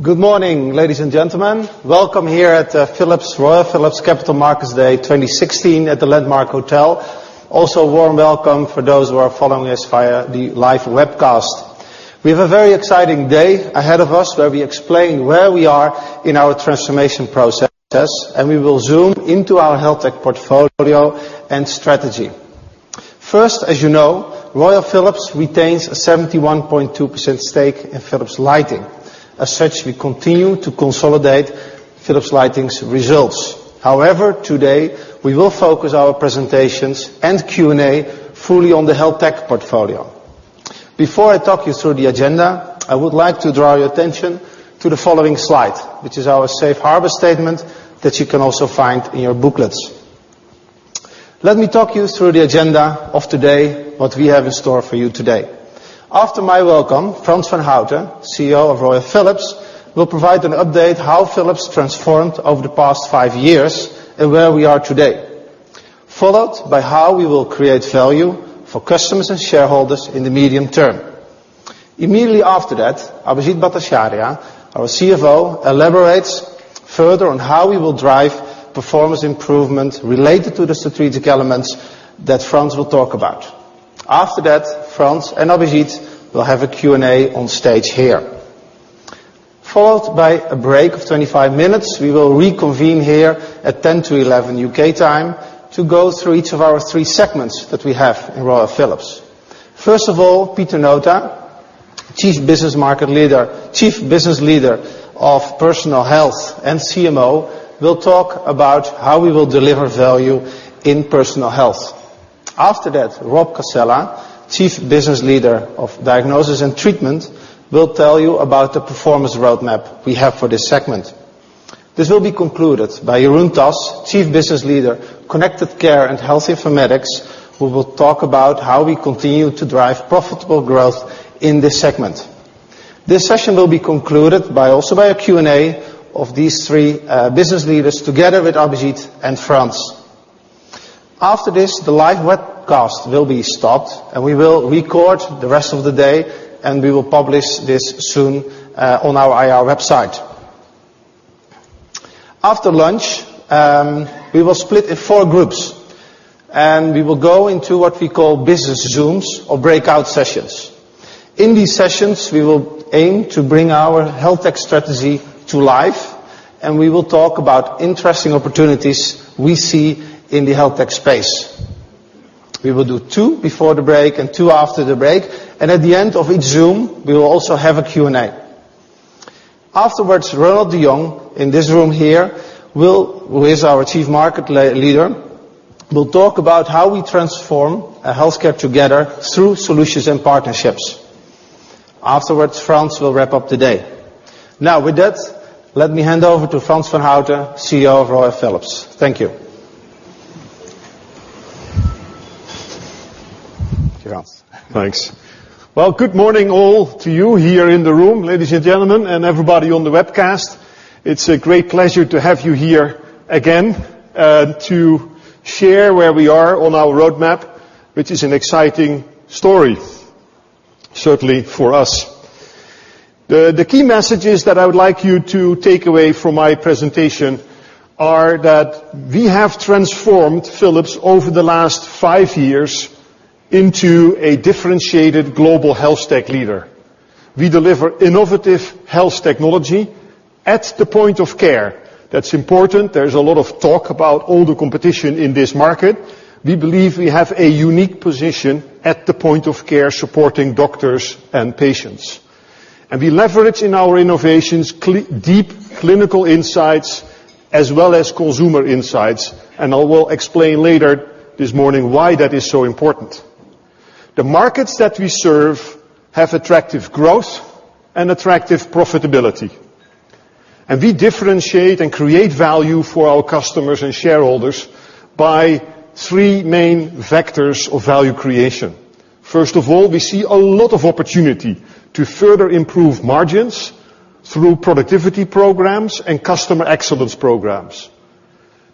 Good morning, ladies and gentlemen. Welcome here at Royal Philips Capital Markets Day 2016 at the Landmark Hotel. Also, a warm welcome for those who are following us via the live webcast. We have a very exciting day ahead of us where we explain where we are in our transformation processes, and we will zoom into our health tech portfolio and strategy. First, as you know, Royal Philips retains a 71.2% stake in Philips Lighting. As such, we continue to consolidate Philips Lighting's results. However, today, we will focus our presentations and Q&A fully on the health tech portfolio. Before I talk you through the agenda, I would like to draw your attention to the following slide, which is our safe harbor statement that you can also find in your booklets. Let me talk you through the agenda of today, what we have in store for you today. After my welcome, Frans van Houten, CEO of Royal Philips, will provide an update how Philips transformed over the past five years and where we are today, followed by how we will create value for customers and shareholders in the medium term. Immediately after that, Abhijit Bhattacharya, our CFO, elaborates further on how we will drive performance improvement related to the strategic elements that Frans will talk about. After that, Frans and Abhijit will have a Q&A on stage here. Followed by a break of 25 minutes. We will reconvene here at 10 to 11:00 U.K. time to go through each of our three segments that we have in Royal Philips. First of all, Pieter Nota, Chief Business Leader of Personal Health and CMO, will talk about how we will deliver value in Personal Health. After that, Rob Cascella, Chief Business Leader of Diagnosis and Treatment, will tell you about the performance roadmap we have for this segment. This will be concluded by Jeroen Tas, Chief Business Leader, Connected Care and Health Informatics, who will talk about how we continue to drive profitable growth in this segment. This session will be concluded by a Q&A of these three business leaders together with Abhijit and Frans. After this, the live webcast will be stopped and we will record the rest of the day and we will publish this soon on our IR website. After lunch, we will split in four groups and we will go into what we call business zooms or breakout sessions. In these sessions, we will aim to bring our health tech strategy to life, and we will talk about interesting opportunities we see in the health tech space. We will do two before the break and two after the break, and at the end of each zoom, we will also have a Q&A. Afterwards, Ronald de Jong, in this room here, who is our Chief Market Leader, will talk about how we transform our healthcare together through solutions and partnerships. Afterwards, Frans will wrap up the day. With that, let me hand over to Frans van Houten, CEO of Royal Philips. Thank you. To you, Frans. Thanks. Well, good morning all to you here in the room, ladies and gentlemen, and everybody on the webcast. It's a great pleasure to have you here again, and to share where we are on our roadmap, which is an exciting story certainly for us. The key messages that I would like you to take away from my presentation are that we have transformed Philips over the last five years into a differentiated global health tech leader. We deliver innovative health technology at the point of care. That's important. There's a lot of talk about all the competition in this market. We believe we have a unique position at the point of care, supporting doctors and patients. We leverage in our innovations, deep clinical insights as well as consumer insights, and I will explain later this morning why that is so important. The markets that we serve have attractive growth and attractive profitability. We differentiate and create value for our customers and shareholders by three main vectors of value creation. First of all, we see a lot of opportunity to further improve margins through productivity programs and customer excellence programs.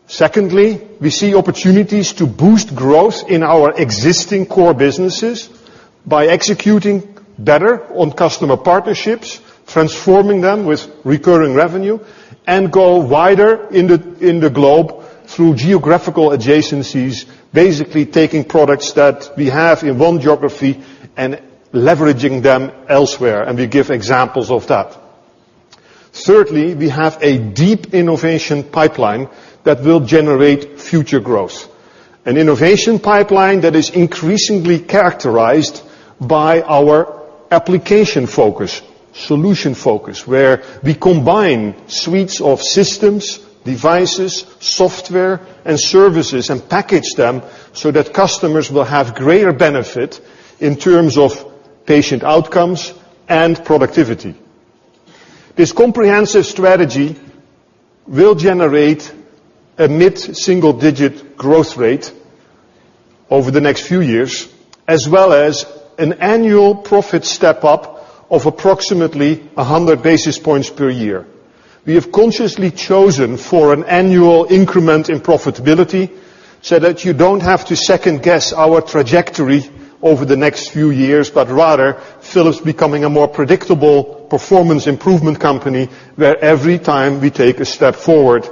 Secondly, we see opportunities to boost growth in our existing core businesses by executing better on customer partnerships, transforming them with recurring revenue, and go wider in the globe through geographical adjacencies. Basically taking products that we have in one geography and leveraging them elsewhere, and we give examples of that. Thirdly, we have a deep innovation pipeline that will generate future growth. An innovation pipeline that is increasingly characterized by our application focus, solution focus, where we combine suites of systems, devices, software, and services and package them so that customers will have greater benefit in terms of patient outcomes and productivity. This comprehensive strategy will generate a mid-single-digit growth rate over the next few years, as well as an annual profit step-up of approximately 100 basis points per year. We have consciously chosen for an annual increment in profitability so that you don't have to second-guess our trajectory over the next few years, but rather Philips becoming a more predictable performance improvement company, where every time we take a step forward,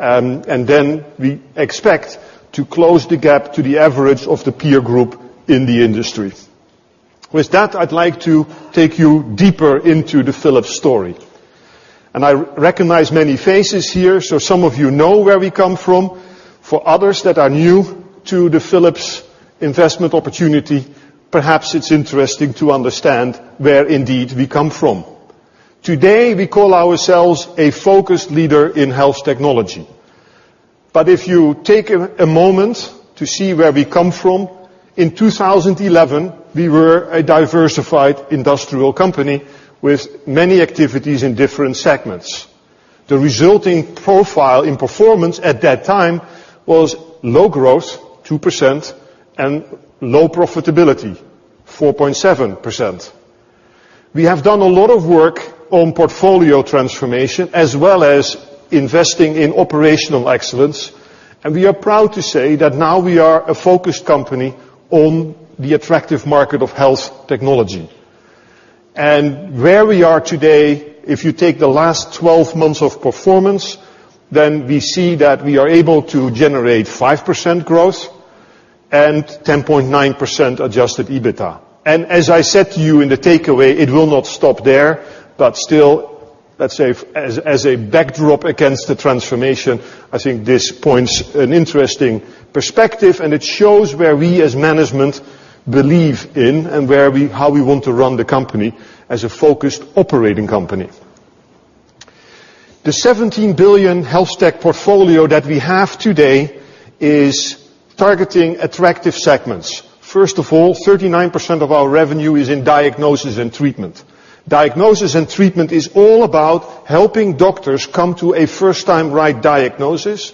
then we expect to close the gap to the average of the peer group in the industry. With that, I'd like to take you deeper into the Philips story. I recognize many faces here, so some of you know where we come from. For others that are new to the Philips investment opportunity, perhaps it's interesting to understand where indeed we come from. Today, we call ourselves a focused leader in health technology. If you take a moment to see where we come from, in 2011, we were a diversified industrial company with many activities in different segments. The resulting profile in performance at that time was low growth, 2%, and low profitability, 4.7%. We have done a lot of work on portfolio transformation as well as investing in operational excellence, and we are proud to say that now we are a focused company on the attractive market of health technology. Where we are today, if you take the last 12 months of performance, then we see that we are able to generate 5% growth and 10.9% adjusted EBITDA. As I said to you in the takeaway, it will not stop there. Still, let's say, as a backdrop against the transformation, I think this points an interesting perspective, and it shows where we as management believe in and how we want to run the company as a focused operating company. The 17 billion health tech portfolio that we have today is targeting attractive segments. First of all, 39% of our revenue is in Diagnosis and Treatment. Diagnosis and Treatment is all about helping doctors come to a first-time right diagnosis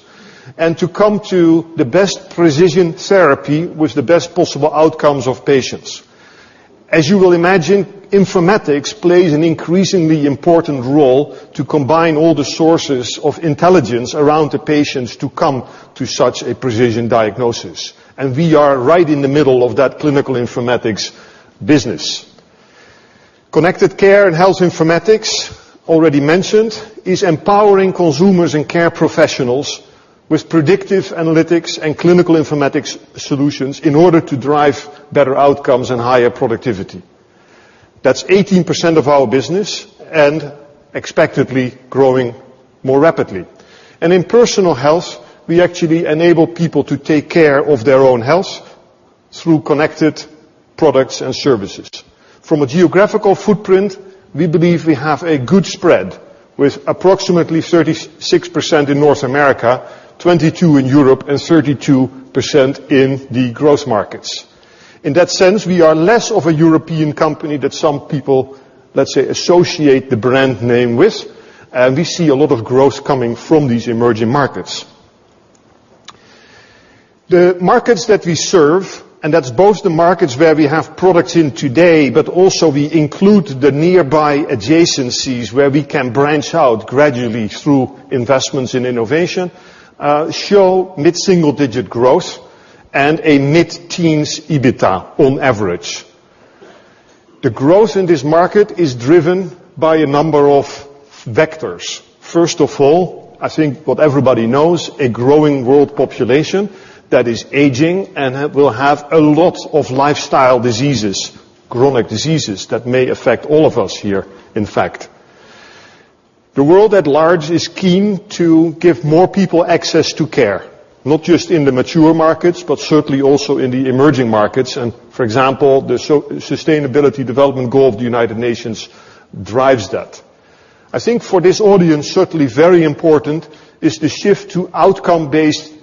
and to come to the best precision therapy with the best possible outcomes of patients. As you will imagine, informatics plays an increasingly important role to combine all the sources of intelligence around the patients to come to such a Precision Diagnosis. We are right in the middle of that clinical informatics business. Connected Care and Health Informatics, already mentioned, is empowering consumers and care professionals with predictive analytics and clinical informatics solutions in order to drive better outcomes and higher productivity. That's 18% of our business and expectedly growing more rapidly. In Personal Health, we actually enable people to take care of their own health through connected products and services. From a geographical footprint, we believe we have a good spread with approximately 36% in North America, 22% in Europe, and 32% in the growth markets. In that sense, we are less of a European company that some people, let's say, associate the brand name with, and we see a lot of growth coming from these emerging markets. The markets that we serve, and that's both the markets where we have products in today, but also we include the nearby adjacencies where we can branch out gradually through investments in innovation, show mid-single digit growth and a mid-teens EBITDA on average. The growth in this market is driven by a number of vectors. First of all, I think what everybody knows, a growing world population that is aging and will have a lot of lifestyle diseases, chronic diseases that may affect all of us here, in fact. The world at large is keen to give more people access to care, not just in the mature markets, but certainly also in the emerging markets. For example, the sustainability development goal of the United Nations drives that. I think for this audience, certainly very important is the shift to outcome-based care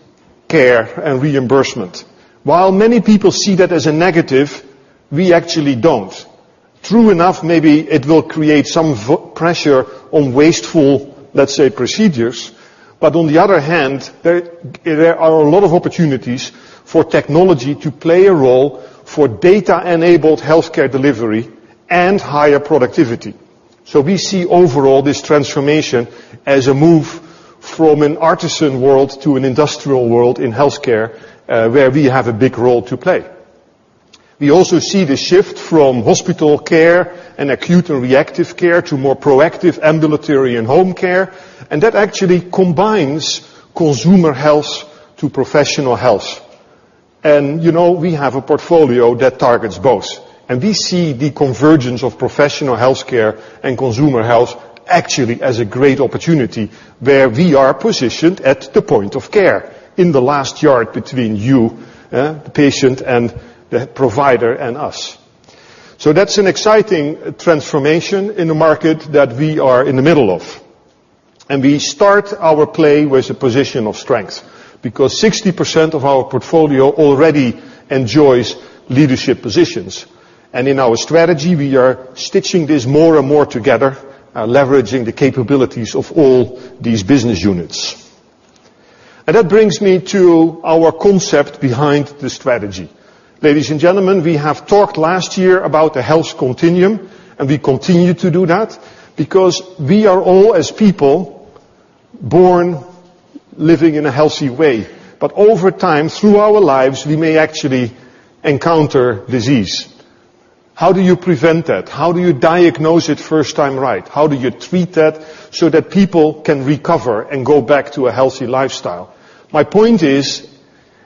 and reimbursement. While many people see that as a negative, we actually don't. True enough, maybe it will create some pressure on wasteful, let's say, procedures. On the other hand, there are a lot of opportunities for technology to play a role for data-enabled healthcare delivery and higher productivity. We see overall this transformation as a move from an artisan world to an industrial world in healthcare, where we have a big role to play. We also see the shift from hospital care and acute and reactive care to more proactive ambulatory and home care, that actually combines consumer health to professional health. We have a portfolio that targets both. We see the convergence of professional healthcare and consumer health actually as a great opportunity where we are positioned at the point of care in the last yard between you, the patient, and the provider and us. That's an exciting transformation in the market that we are in the middle of. We start our play with a position of strength because 60% of our portfolio already enjoys leadership positions. In our strategy, we are stitching this more and more together, leveraging the capabilities of all these business units. That brings me to our concept behind the strategy. Ladies and gentlemen, we have talked last year about the health continuum, we continue to do that because we are all, as people, born living in a healthy way. Over time, through our lives, we may actually encounter disease. How do you prevent that? How do you diagnose it first time right? How do you treat that so that people can recover and go back to a healthy lifestyle? My point is,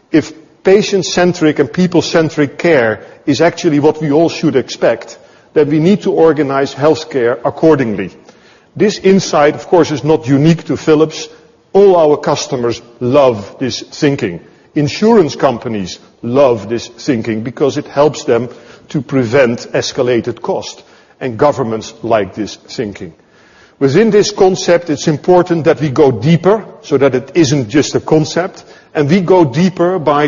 if patient-centric and people-centric care is actually what we all should expect, we need to organize healthcare accordingly. This insight, of course, is not unique to Philips. All our customers love this thinking. Insurance companies love this thinking because it helps them to prevent escalated cost, governments like this thinking. Within this concept, it's important that we go deeper so that it isn't just a concept, we go deeper by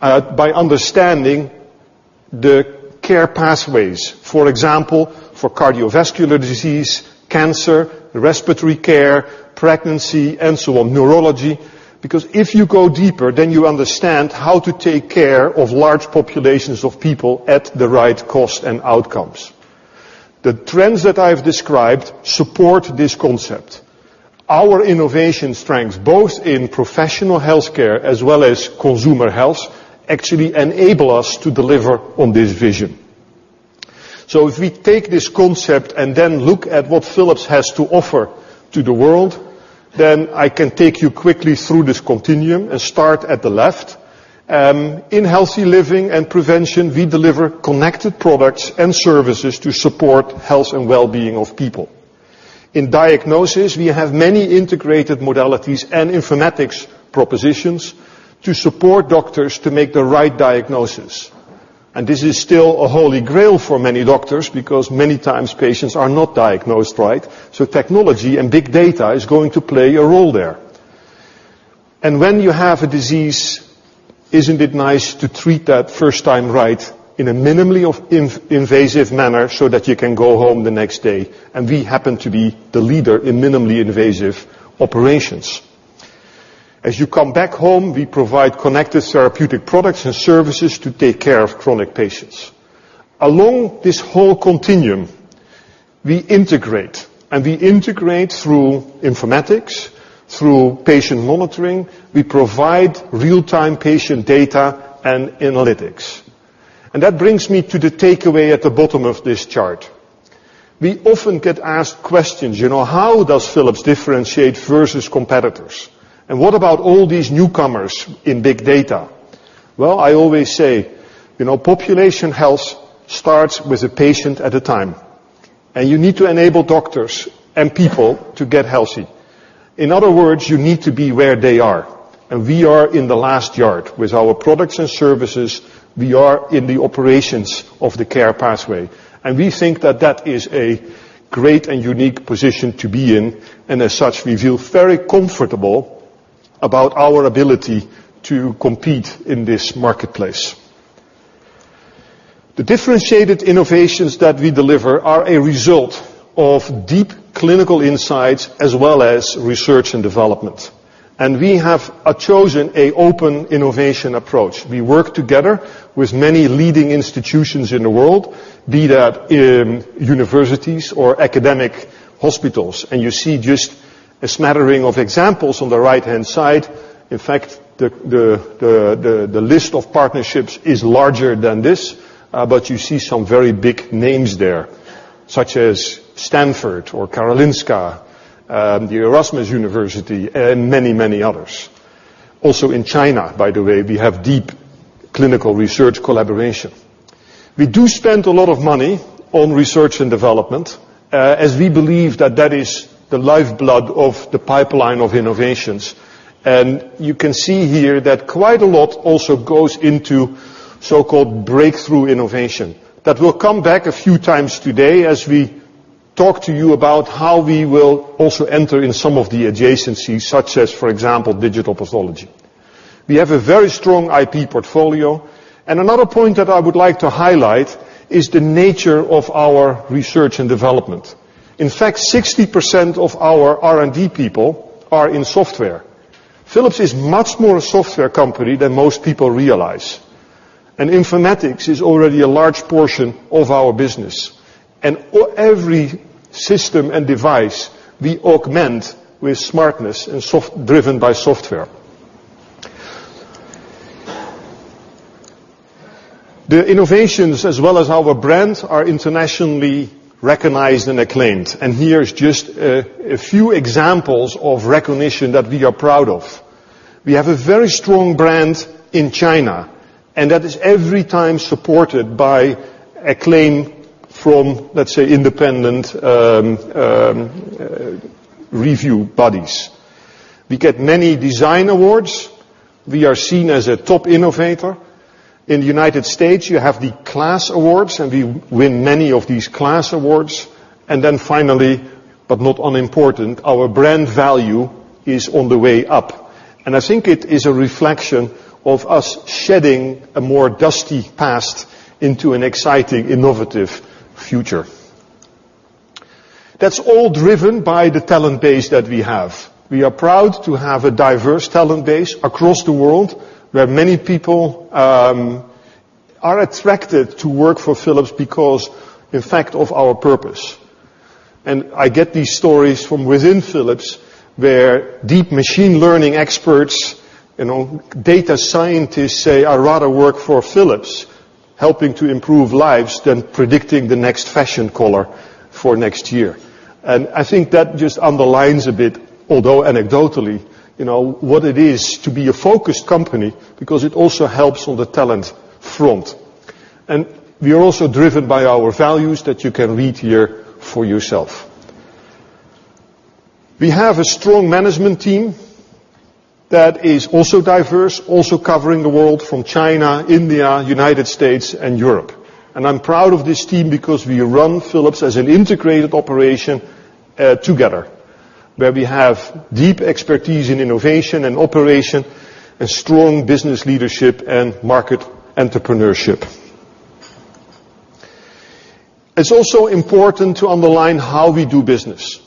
understanding the care pathways. For example, for cardiovascular disease, cancer, respiratory care, pregnancy, and so on, neurology. If you go deeper, you understand how to take care of large populations of people at the right cost and outcomes. The trends that I've described support this concept. Our innovation strength, both in professional healthcare as well as consumer health, actually enable us to deliver on this vision. If we take this concept, then look at what Philips has to offer to the world, I can take you quickly through this continuum and start at the left. In healthy living and prevention, we deliver connected products and services to support health and well-being of people. In diagnosis, we have many integrated modalities and informatics propositions to support doctors to make the right diagnosis. This is still a holy grail for many doctors because many times patients are not diagnosed right. Technology and big data is going to play a role there. When you have a disease, isn't it nice to treat that first time right in a minimally invasive manner so that you can go home the next day? We happen to be the leader in minimally invasive operations. As you come back home, we provide connected therapeutic products and services to take care of chronic patients. Along this whole continuum, we integrate through informatics, through patient monitoring. We provide real-time patient data and analytics. That brings me to the takeaway at the bottom of this chart. We often get asked questions, how does Philips differentiate versus competitors? What about all these newcomers in big data? Well, I always say, population health starts with a patient at a time. You need to enable doctors and people to get healthy. In other words, you need to be where they are. We are in the last yard with our products and services. We are in the operations of the care pathway. We think that that is a great and unique position to be in, and as such, we feel very comfortable about our ability to compete in this marketplace. The differentiated innovations that we deliver are a result of deep clinical insights as well as research and development. We have chosen an open innovation approach. We work together with many leading institutions in the world, be that universities or academic hospitals. You see just a smattering of examples on the right-hand side. In fact, the list of partnerships is larger than this, but you see some very big names there, such as Stanford or Karolinska, the Erasmus University, and many others. Also in China, by the way, we have deep clinical research collaboration. We do spend a lot of money on research and development, as we believe that that is the lifeblood of the pipeline of innovations. You can see here that quite a lot also goes into so-called breakthrough innovation. That will come back a few times today as we talk to you about how we will also enter in some of the adjacencies, such as, for example, digital pathology. We have a very strong IP portfolio, and another point that I would like to highlight is the nature of our research and development. In fact, 60% of our R&D people are in software. Philips is much more a software company than most people realize, and informatics is already a large portion of our business. Every system and device we augment with smartness and driven by software. The innovations as well as our brand are internationally recognized and acclaimed, and here are just a few examples of recognition that we are proud of. We have a very strong brand in China, and that is every time supported by acclaim from, let's say, independent review bodies. We get many design awards. We are seen as a top innovator. In the United States, you have the KLAS Awards, and we win many of these KLAS Awards. Then finally, but not unimportant, our brand value is on the way up. I think it is a reflection of us shedding a more dusty past into an exciting, innovative future. That's all driven by the talent base that we have. We are proud to have a diverse talent base across the world, where many people are attracted to work for Philips because, in fact, of our purpose. I get these stories from within Philips, where deep machine learning experts, data scientists say, "I'd rather work for Philips helping to improve lives than predicting the next fashion color for next year." I think that just underlines a bit, although anecdotally, what it is to be a focused company, because it also helps on the talent front. We are also driven by our values that you can read here for yourself. We have a strong management team that is also diverse, also covering the world from China, India, U.S., and Europe. I'm proud of this team because we run Philips as an integrated operation together, where we have deep expertise in innovation and operation, a strong business leadership, and market entrepreneurship. It's also important to underline how we do business,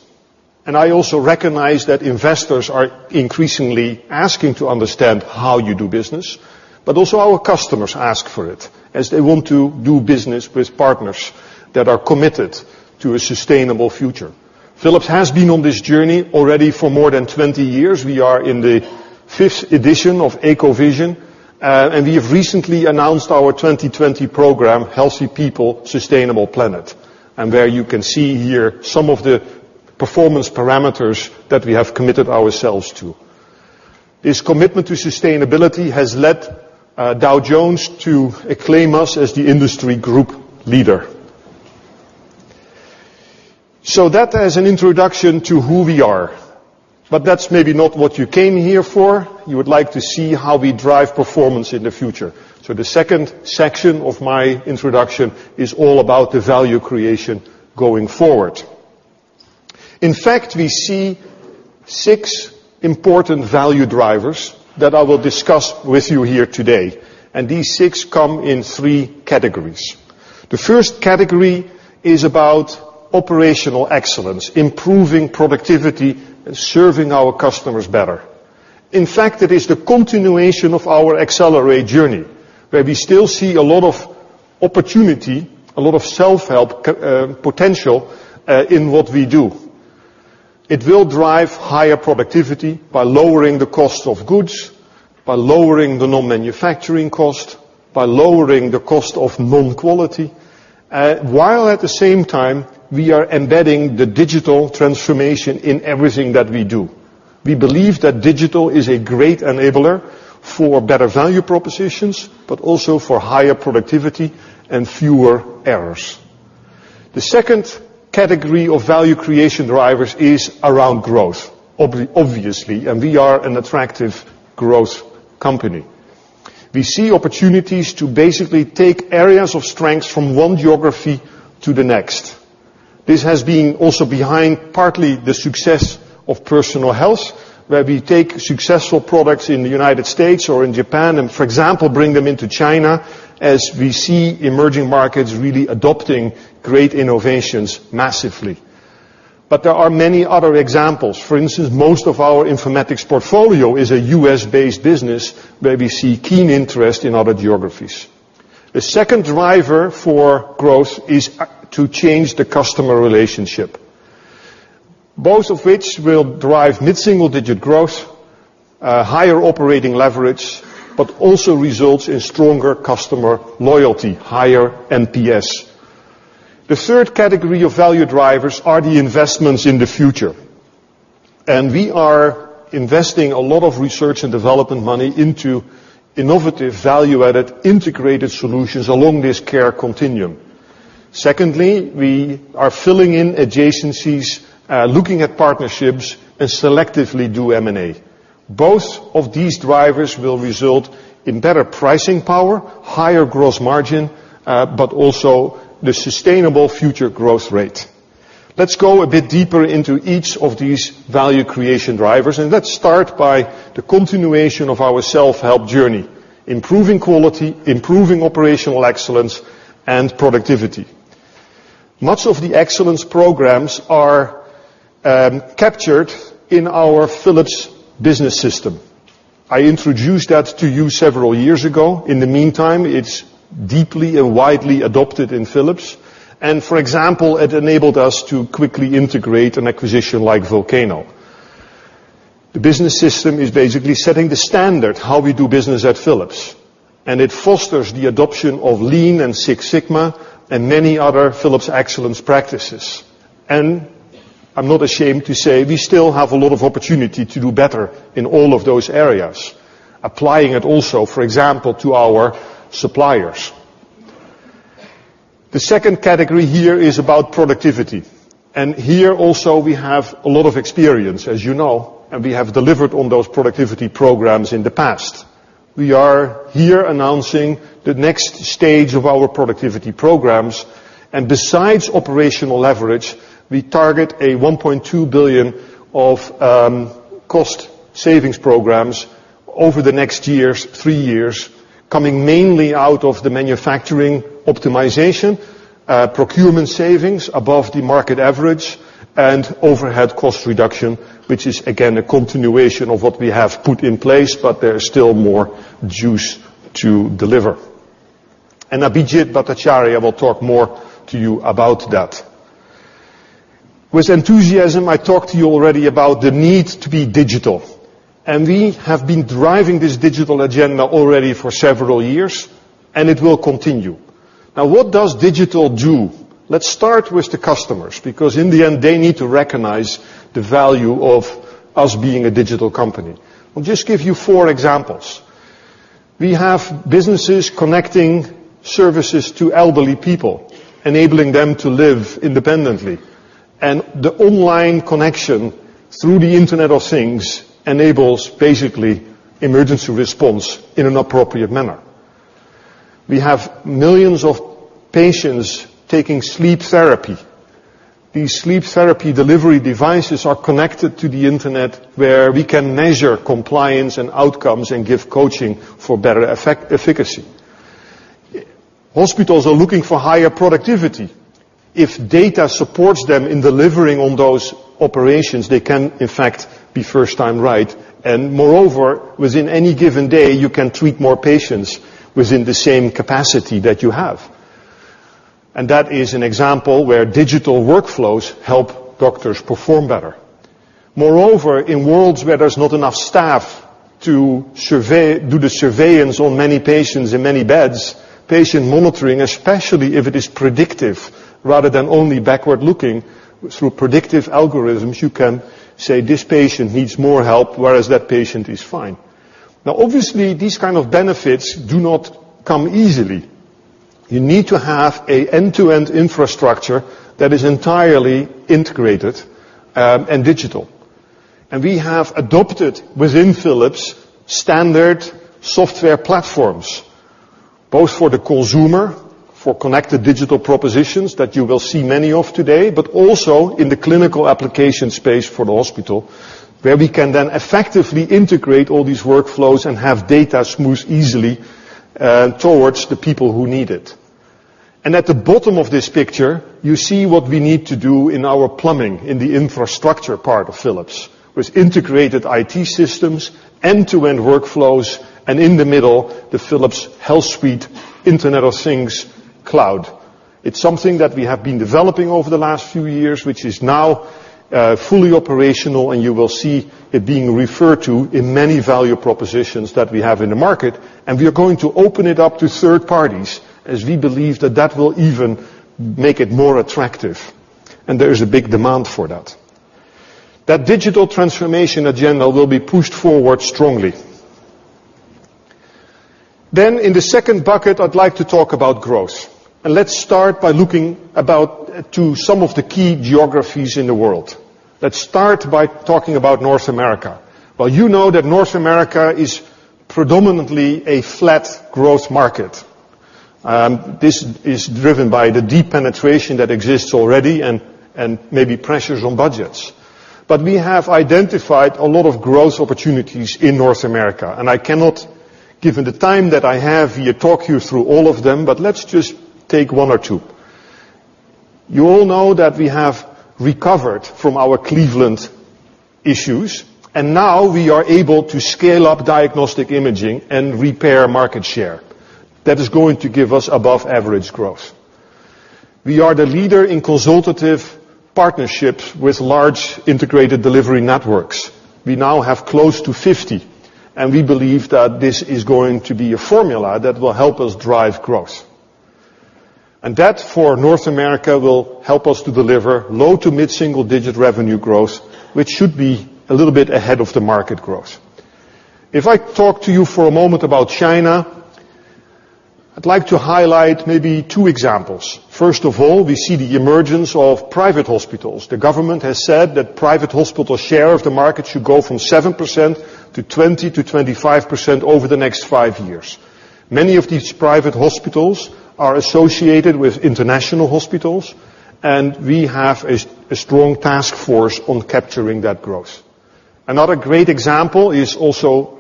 I also recognize that investors are increasingly asking to understand how you do business. Also our customers ask for it, as they want to do business with partners that are committed to a sustainable future. Philips has been on this journey already for more than 20 years. We are in the fifth edition of EcoVision, we have recently announced our 2020 program, Healthy people, Sustainable planet. There you can see here some of the performance parameters that we have committed ourselves to. This commitment to sustainability has led Dow Jones to acclaim us as the industry group leader. That as an introduction to who we are. That's maybe not what you came here for. You would like to see how we drive performance in the future. The second section of my introduction is all about the value creation going forward. In fact, we see six important value drivers that I will discuss with you here today, these six come in three categories. The first category is about operational excellence, improving productivity, and serving our customers better. In fact, it is the continuation of our Accelerate! journey, where we still see a lot of opportunity, a lot of self-help potential in what we do. It will drive higher productivity by lowering the cost of goods, by lowering the non-manufacturing cost, by lowering the cost of non-quality, while at the same time, we are embedding the digital transformation in everything that we do. We believe that digital is a great enabler for better value propositions, also for higher productivity and fewer errors. The second category of value creation drivers is around growth, obviously, we are an attractive growth company. We see opportunities to basically take areas of strength from one geography to the next. This has been also behind partly the success of Personal Health, where we take successful products in the U.S. or in Japan and, for example, bring them into China, as we see emerging markets really adopting great innovations massively. There are many other examples. For instance, most of our informatics portfolio is a U.S.-based business where we see keen interest in other geographies. The second driver for growth is to change the customer relationship, both of which will drive mid-single-digit growth, higher operating leverage, but also results in stronger customer loyalty, higher NPS. The third category of value drivers are the investments in the future. We are investing a lot of research and development money into innovative, value-added, integrated solutions along this care continuum. Secondly, we are filling in adjacencies, looking at partnerships. Selectively do M&A. Both of these drivers will result in better pricing power, higher gross margin, but also the sustainable future growth rate. Let's go a bit deeper into each of these value creation drivers. Let's start by the continuation of our self-help journey, improving quality, improving operational excellence and productivity. Much of the excellence programs are captured in our Philips Business System. I introduced that to you several years ago. In the meantime, it's deeply and widely adopted in Philips. For example, it enabled us to quickly integrate an acquisition like Volcano. The business system is basically setting the standard how we do business at Philips. It fosters the adoption of Lean and Six Sigma and many other Philips excellence practices. I'm not ashamed to say we still have a lot of opportunity to do better in all of those areas, applying it also, for example, to our suppliers. The second category here is about productivity. Here also we have a lot of experience, as you know. We have delivered on those productivity programs in the past. We are here announcing the next stage of our productivity programs. Besides operational leverage, we target a $1.2 billion of cost savings programs over the next three years, coming mainly out of the manufacturing optimization, procurement savings above the market average, and overhead cost reduction, which is again, a continuation of what we have put in place, but there is still more juice to deliver. Abhijit Bhattacharya will talk more to you about that. With enthusiasm, I talked to you already about the need to be digital. We have been driving this digital agenda already for several years. It will continue. What does digital do? Let's start with the customers, because in the end, they need to recognize the value of us being a digital company. I'll just give you four examples. We have businesses connecting services to elderly people, enabling them to live independently. The online connection through the Internet of Things enables basically emergency response in an appropriate manner. We have millions of patients taking sleep therapy. These sleep therapy delivery devices are connected to the internet, where we can measure compliance and outcomes and give coaching for better efficacy. Hospitals are looking for higher productivity. If data supports them in delivering on those operations, they can in fact be first-time right. Moreover, within any given day, you can treat more patients within the same capacity that you have. That is an example where digital workflows help doctors perform better. Moreover, in worlds where there's not enough staff to do the surveillance on many patients in many beds, patient monitoring, especially if it is predictive rather than only backward-looking through predictive algorithms, you can say, "This patient needs more help, whereas that patient is fine." Now, obviously, these kind of benefits do not come easily. You need to have an end-to-end infrastructure that is entirely integrated and digital. We have adopted within Philips standard software platforms, both for the consumer, for connected digital propositions that you will see many of today, but also in the clinical application space for the hospital, where we can then effectively integrate all these workflows and have data smooth easily towards the people who need it. At the bottom of this picture, you see what we need to do in our plumbing, in the infrastructure part of Philips, with integrated IT systems, end-to-end workflows, and in the middle, the Philips HealthSuite Internet of Things cloud. It's something that we have been developing over the last few years, which is now fully operational, and you will see it being referred to in many value propositions that we have in the market. We are going to open it up to third parties as we believe that that will even make it more attractive. There is a big demand for that. That digital transformation agenda will be pushed forward strongly. In the second bucket, I'd like to talk about growth. Let's start by looking about to some of the key geographies in the world. Let's start by talking about North America. You know that North America is predominantly a flat growth market. This is driven by the deep penetration that exists already and maybe pressures on budgets. We have identified a lot of growth opportunities in North America, and I cannot, given the time that I have here, talk you through all of them, but let's just take one or two. You all know that we have recovered from our Cleveland issues, and now we are able to scale up diagnostic imaging and repair market share. That is going to give us above-average growth. We are the leader in consultative partnerships with large integrated delivery networks. We now have close to 50, and we believe that this is going to be a formula that will help us drive growth. That, for North America, will help us to deliver low to mid-single-digit revenue growth, which should be a little bit ahead of the market growth. If I talk to you for a moment about China, I'd like to highlight maybe two examples. First of all, we see the emergence of private hospitals. The government has said that private hospital share of the market should go from 7% to 20%-25% over the next five years. Many of these private hospitals are associated with international hospitals, and we have a strong task force on capturing that growth. Another great example is also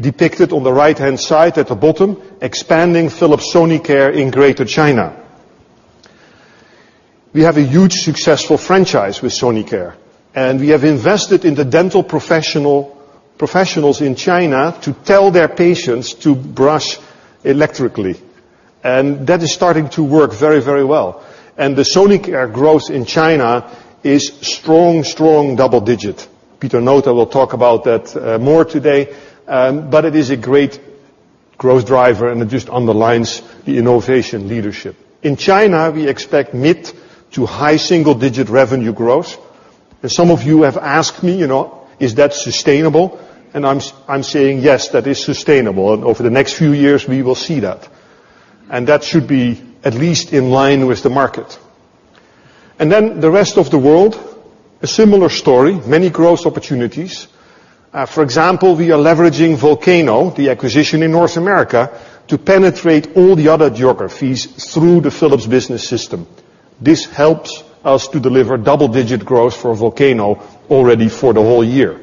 depicted on the right-hand side at the bottom, expanding Philips Sonicare in Greater China. We have a huge successful franchise with Sonicare, and we have invested in the dental professionals in China to tell their patients to brush electrically. That is starting to work very well. The Sonicare growth in China is strong double-digit. Pieter Nota will talk about that more today. It is a great growth driver, and it just underlines the innovation leadership. In China, we expect mid-to-high single-digit revenue growth. Some of you have asked me, "Is that sustainable?" I'm saying, "Yes, that is sustainable." Over the next few years, we will see that. That should be at least in line with the market. The rest of the world, a similar story, many growth opportunities. For example, we are leveraging Volcano, the acquisition in North America, to penetrate all the other geographies through the Philips Business System. This helps us to deliver double-digit growth for Volcano already for the whole year.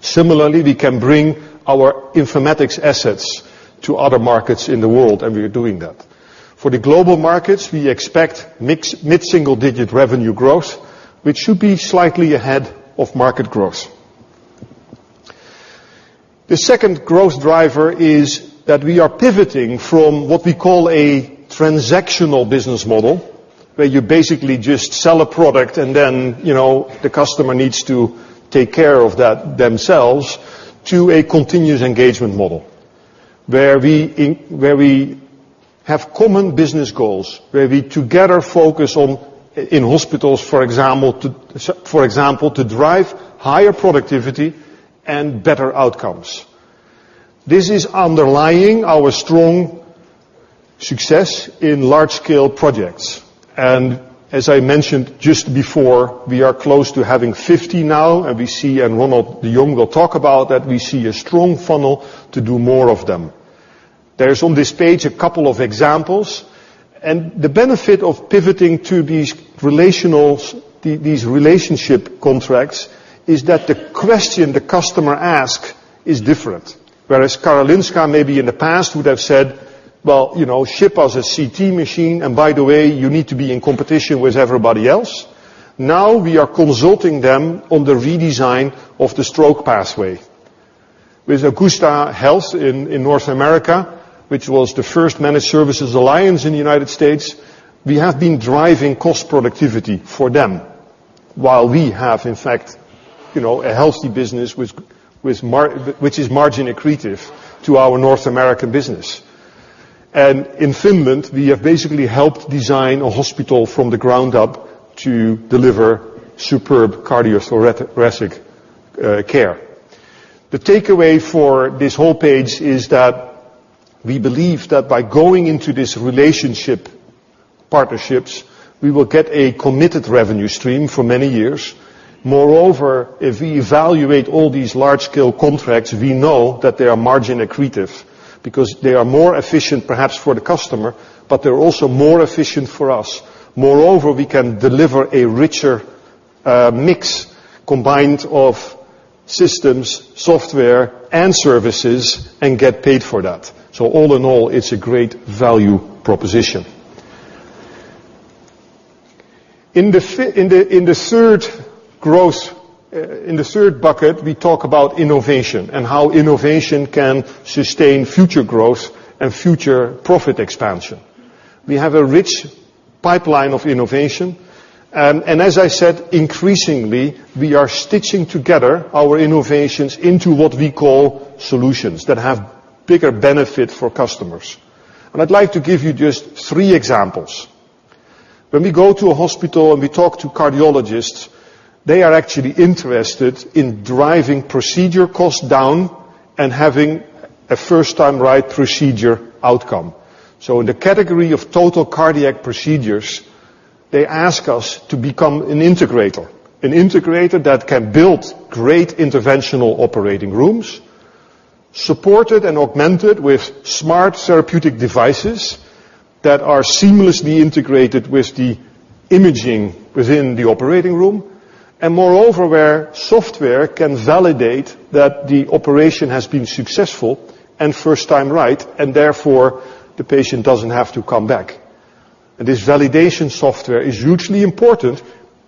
Similarly, we can bring our informatics assets to other markets in the world, and we are doing that. For the global markets, we expect mid-single-digit revenue growth, which should be slightly ahead of market growth. The second growth driver is that we are pivoting from what we call a transactional business model, where you basically just sell a product and then the customer needs to take care of that themselves, to a continuous engagement model, where we have common business goals, where we together focus on, in hospitals, for example, to drive higher productivity and better outcomes. This is underlying our strong success in large-scale projects. As I mentioned just before, we are close to having 50 now, Ronald de Jong will talk about that we see a strong funnel to do more of them. There is on this page a couple of examples. The benefit of pivoting to these relationship contracts is that the question the customer ask is different. Whereas Karolinska maybe in the past would have said, "Well, ship us a CT machine, and by the way, you need to be in competition with everybody else," now we are consulting them on the redesign of the stroke pathway. With Augusta Health in North America, which was the first managed services alliance in the U.S., we have been driving cost productivity for them while we have, in fact, a healthy business which is margin accretive to our North American business. In Finland, we have basically helped design a hospital from the ground up to deliver superb cardiothoracic care. The takeaway for this whole page is that we believe that by going into this relationship partnerships, we will get a committed revenue stream for many years. Moreover, if we evaluate all these large-scale contracts, we know that they are margin accretive because they are more efficient perhaps for the customer, but they're also more efficient for us. Moreover, we can deliver a richer mix combined of systems, software, and services, and get paid for that. All in all, it's a great value proposition. In the third bucket, we talk about innovation and how innovation can sustain future growth and future profit expansion. We have a rich pipeline of innovation, and as I said, increasingly, we are stitching together our innovations into what we call solutions that have bigger benefit for customers. I'd like to give you just three examples. When we go to a hospital and we talk to cardiologists, they are actually interested in driving procedure costs down and having a first-time right procedure outcome. In the category of total cardiac procedures, they ask us to become an integrator. An integrator that can build great interventional operating rooms, supported and augmented with smart therapeutic devices that are seamlessly integrated with the imaging within the operating room, and moreover, where software can validate that the operation has been successful and first time right, and therefore, the patient doesn't have to come back. This validation software is hugely important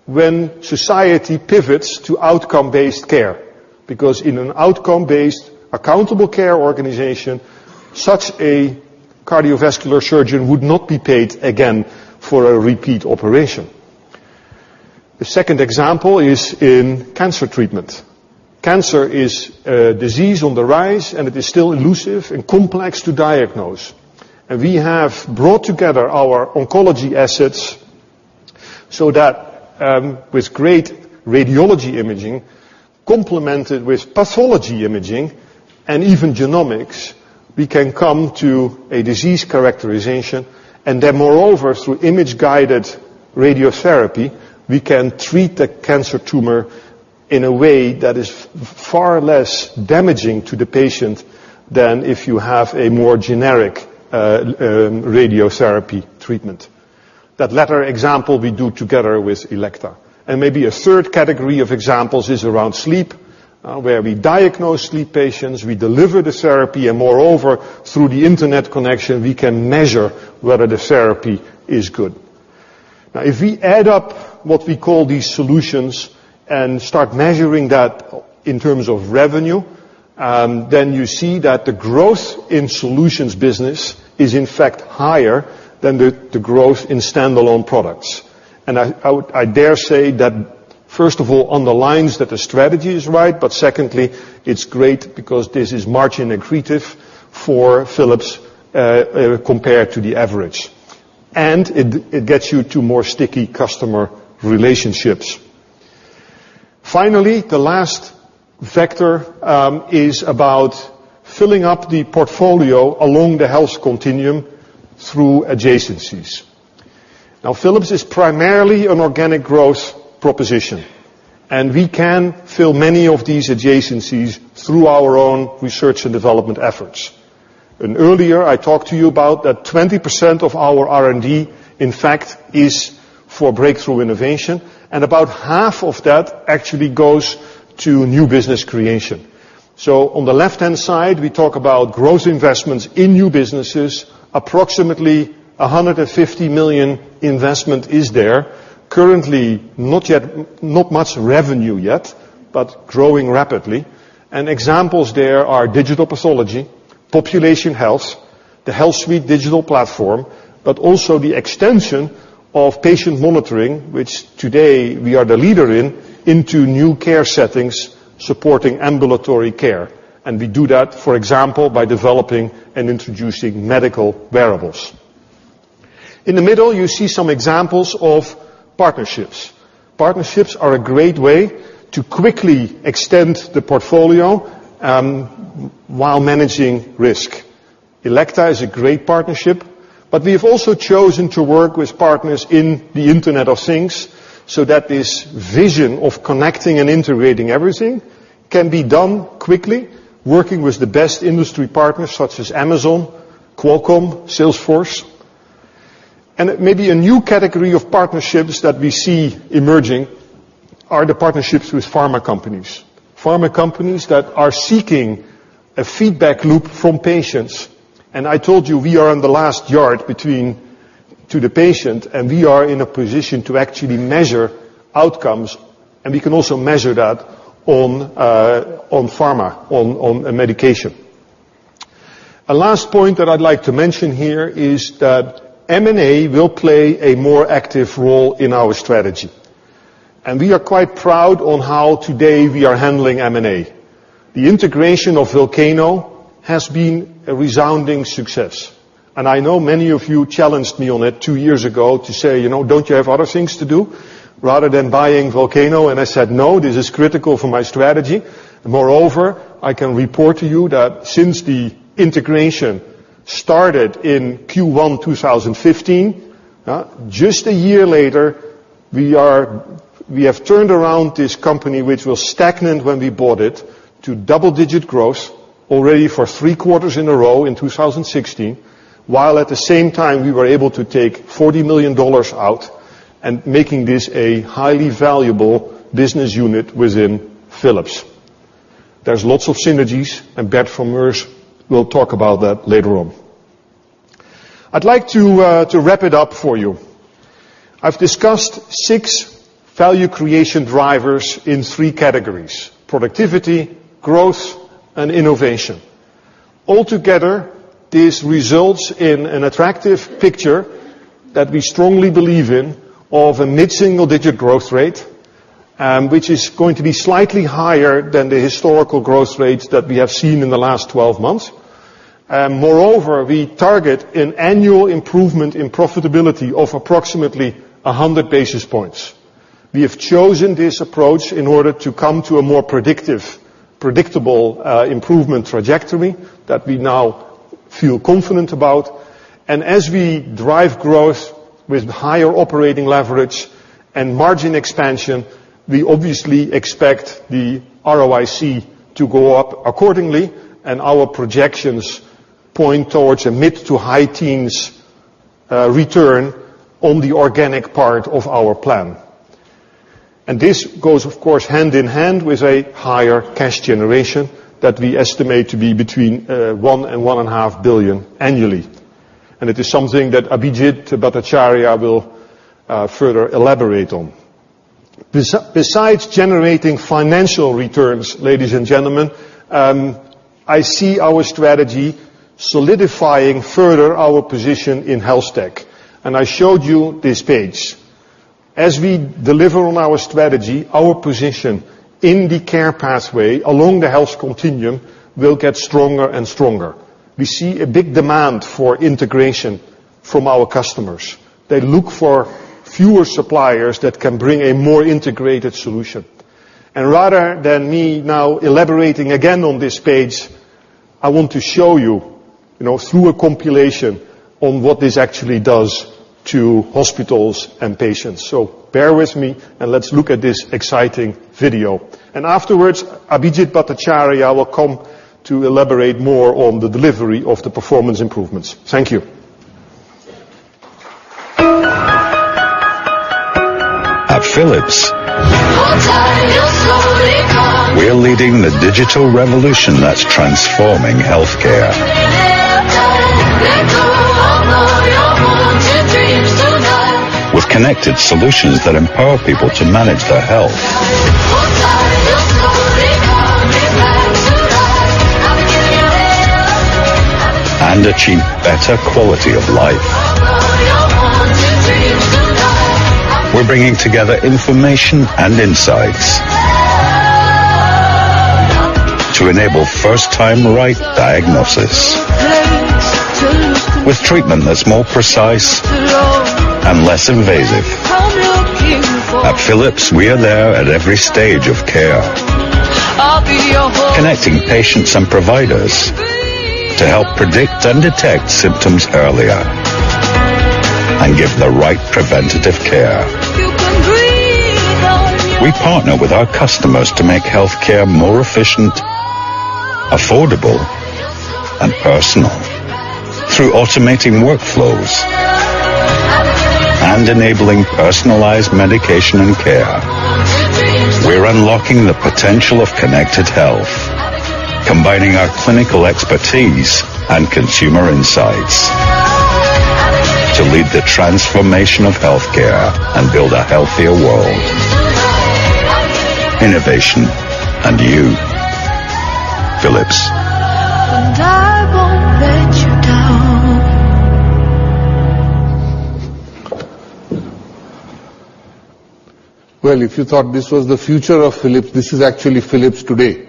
when society pivots to outcome-based care, because in an outcome-based accountable care organization, such a cardiovascular surgeon would not be paid again for a repeat operation. The second example is in cancer treatment. Cancer is a disease on the rise, and it is still elusive and complex to diagnose. We have brought together our oncology assets so that with great radiology imaging, complemented with pathology imaging and even genomics, we can come to a disease characterization, and then moreover, through image-guided radiotherapy, we can treat the cancer tumor in a way that is far less damaging to the patient than if you have a more generic radiotherapy treatment. That latter example we do together with Elekta. Maybe a third category of examples is around sleep, where we diagnose sleep patients, we deliver the therapy, and moreover, through the internet connection, we can measure whether the therapy is good. If we add up what we call these solutions and start measuring that in terms of revenue, then you see that the growth in solutions business is in fact higher than the growth in standalone products. I dare say that, first of all, underlines that the strategy is right, but secondly, it's great because this is margin accretive for Philips compared to the average. It gets you to more sticky customer relationships. Finally, the last factor is about filling up the portfolio along the health continuum through adjacencies. Philips is primarily an organic growth proposition, and we can fill many of these adjacencies through our own research and development efforts. Earlier I talked to you about that 20% of our R&D, in fact, is for breakthrough innovation, and about half of that actually goes to new business creation. On the left-hand side, we talk about growth investments in new businesses. Approximately 150 million investment is there. Currently, not much revenue yet, but growing rapidly. Examples there are digital pathology, population health, the HealthSuite digital platform, but also the extension of patient monitoring, which today we are the leader in, into new care settings supporting ambulatory care. We do that, for example, by developing and introducing medical wearables. In the middle, you see some examples of partnerships. Partnerships are a great way to quickly extend the portfolio while managing risk. Elekta is a great partnership, but we have also chosen to work with partners in the Internet of Things, so that this vision of connecting and integrating everything can be done quickly, working with the best industry partners such as Amazon, Qualcomm, Salesforce. Maybe a new category of partnerships that we see emerging are the partnerships with pharma companies. Pharma companies that are seeking a feedback loop from patients. I told you, we are on the last yard between to the patient, we are in a position to actually measure outcomes, we can also measure that on pharma, on medication. A last point that I'd like to mention here is that M&A will play a more active role in our strategy, we are quite proud on how today we are handling M&A. The integration of Volcano has been a resounding success, I know many of you challenged me on it two years ago to say, "Don't you have other things to do rather than buying Volcano?" I said, "No, this is critical for my strategy." Moreover, I can report to you that since the integration started in Q1 2015, just a year later, we have turned around this company, which was stagnant when we bought it, to double-digit growth already for three quarters in a row in 2016, while at the same time we were able to take EUR 40 million out and making this a highly valuable business unit within Philips. There's lots of synergies, will talk about that later on. I'd like to wrap it up for you. I've discussed six value creation drivers in three categories, productivity, growth, and innovation. Altogether, this results in an attractive picture that we strongly believe in of a mid-single-digit growth rate, which is going to be slightly higher than the historical growth rates that we have seen in the last 12 months. Moreover, we target an annual improvement in profitability of approximately 100 basis points. We have chosen this approach in order to come to a more predictive, predictable improvement trajectory that we now feel confident about. As we drive growth with higher operating leverage and margin expansion, we obviously expect the ROIC to go up accordingly, our projections point towards a mid to high teens return on the organic part of our plan. This goes, of course, hand-in-hand with a higher cash generation that we estimate to be between EUR one and one and a half billion annually. It is something that Abhijit Bhattacharya will further elaborate on. Besides generating financial returns, ladies and gentlemen, I see our strategy solidifying further our position in health tech. I showed you this page. As we deliver on our strategy, our position in the care pathway along the health continuum will get stronger and stronger. We see a big demand for integration from our customers. They look for fewer suppliers that can bring a more integrated solution. Rather than me now elaborating again on this page, I want to show you through a compilation on what this actually does to hospitals and patients. Bear with me, let's look at this exciting video. Afterwards, Abhijit Bhattacharya will come to elaborate more on the delivery of the performance improvements. Thank you. At Philips. Hold tight, you're slowly coming back to life. We are leading the digital revolution that's transforming healthcare. I'll be your halo. Let go of all your haunted dreams tonight. With connected solutions that empower people to manage their health. Hold tight, you're slowly coming back to life. I'll be your halo. I'll be your halo. Achieve better quality of life. Of all your haunted dreams tonight. We're bringing together information and insights. Oh. To enable first-time right diagnosis. No place to lose control. With treatment that's more precise and less invasive. Like I'm looking for. At Philips, we are there at every stage of care. I'll be your hope. Connecting patients and providers. Breathe. To help predict and detect symptoms earlier and give the right preventative care. We partner with our customers to make healthcare more efficient, affordable, and personal. Through automating workflows and enabling personalized medication and care, we're unlocking the potential of connected health, combining our clinical expertise and consumer insights to lead the transformation of healthcare and build a healthier world. Innovation and you. Philips. I won't let you down. Well, if you thought this was the future of Philips, this is actually Philips today.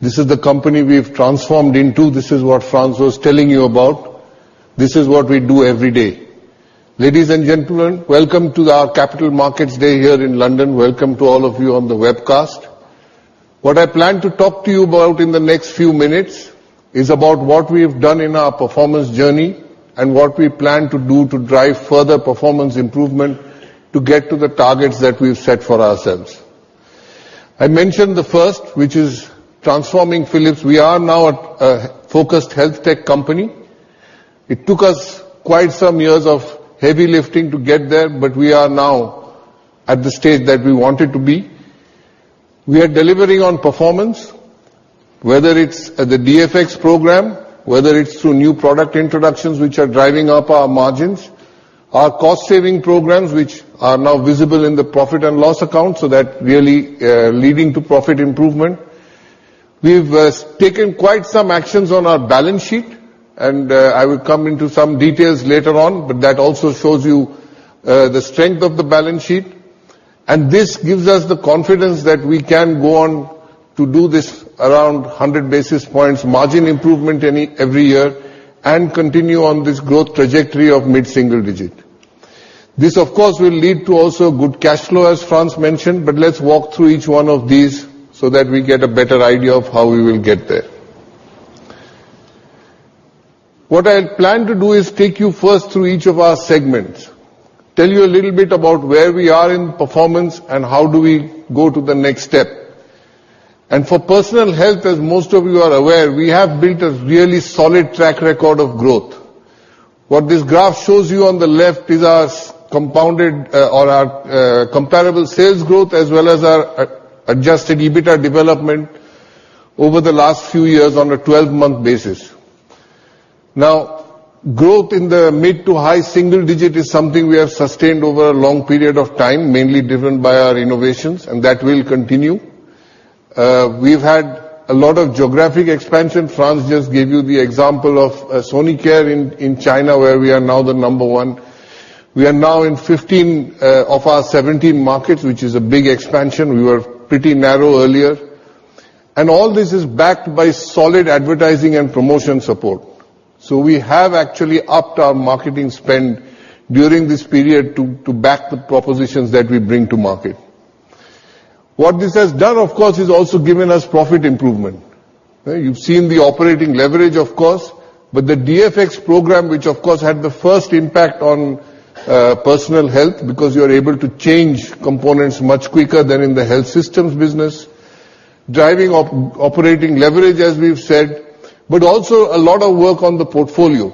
This is the company we've transformed into. This is what Frans was telling you about. This is what we do every day. Ladies and gentlemen, welcome to our Capital Markets Day here in London. Welcome to all of you on the webcast. What I plan to talk to you about in the next few minutes is about what we've done in our performance journey and what we plan to do to drive further performance improvement to get to the targets that we've set for ourselves. I mentioned the first, which is transforming Philips. We are now a focused health tech company. It took us quite some years of heavy lifting to get there. We are now at the stage that we wanted to be. We are delivering on performance, whether it's the DFX program, whether it's through new product introductions, which are driving up our margins, our cost-saving programs, which are now visible in the profit and loss account, leading to profit improvement. We've taken quite some actions on our balance sheet. I will come into some details later on, but that also shows you the strength of the balance sheet. This gives us the confidence that we can go on to do this around 100 basis points, margin improvement every year, and continue on this growth trajectory of mid-single digit. This, of course, will lead to also good cash flow, as Frans mentioned. Let's walk through each one of these so that we get a better idea of how we will get there. What I plan to do is take you first through each of our segments, tell you a little bit about where we are in performance, and how do we go to the next step. For Personal Health, as most of you are aware, we have built a really solid track record of growth. What this graph shows you on the left is our compounded or our comparable sales growth as well as our adjusted EBITA development over the last few years on a 12-month basis. Growth in the mid to high single digit is something we have sustained over a long period of time, mainly driven by our innovations. That will continue. We've had a lot of geographic expansion. Frans just gave you the example of Sonicare in China, where we are now the number one. We are now in 15 of our 17 markets, which is a big expansion. We were pretty narrow earlier. All this is backed by solid advertising and promotion support. We have actually upped our marketing spend during this period to back the propositions that we bring to market. What this has done, of course, is also given us profit improvement. You've seen the operating leverage, of course, but the DFX program, which of course, had the first impact on Personal Health because you're able to change components much quicker than in the health systems business, driving operating leverage, as we've said. Also a lot of work on the portfolio.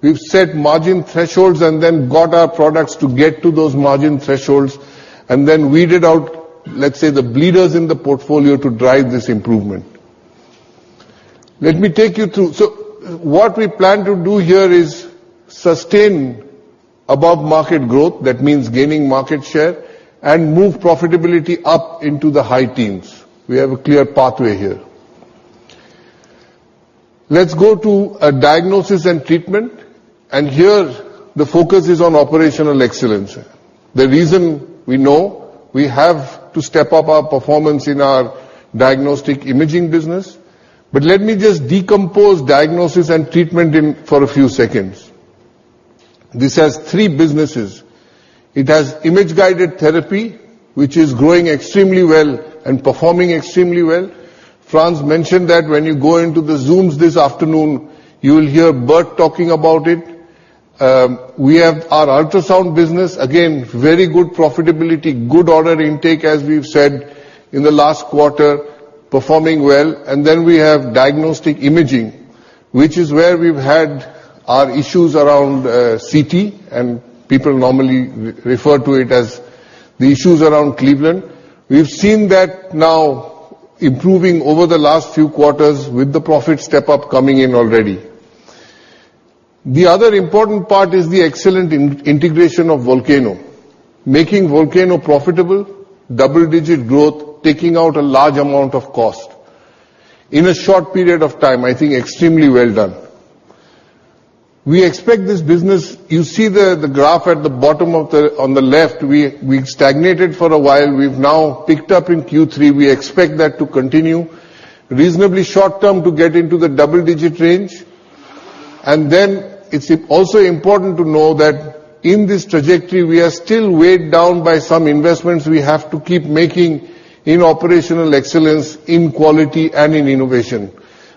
We've set margin thresholds and then got our products to get to those margin thresholds and then weeded out, let's say, the bleeders in the portfolio to drive this improvement. Let me take you through. What we plan to do here is sustain above-market growth, that means gaining market share, and move profitability up into the high teens. We have a clear pathway here. Let's go to Diagnosis and Treatment. Here the focus is on operational excellence. The reason we know we have to step up our performance in our diagnostic imaging business. Let me just decompose Diagnosis and Treatment for a few seconds. This has three businesses. It has image-guided therapy, which is growing extremely well and performing extremely well. Frans mentioned that when you go into the Zooms this afternoon, you will hear Bert talking about it. We have our ultrasound business. Again, very good profitability, good order intake, as we've said, in the last quarter, performing well. We have diagnostic imaging, which is where we've had our issues around CT, and people normally refer to it as the issues around Cleveland. We've seen that now improving over the last few quarters with the profit step-up coming in already. The other important part is the excellent integration of Volcano. Making Volcano profitable, double-digit growth, taking out a large amount of cost. In a short period of time, I think extremely well done. We expect this business. You see the graph at the bottom on the left. We stagnated for a while. We've now picked up in Q3. We expect that to continue reasonably short-term to get into the double-digit range. It's also important to know that in this trajectory, we are still weighed down by some investments we have to keep making in operational excellence, in quality, and in innovation.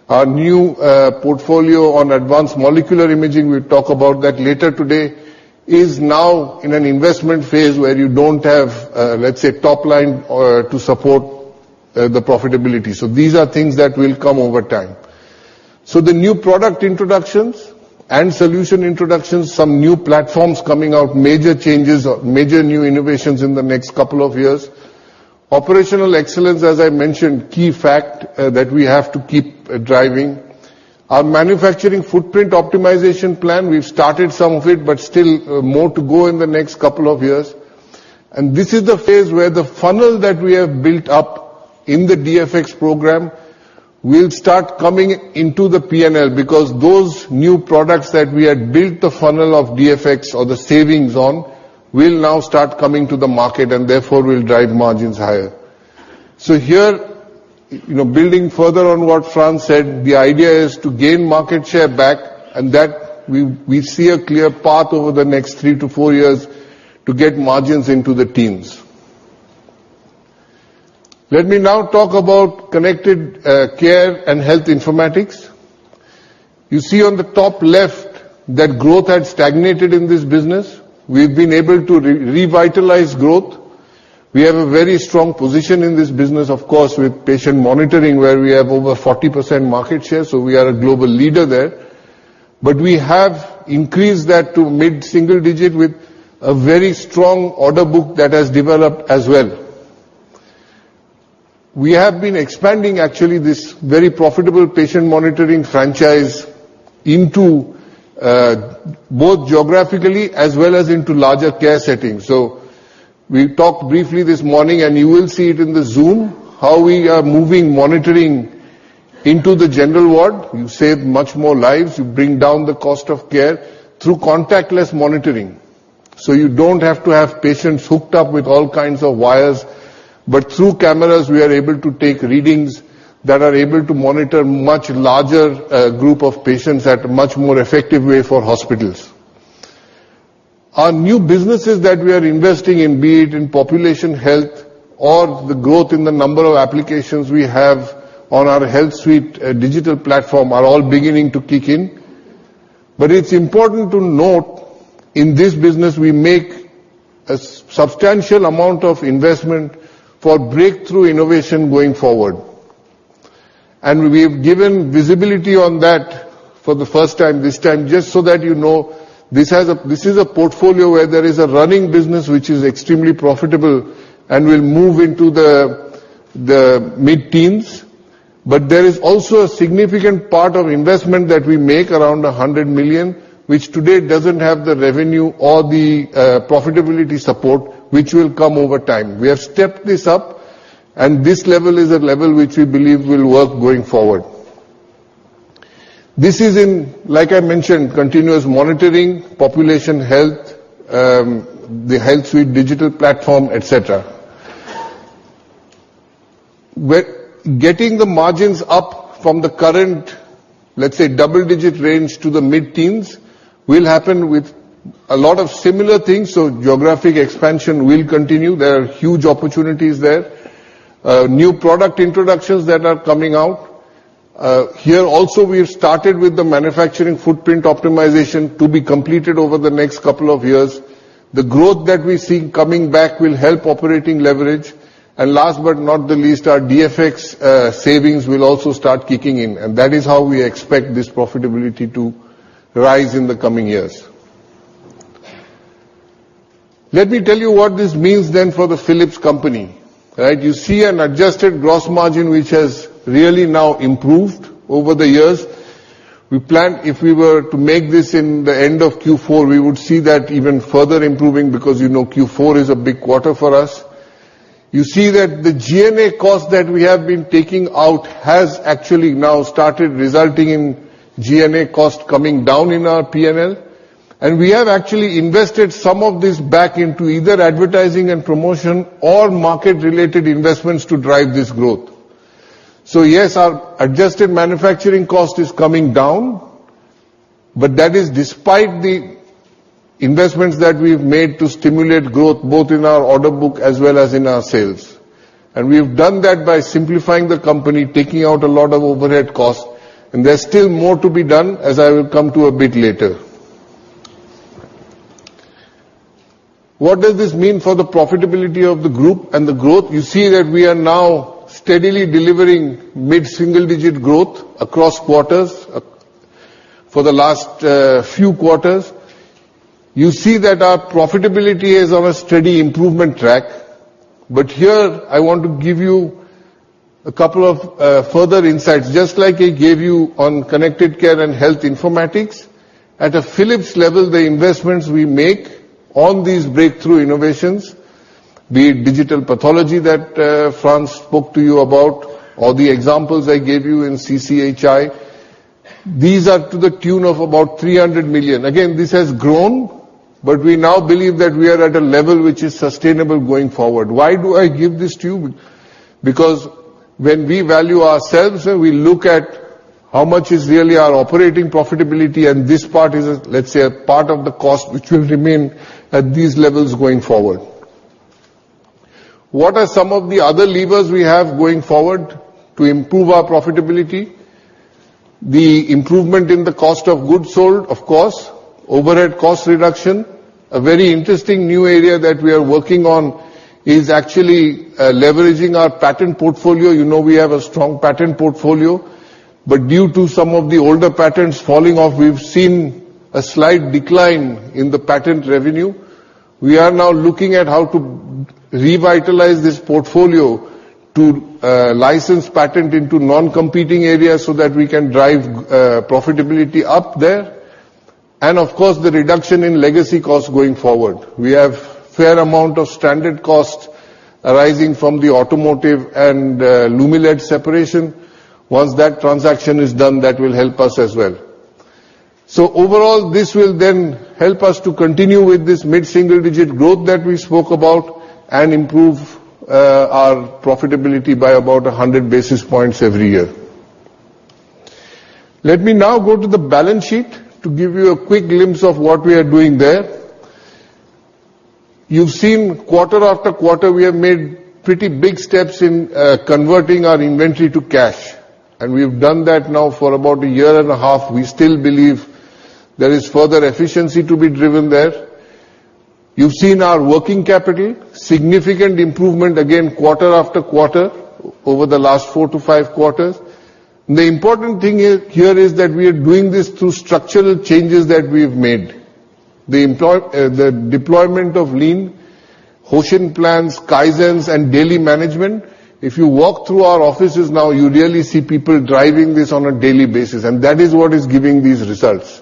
Our new portfolio on advanced molecular imaging, we'll talk about that later today, is now in an investment phase where you don't have, let's say, top line to support the profitability. These are things that will come over time. The new product introductions and solution introductions, some new platforms coming out, major changes or major new innovations in the next couple of years. Operational excellence, as I mentioned, key fact that we have to keep driving. Our manufacturing footprint optimization plan, we've started some of it, but still more to go in the next couple of years. This is the phase where the funnel that we have built up in the DFX program will start coming into the P&L because those new products that we had built the funnel of DFX or the savings on, will now start coming to the market, and therefore, will drive margins higher. Here, building further on what Frans said, the idea is to gain market share back, and that we see a clear path over the next 3 to 4 years to get margins into the teens. Let me now talk about Connected Care and Health Informatics. You see on the top left that growth had stagnated in this business. We've been able to revitalize growth. We have a very strong position in this business, of course, with patient monitoring, where we have over 40% market share. We are a global leader there. We have increased that to mid-single digit with a very strong order book that has developed as well. We have been expanding actually this very profitable patient monitoring franchise both geographically as well as into larger care settings. We talked briefly this morning, and you will see it in the Zoom, how we are moving monitoring into the general ward. You save much more lives. You bring down the cost of care through contactless monitoring. You don't have to have patients hooked up with all kinds of wires, but through cameras, we are able to take readings that are able to monitor much larger group of patients at a much more effective way for hospitals. Our new businesses that we are investing in, be it in population health or the growth in the number of applications we have on our HealthSuite Digital Platform, are all beginning to kick in. It's important to note, in this business, we make a substantial amount of investment for breakthrough innovation going forward. We've given visibility on that for the first time this time, just so that you know, this is a portfolio where there is a running business, which is extremely profitable and will move into the mid-teens. There is also a significant part of investment that we make around 100 million, which today doesn't have the revenue or the profitability support, which will come over time. We have stepped this up, and this level is a level which we believe will work going forward. This is in, like I mentioned, continuous monitoring, population health, the HealthSuite Digital Platform, et cetera. Getting the margins up from the current, let's say, double-digit range to the mid-teens, will happen with a lot of similar things. Geographic expansion will continue. There are huge opportunities there. New product introductions that are coming out. Here also, we have started with the manufacturing footprint optimization to be completed over the next couple of years. The growth that we see coming back will help operating leverage. Last but not the least, our DFX savings will also start kicking in, and that is how we expect this profitability to rise in the coming years. Let me tell you what this means then for the Philips company. You see an adjusted gross margin, which has really now improved over the years. We plan if we were to make this in the end of Q4, we would see that even further improving because you know Q4 is a big quarter for us. You see that the G&A cost that we have been taking out has actually now started resulting in G&A cost coming down in our P&L. We have actually invested some of this back into either advertising and promotion or market-related investments to drive this growth. Yes, our adjusted manufacturing cost is coming down, but that is despite the investments that we've made to stimulate growth, both in our order book as well as in our sales. We've done that by simplifying the company, taking out a lot of overhead costs, and there's still more to be done, as I will come to a bit later. What does this mean for the profitability of the group and the growth? You see that we are now steadily delivering mid-single digit growth across quarters for the last few quarters. You see that our profitability is on a steady improvement track. Here, I want to give you a couple of further insights, just like I gave you on Connected Care and Health Informatics. At a Philips level, the investments we make on these breakthrough innovations, be it digital pathology that Frans spoke to you about, or the examples I gave you in CCHI, these are to the tune of about 300 million. Again, this has grown, but we now believe that we are at a level which is sustainable going forward. Why do I give this to you? When we value ourselves, we look at how much is really our operating profitability, and this part is, let's say, a part of the cost which will remain at these levels going forward. What are some of the other levers we have going forward to improve our profitability? The improvement in the cost of goods sold, of course, overhead cost reduction. A very interesting new area that we are working on is actually leveraging our patent portfolio. You know we have a strong patent portfolio, but due to some of the older patents falling off, we've seen a slight decline in the patent revenue. We are now looking at how to revitalize this portfolio to license patent into non-competing areas so that we can drive profitability up there, of course, the reduction in legacy costs going forward. We have fair amount of standard cost arising from the automotive and Lumileds separation. Once that transaction is done, that will help us as well. Overall, this will then help us to continue with this mid-single-digit growth that we spoke about and improve our profitability by about 100 basis points every year. Let me now go to the balance sheet to give you a quick glimpse of what we are doing there. You've seen quarter after quarter, we have made pretty big steps in converting our inventory to cash, and we've done that now for about a year and a half. We still believe there is further efficiency to be driven there. You've seen our working capital. Significant improvement again, quarter after quarter, over the last four to five quarters. The important thing here is that we are doing this through structural changes that we've made. The deployment of Lean Hoshin plans, Kaizens, and daily management. If you walk through our offices now, you really see people driving this on a daily basis, and that is what is giving these results.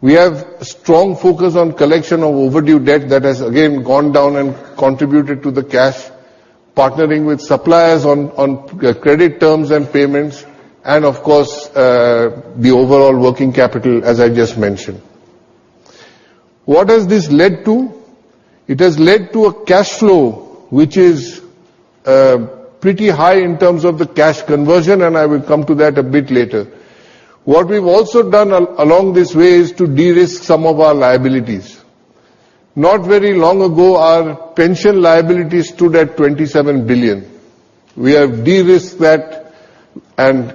We have strong focus on collection of overdue debt that has, again, gone down and contributed to the cash, partnering with suppliers on credit terms and payments and, of course, the overall working capital, as I just mentioned. What has this led to? It has led to a cash flow which is pretty high in terms of the cash conversion, and I will come to that a bit later. What we've also done along this way is to de-risk some of our liabilities. Not very long ago, our pension liability stood at 27 billion. We have de-risked that and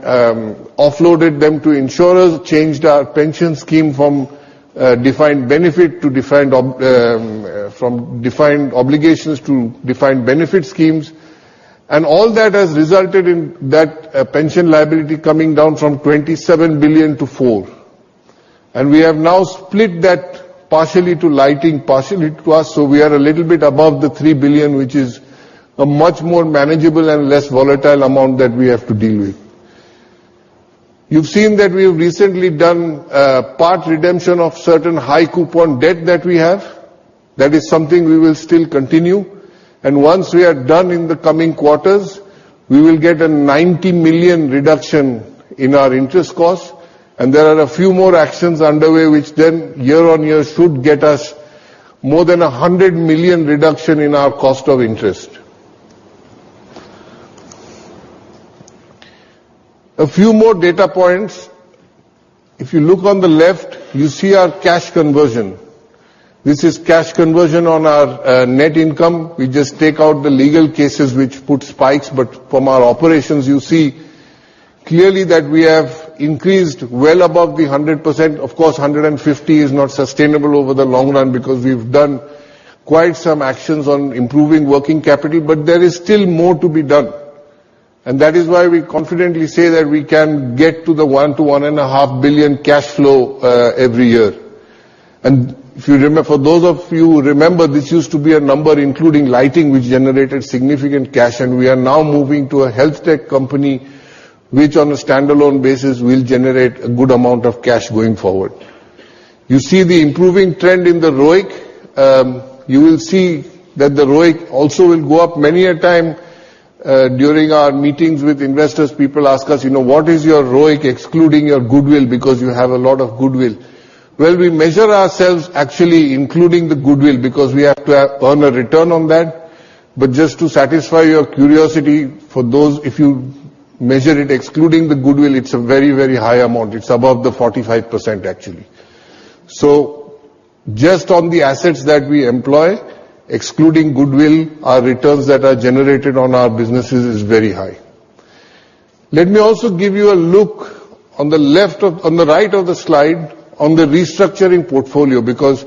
offloaded them to insurers, changed our pension scheme from defined obligations to defined benefit schemes. All that has resulted in that pension liability coming down from 27 billion to 4 billion. We have now split that partially to Philips Lighting, partially to us, so we are a little bit above the 3 billion, which is a much more manageable and less volatile amount that we have to deal with. You've seen that we have recently done part redemption of certain high-coupon debt that we have. That is something we will still continue. Once we are done in the coming quarters, we will get a 90 million reduction in our interest cost. There are a few more actions underway which then year-over-year should get us more than 100 million reduction in our cost of interest. A few more data points. If you look on the left, you see our cash conversion. This is cash conversion on our net income. We just take out the legal cases, which put spikes. From our operations, you see clearly that we have increased well above the 100%. Of course, 150 is not sustainable over the long run because we've done quite some actions on improving working capital, but there is still more to be done. That is why we confidently say that we can get to the 1 billion-1.5 billion cash flow every year. For those of you who remember, this used to be a number including lighting, which generated significant cash, and we are now moving to a health tech company, which on a standalone basis will generate a good amount of cash going forward. You see the improving trend in the ROIC. You will see that the ROIC also will go up. Many a time during our meetings with investors, people ask us, "What is your ROIC excluding your goodwill, because you have a lot of goodwill?" We measure ourselves actually including the goodwill because we have to earn a return on that. Just to satisfy your curiosity for those, if you measure it excluding the goodwill, it's a very high amount. It's above the 45%, actually. Just on the assets that we employ, excluding goodwill, our returns that are generated on our businesses is very high. Let me also give you a look on the right of the slide on the restructuring portfolio because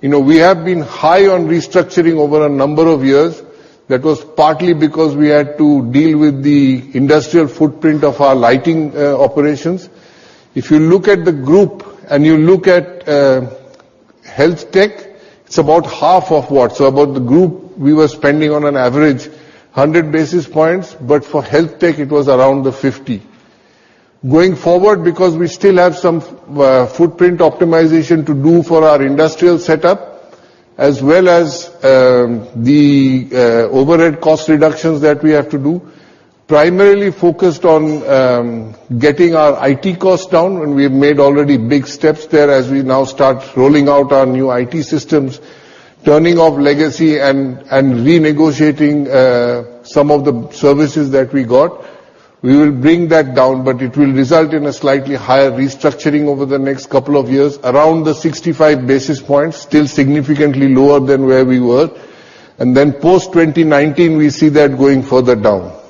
we have been high on restructuring over a number of years. That was partly because we had to deal with the industrial footprint of our lighting operations. If you look at the group and you look at health tech, it's about half of what. About the group, we were spending on an average 100 basis points, but for health tech, it was around the 50. Because we still have some footprint optimization to do for our industrial setup, as well as the overhead cost reductions that we have to do, primarily focused on getting our IT costs down, and we've made already big steps there as we now start rolling out our new IT systems, turning off legacy, and renegotiating some of the services that we got. We will bring that down, but it will result in a slightly higher restructuring over the next couple of years, around the 65 basis points, still significantly lower than where we were. Post 2019, we see that going further down.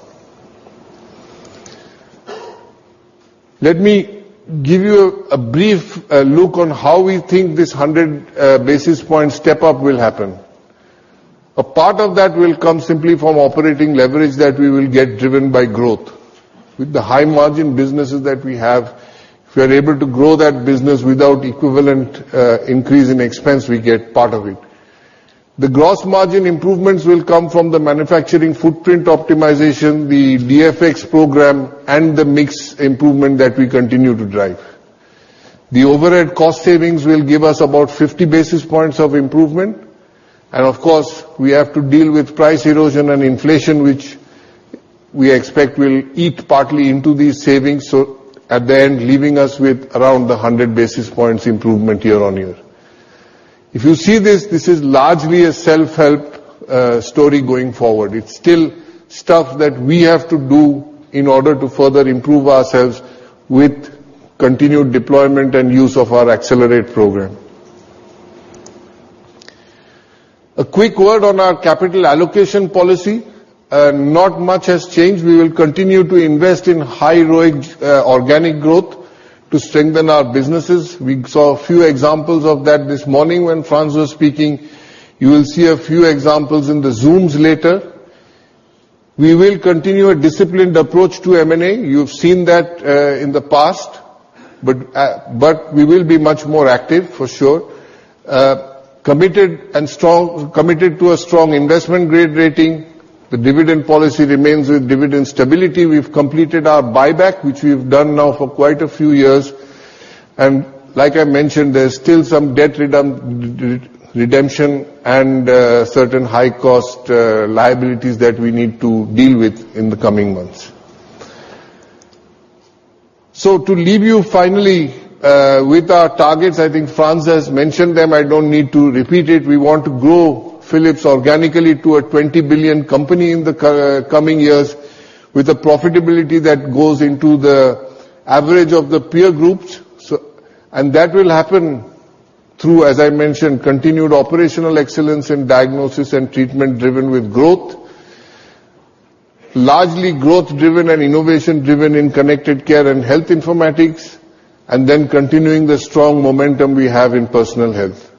Let me give you a brief look on how we think this 100 basis point step up will happen. A part of that will come simply from operating leverage that we will get driven by growth. With the high margin businesses that we have, if we are able to grow that business without equivalent increase in expense, we get part of it. The gross margin improvements will come from the manufacturing footprint optimization, the DFX program, and the mix improvement that we continue to drive. The overhead cost savings will give us about 50 basis points of improvement. Of course, we have to deal with price erosion and inflation, which we expect will eat partly into these savings. At the end, leaving us with around the 100 basis points improvement year on year. This is largely a self-help story going forward. It's still stuff that we have to do in order to further improve ourselves with continued deployment and use of our Accelerate! program. A quick word on our capital allocation policy. Not much has changed. We will continue to invest in high ROIC organic growth to strengthen our businesses. We saw a few examples of that this morning when Frans was speaking. You will see a few examples in the Zooms later. We will continue a disciplined approach to M&A. You've seen that in the past, but we will be much more active for sure. Committed to a strong investment grade rating. The dividend policy remains with dividend stability. We've completed our buyback, which we've done now for quite a few years. Like I mentioned, there's still some debt redemption and certain high cost liabilities that we need to deal with in the coming months. To leave you finally with our targets. I think Frans has mentioned them. I don't need to repeat it. We want to grow Philips organically to a 20 billion company in the coming years with a profitability that goes into the average of the peer groups. That will happen through, as I mentioned, continued operational excellence in Diagnosis and Treatment driven with growth. Largely growth driven and innovation driven in Connected Care and Health Informatics, then continuing the strong momentum we have in Personal Health.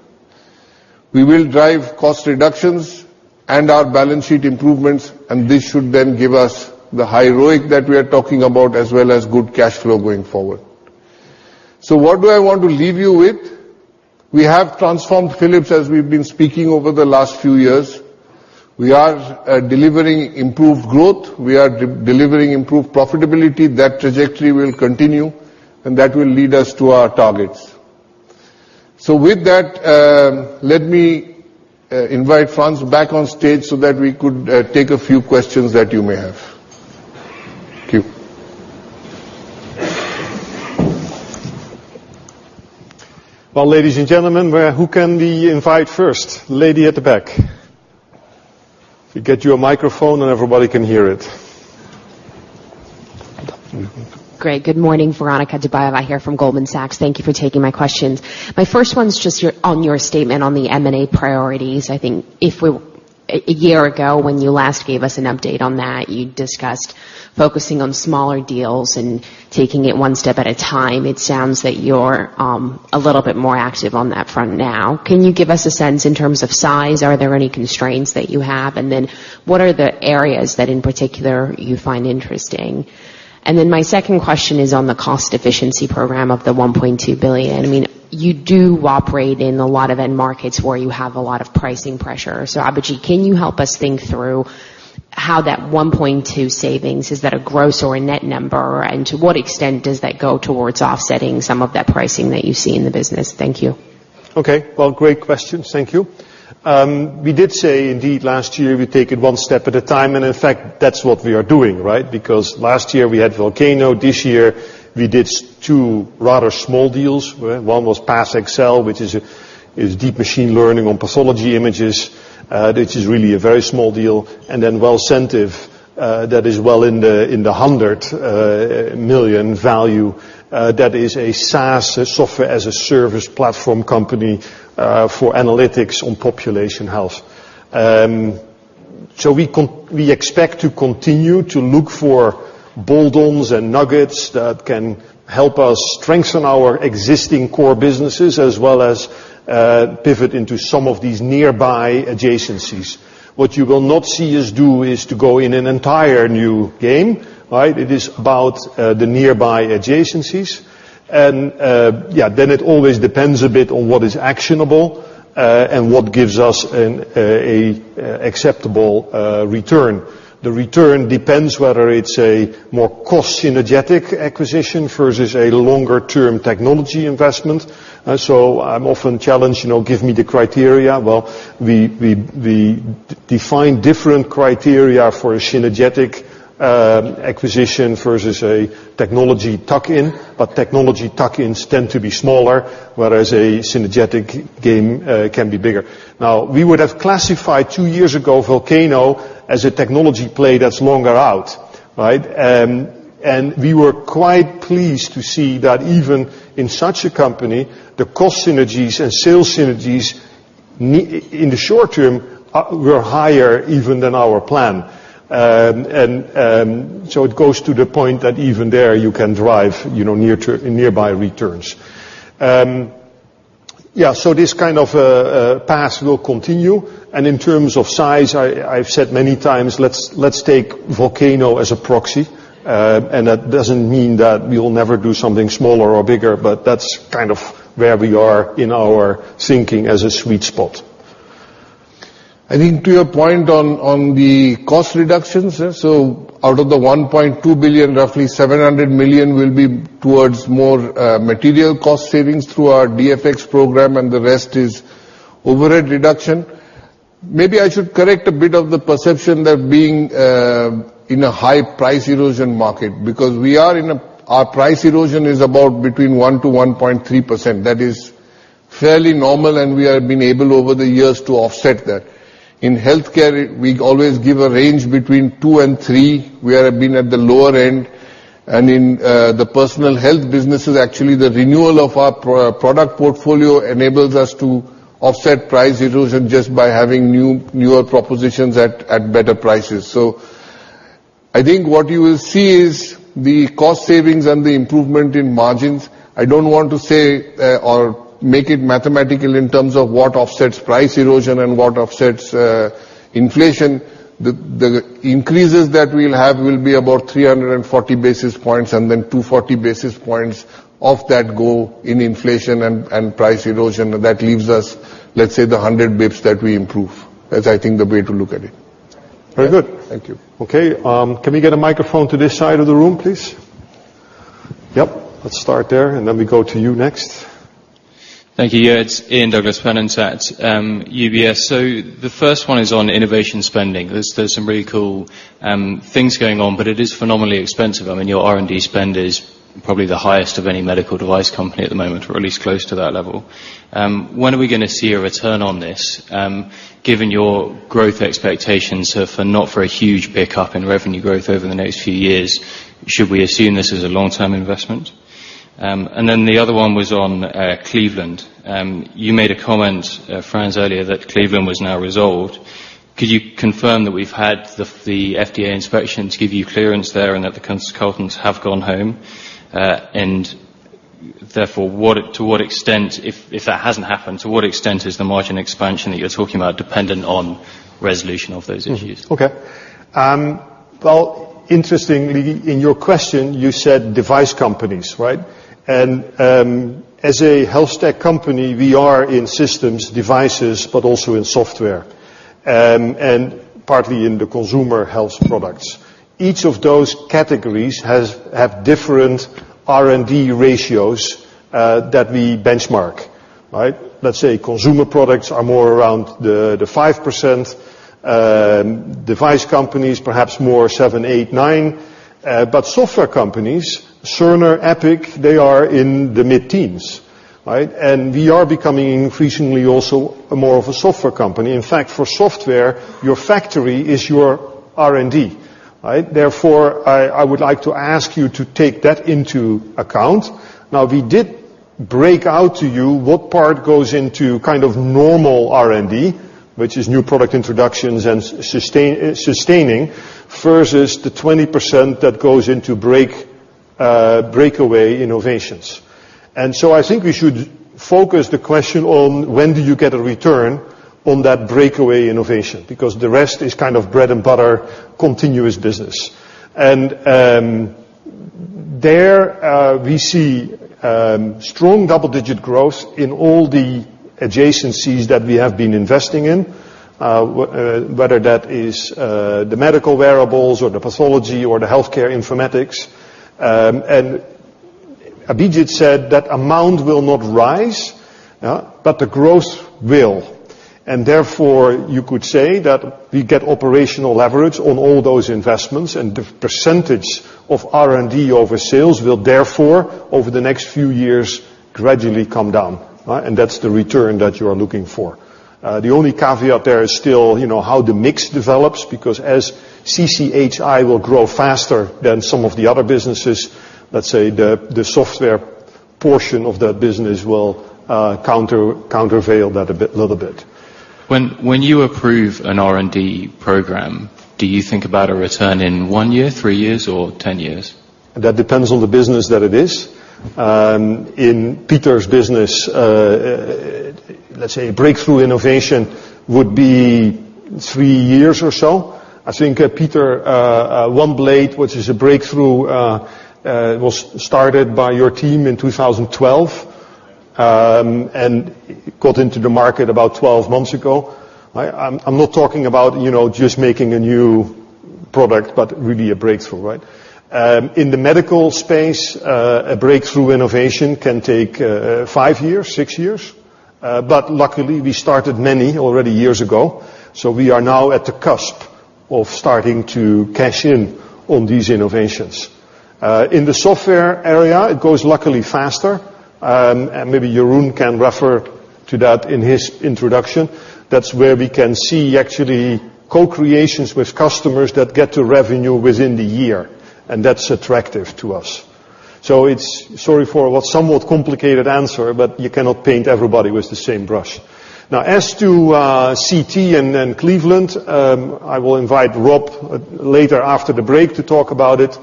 We will drive cost reductions and our balance sheet improvements, and this should then give us the high ROIC that we are talking about as well as good cash flow going forward. What do I want to leave you with? We have transformed Philips as we've been speaking over the last few years. We are delivering improved growth. We are delivering improved profitability. That trajectory will continue, and that will lead us to our targets. With that, let me invite Frans back on stage so that we could take a few questions that you may have. Thank you. Well, ladies and gentlemen, who can we invite first? Lady at the back. We get you a microphone, everybody can hear it. Great. Good morning, Veronika Dubajova here from Goldman Sachs. Thank you for taking my questions. My first one's just on your statement on the M&A priorities. I think a year ago when you last gave us an update on that, you discussed focusing on smaller deals and taking it one step at a time. It sounds that you're a little bit more active on that front now. Can you give us a sense in terms of size? Are there any constraints that you have? What are the areas that in particular you find interesting? My second question is on the cost efficiency program of the 1.2 billion. I mean, you do operate in a lot of end markets where you have a lot of pricing pressure. Abhijit, can you help us think through how that 1.2 savings, is that a gross or a net number? To what extent does that go towards offsetting some of that pricing that you see in the business? Thank you. Okay. Well, great questions. Thank you. We did say indeed last year we take it one step at a time. In fact, that's what we are doing, right? Because last year we had Volcano. This year we did two rather small deals. One was PathXL, which is deep machine learning on pathology images. This is really a very small deal. Then Wellcentive, that is well in the 100 million value, that is a SaaS, software as a service platform company, for analytics on population health. We expect to continue to look for bolt-ons and nuggets that can help us strengthen our existing core businesses as well as pivot into some of these nearby adjacencies. What you will not see us do is to go in an entire new game, right? It is about the nearby adjacencies. Yeah, then it always depends a bit on what is actionable, and what gives us an acceptable return. The return depends whether it's a more cost synergetic acquisition versus a longer term technology investment. I'm often challenged, give me the criteria. Well, we define different criteria for a synergetic acquisition versus a technology tuck-in, but technology tuck-ins tend to be smaller, whereas a synergetic game can be bigger. Now, we would have classified two years ago Volcano as a technology play that's longer out, right? We were quite pleased to see that even in such a company, the cost synergies and sales synergies in the short term, we're higher even than our plan. It goes to the point that even there you can drive nearby returns. This kind of path will continue, and in terms of size, I've said many times, let's take Volcano as a proxy. That doesn't mean that we will never do something smaller or bigger, but that's kind of where we are in our thinking as a sweet spot. I think to your point on the cost reductions. Out of the 1.2 billion, roughly 700 million will be towards more material cost savings through our DFX program, and the rest is overhead reduction. Maybe I should correct a bit of the perception that being in a high price erosion market, because our price erosion is about between 1%-1.3%. That is fairly normal, and we have been able, over the years, to offset that. In healthcare, we always give a range between 2%-3%. We have been at the lower end. In the Personal Health businesses, actually, the renewal of our product portfolio enables us to offset price erosion just by having newer propositions at better prices. I think what you will see is the cost savings and the improvement in margins. I don't want to say or make it mathematical in terms of what offsets price erosion and what offsets inflation. The increases that we'll have will be about 340 basis points, and then 240 basis points of that go in inflation and price erosion. That leaves us, let's say, the 100 basis points that we improve. That's, I think, the way to look at it. Very good. Thank you. Okay. Can we get a microphone to this side of the room, please? Yep. Let's start there, then we go to you next. Thank you. Yeah, it's Ian Douglas-Pennant at UBS. The first one is on innovation spending. It is phenomenally expensive. Your R&D spend is probably the highest of any medical device company at the moment, or at least close to that level. When are we going to see a return on this? Given your growth expectations for not for a huge pickup in revenue growth over the next few years, should we assume this is a long-term investment? Then the other one was on Cleveland. You made a comment, Frans, earlier that Cleveland was now resolved. Could you confirm that we've had the FDA inspections give you clearance there and that the consultants have gone home? Therefore, if that hasn't happened, to what extent is the margin expansion that you're talking about dependent on resolution of those issues? Okay. Well, interestingly, in your question, you said device companies, right? As a health tech company, we are in systems, devices, but also in software and partly in the consumer health products. Each of those categories have different R&D ratios that we benchmark. Let's say consumer products are more around the 5%, device companies perhaps more 7%, 8%, 9%. Software companies, Cerner, Epic, they are in the mid-teens. We are becoming increasingly also more of a software company. In fact, for software, your factory is your R&D. I would like to ask you to take that into account. We did break out to you what part goes into kind of normal R&D, which is new product introductions and sustaining, versus the 20% that goes into breakaway innovations. I think we should focus the question on when do you get a return on that breakaway innovation, because the rest is kind of bread-and-butter continuous business. There we see strong double-digit growth in all the adjacencies that we have been investing in, whether that is the medical wearables or the pathology or the healthcare informatics. Abhijit said that amount will not rise, but the growth will. Therefore, you could say that we get operational leverage on all those investments, and the percentage of R&D over sales will, therefore, over the next few years, gradually come down. That's the return that you are looking for. The only caveat there is still how the mix develops, because as CCHI will grow faster than some of the other businesses, let's say the software portion of that business will countervail that a little bit. When you approve an R&D program, do you think about a return in one year, three years, or 10 years? That depends on the business that it is. In Pieter's business, let's say breakthrough innovation would be three years or so. I think, Pieter, OneBlade, which is a breakthrough, was started by your team in 2012, and got into the market about 12 months ago, right? I'm not talking about just making a new product, but really a breakthrough. In the medical space, a breakthrough innovation can take five years, six years. Luckily, we started many already years ago. We are now at the cusp of starting to cash in on these innovations. In the software area, it goes luckily faster. Maybe Jeroen can refer to that in his introduction. That's where we can see actually co-creations with customers that get to revenue within the year, and that's attractive to us. It's, sorry for what somewhat complicated answer, but you cannot paint everybody with the same brush. As to CT and Cleveland, I will invite Rob later after the break to talk about it.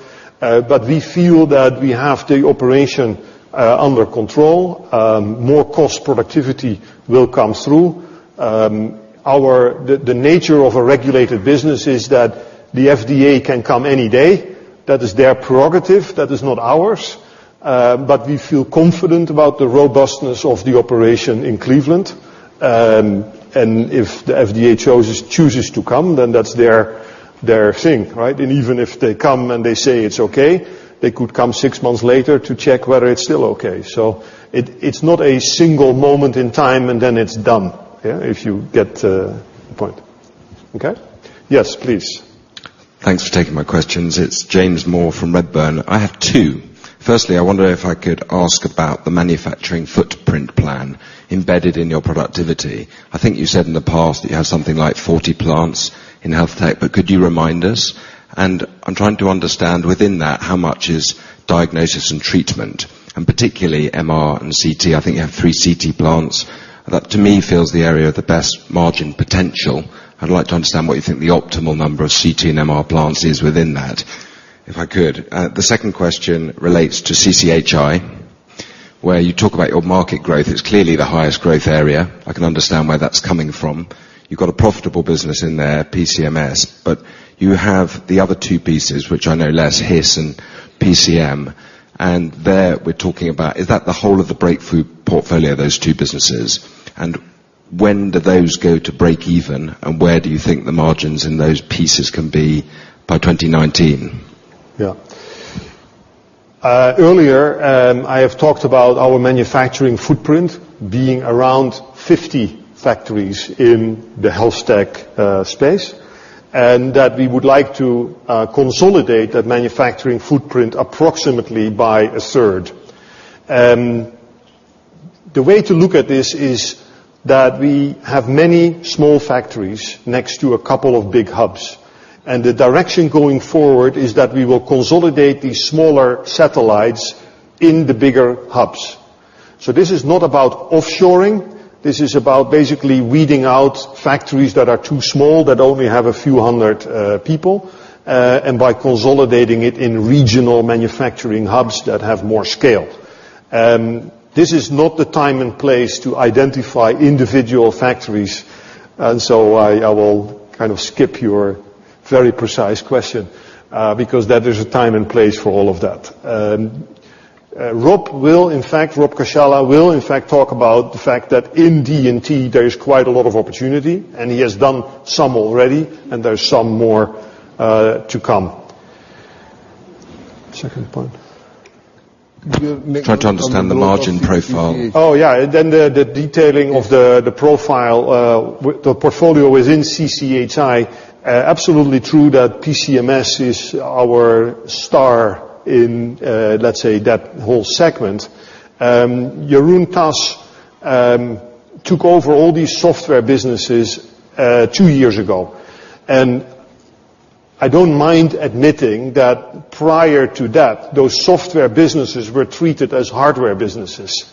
We feel that we have the operation under control. More cost productivity will come through. The nature of a regulated business is that the FDA can come any day. That is their prerogative. That is not ours. We feel confident about the robustness of the operation in Cleveland. If the FDA chooses to come, then that's their thing, right? Even if they come and they say it's okay, they could come six months later to check whether it's still okay. It's not a single moment in time, and then it's done. Yeah. If you get the point. Okay. Yes, please. Thanks for taking my questions. It is James Moore from Redburn. I have two. Firstly, I wonder if I could ask about the manufacturing footprint plan embedded in your productivity. I think you said in the past that you have something like 40 plants in HealthTech, but could you remind us? I am trying to understand within that how much is Diagnosis & Treatment, and particularly MR and CT. I think you have three CT plants. That, to me, feels the area of the best margin potential. I would like to understand what you think the optimal number of CT and MR plants is within that, if I could. The second question relates to CCHI, where you talk about your market growth. It is clearly the highest growth area. I can understand where that is coming from. You have got a profitable business in there, PCMS, but you have the other two pieces, which I know less, HIS and PHM. There we are talking about, is that the whole of the breakthrough portfolio, those two businesses? When do those go to break even, and where do you think the margins in those pieces can be by 2019? Earlier, I have talked about our manufacturing footprint being around 50 factories in the HealthTech space, that we would like to consolidate that manufacturing footprint approximately by a third. The way to look at this is that we have many small factories next to a couple of big hubs, the direction going forward is that we will consolidate these smaller satellites in the bigger hubs. This is not about offshoring. This is about basically weeding out factories that are too small that only have a few hundred people, by consolidating it in regional manufacturing hubs that have more scale. This is not the time and place to identify individual factories, I will kind of skip your very precise question, because there is a time and place for all of that. Rob will, in fact, Rob Cascella will, in fact, talk about the fact that in D&T, there is quite a lot of opportunity, he has done some already, there is some more to come. Second point? Trying to understand the margin profile. The detailing of the profile, the portfolio within CCHI. Absolutely true that PCMS is our star in, let's say, that whole segment. Jeroen Tas took over all these software businesses two years ago. I don't mind admitting that prior to that, those software businesses were treated as hardware businesses.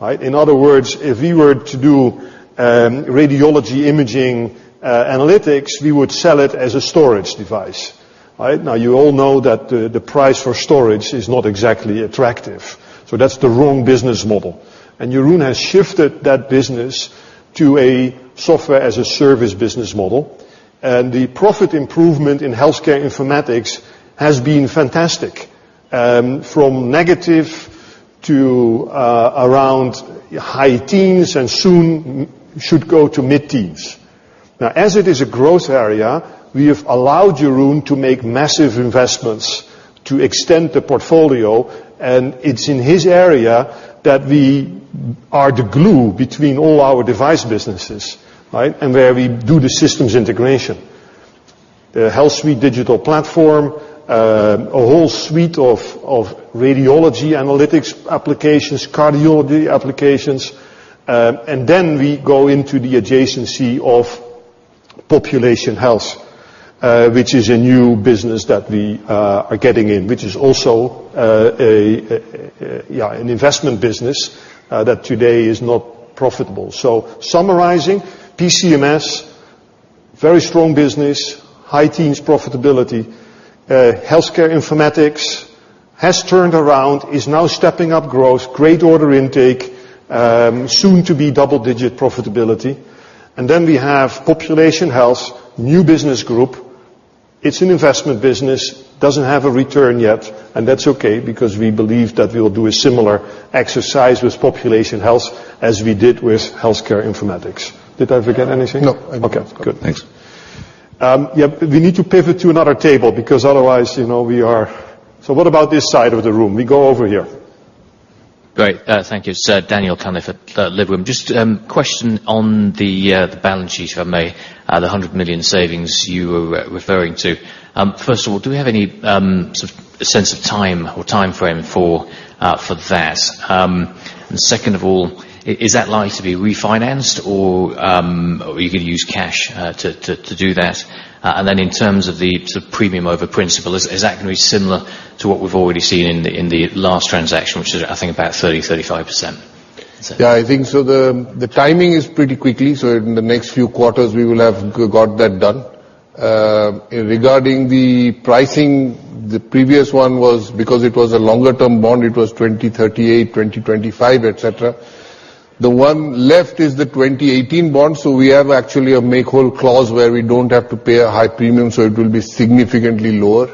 Right? In other words, if we were to do radiology imaging analytics, we would sell it as a storage device. Right? Now you all know that the price for storage is not exactly attractive. That's the wrong business model. Jeroen has shifted that business to a software-as-a-service business model. The profit improvement in healthcare informatics has been fantastic, from negative to around high teens and soon should go to mid-teens. Now as it is a growth area, we have allowed Jeroen to make massive investments to extend the portfolio, and it's in his area that we are the glue between all our device businesses, right? Where we do the systems integration. The HealthSuite digital platform, a whole suite of radiology analytics applications, cardiology applications. Then we go into the adjacency of population health, which is a new business that we are getting in, which is also an investment business that today is not profitable. Summarizing, PCMS, very strong business, high teens profitability. Healthcare informatics has turned around, is now stepping up growth, great order intake, soon to be double-digit profitability. Then we have population health, new business group. It's an investment business. Doesn't have a return yet, that's okay because we believe that we'll do a similar exercise with population health as we did with healthcare informatics. Did I forget anything? No. Okay, good. Thanks. We need to pivot to another table because otherwise, what about this side of the room? We go over here. Great. Thank you, sir. Daniel Cunliffe at Liberum. Just question on the balance sheet, if I may. The 100 million savings you were referring to. First of all, do we have any sort of sense of time or timeframe for that? Second of all, is that likely to be refinanced, or are you going to use cash to do that? In terms of the sort of premium over principal, is that going to be similar to what we've already seen in the last transaction, which is, I think about 30%-35%? Yeah, I think so. The timing is pretty quickly, in the next few quarters, we will have got that done. Regarding the pricing, the previous one, because it was a longer-term bond, it was 2038, 2025, et cetera. The one left is the 2018 bond, we have actually a make whole clause where we don't have to pay a high premium, it will be significantly lower.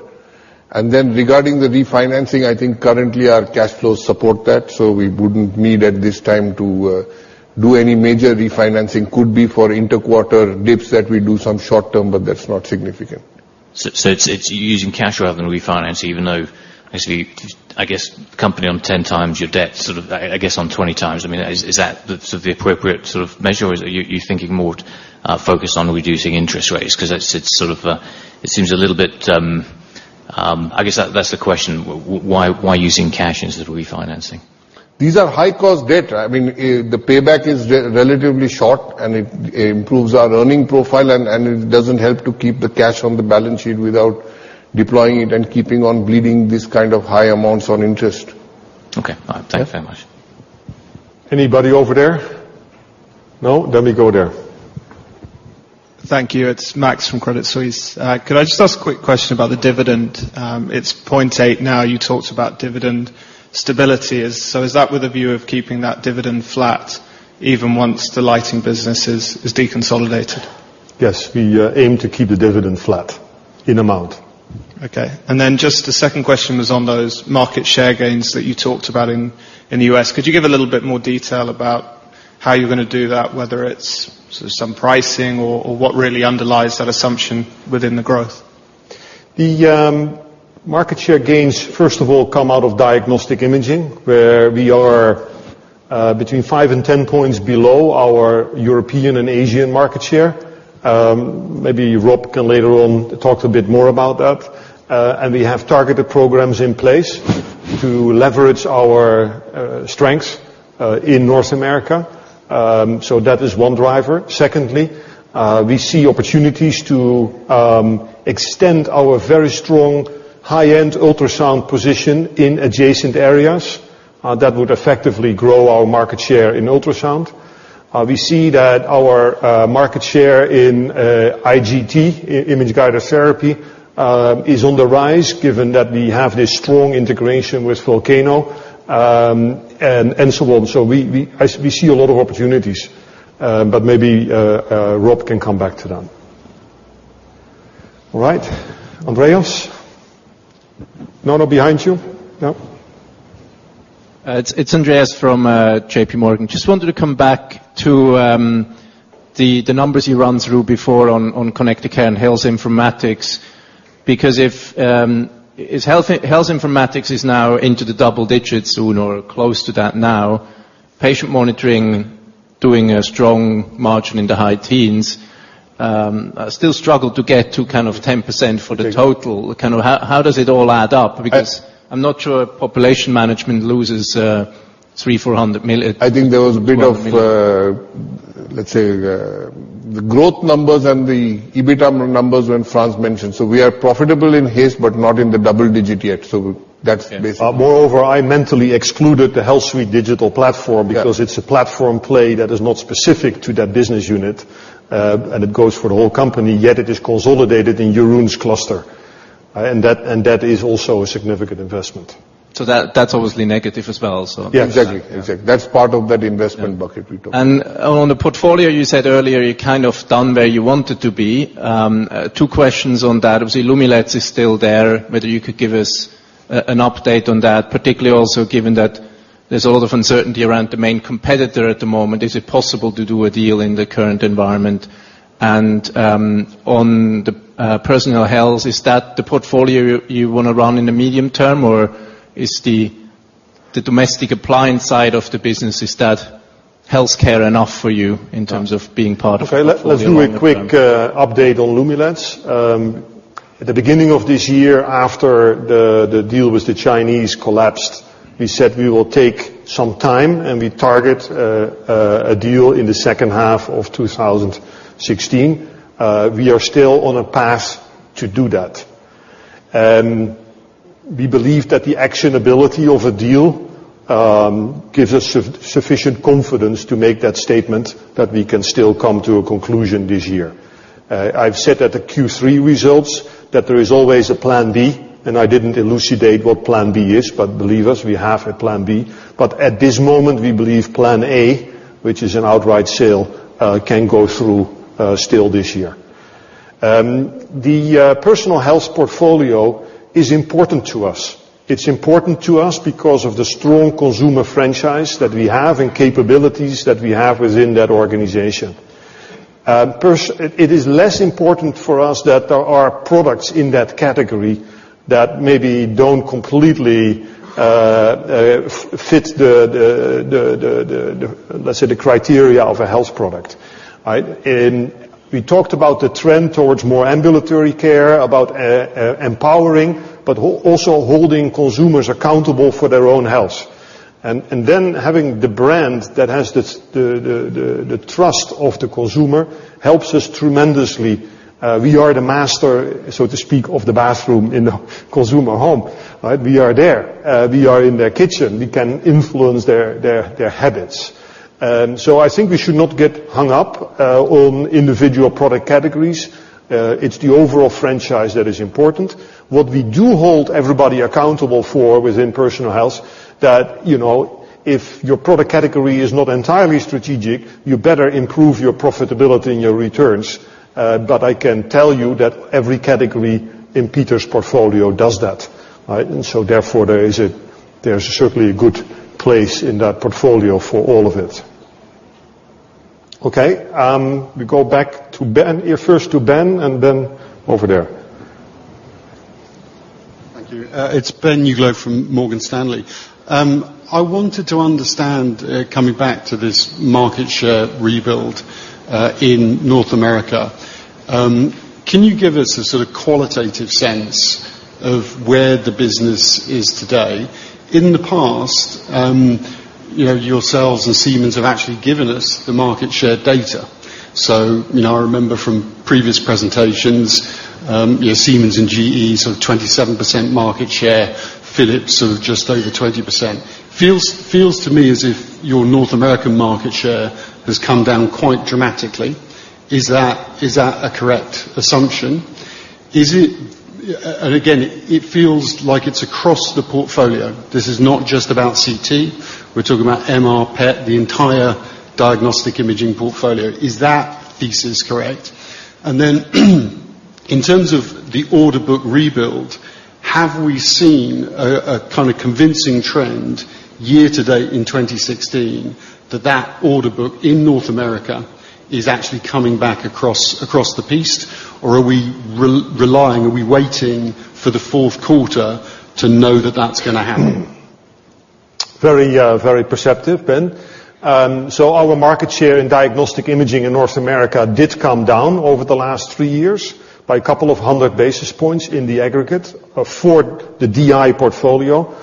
Regarding the refinancing, I think currently our cash flows support that, we wouldn't need at this time to do any major refinancing. Could be for inter-quarter dips that we do some short-term, but that's not significant. It's using cash rather than refinancing, even though, basically, I guess, company on 10 times your debt, sort of, I guess on 20 times. I mean, is that the appropriate sort of measure, or are you thinking more focused on reducing interest rates? Because it seems a little bit I guess that's the question, why using cash instead of refinancing? These are high-cost debt. I mean, the payback is relatively short, and it improves our earning profile, and it doesn't help to keep the cash on the balance sheet without deploying it and keeping on bleeding this kind of high amounts on interest. Okay. All right. Thank you very much. Anybody over there? No? Let me go there. Thank you. It is Max from Credit Suisse. Could I just ask a quick question about the dividend? It is 0.8 now. You talked about dividend stability. Is that with a view of keeping that dividend flat even once the Philips Lighting business is deconsolidated? Yes. We aim to keep the dividend flat in amount. Okay. Just the second question was on those market share gains that you talked about in the U.S. Could you give a little bit more detail about how you are going to do that, whether it is sort of some pricing or what really underlies that assumption within the growth? The market share gains, first of all, come out of diagnostic imaging, where we are between five and 10 points below our European and Asian market share. Maybe Rob can later on talk a bit more about that. We have targeted programs in place to leverage our strengths in North America. That is one driver. Secondly, we see opportunities to extend our very strong high-end ultrasound position in adjacent areas that would effectively grow our market share in ultrasound. We see that our market share in IGT, image-guided therapy, is on the rise given that we have this strong integration with Volcano, and so on. We see a lot of opportunities. Maybe Rob can come back to that. All right. Andreas. No, no, behind you. No. It's Andreas from JP Morgan. Just wanted to come back to the numbers you ran through before on Connected Care and Health Informatics. If Health Informatics is now into the double digits soon or close to that now, patient monitoring doing a strong margin in the high teens, still struggle to get to kind of 10% for the total. Right. How does it all add up? I'm not sure Population Health Management loses 300 million, EUR 400 mil- I think there was a bit of, let's say, the growth numbers and the EBITDA numbers when Frans mentioned. We are profitable in HIS, but not in the double digit yet. That's basically- Moreover, I mentally excluded the HealthSuite digital platform- Yeah because it's a platform play that is not specific to that business unit, and it goes for the whole company, yet it is consolidated in Jeroen's cluster. That is also a significant investment. That's obviously negative as well, so. Yeah, exactly. That's part of that investment bucket we took. On the portfolio, you said earlier you're kind of done where you wanted to be. Two questions on that. Obviously, Lumileds is still there. Whether you could give us an update on that, particularly also given that there's a lot of uncertainty around the main competitor at the moment. Is it possible to do a deal in the current environment? On the Personal Health, is that the portfolio you want to run in the medium term, or is the domestic appliance side of the business, is that healthcare enough for you in terms of being part of- Okay. Let's do a quick update on Lumileds. At the beginning of this year, after the deal with the Chinese collapsed, we said we will take some time. We target a deal in the second half of 2016. We are still on a path to do that. We believe that the actionability of a deal gives us sufficient confidence to make that statement that we can still come to a conclusion this year. I've said at the Q3 results that there is always a plan B. I didn't elucidate what plan B is, but believe us, we have a plan B. At this moment, we believe plan A, which is an outright sale, can go through still this year. The Personal Health portfolio is important to us. It's important to us because of the strong consumer franchise that we have and capabilities that we have within that organization. It is less important for us that there are products in that category that maybe don't completely fit the, let's say, the criteria of a health product. All right? We talked about the trend towards more ambulatory care, about empowering, but also holding consumers accountable for their own health. Having the brand that has the trust of the consumer helps us tremendously. We are the master, so to speak, of the bathroom in the consumer home. We are there. We are in their kitchen. We can influence their habits. I think we should not get hung up on individual product categories. It's the overall franchise that is important. What we do hold everybody accountable for within Personal Health, that if your product category is not entirely strategic, you better improve your profitability and your returns. I can tell you that every category in Pieter's portfolio does that. Therefore, there is certainly a good place in that portfolio for all of it. Okay, we go back first to Ben, and then over there. Thank you. It's Ben Uglow from Morgan Stanley. I wanted to understand, coming back to this market share rebuild in North America, can you give us a sort of qualitative sense of where the business is today? In the past, yourselves and Siemens have actually given us the market share data. I remember from previous presentations, Siemens and GE, sort of 27% market share. Philips sort of just over 20%. Feels to me as if your North American market share has come down quite dramatically. Is that a correct assumption? Again, it feels like it's across the portfolio. This is not just about CT. We're talking about MR, PET, the entire diagnostic imaging portfolio. Is that thesis correct? In terms of the order book rebuild, have we seen a kind of convincing trend year to date in 2016 that that order book in North America is actually coming back across the piece? Are we waiting for the fourth quarter to know that that's going to happen? Very perceptive, Ben. Our market share in diagnostic imaging in North America did come down over the last three years by a couple of hundred basis points in the aggregate for the DI portfolio.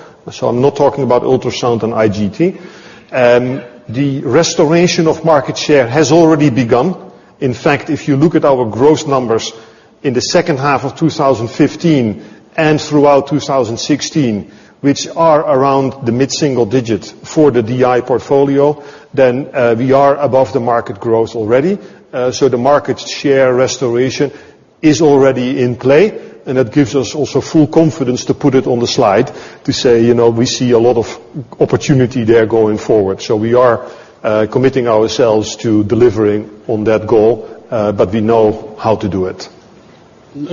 I'm not talking about ultrasound and IGT. The restoration of market share has already begun. In fact, if you look at our gross numbers in the second half of 2015 and throughout 2016, which are around the mid-single digits for the DI portfolio, we are above the market growth already. The market share restoration is already in play, and that gives us also full confidence to put it on the slide to say, we see a lot of opportunity there going forward. We are committing ourselves to delivering on that goal, we know how to do it.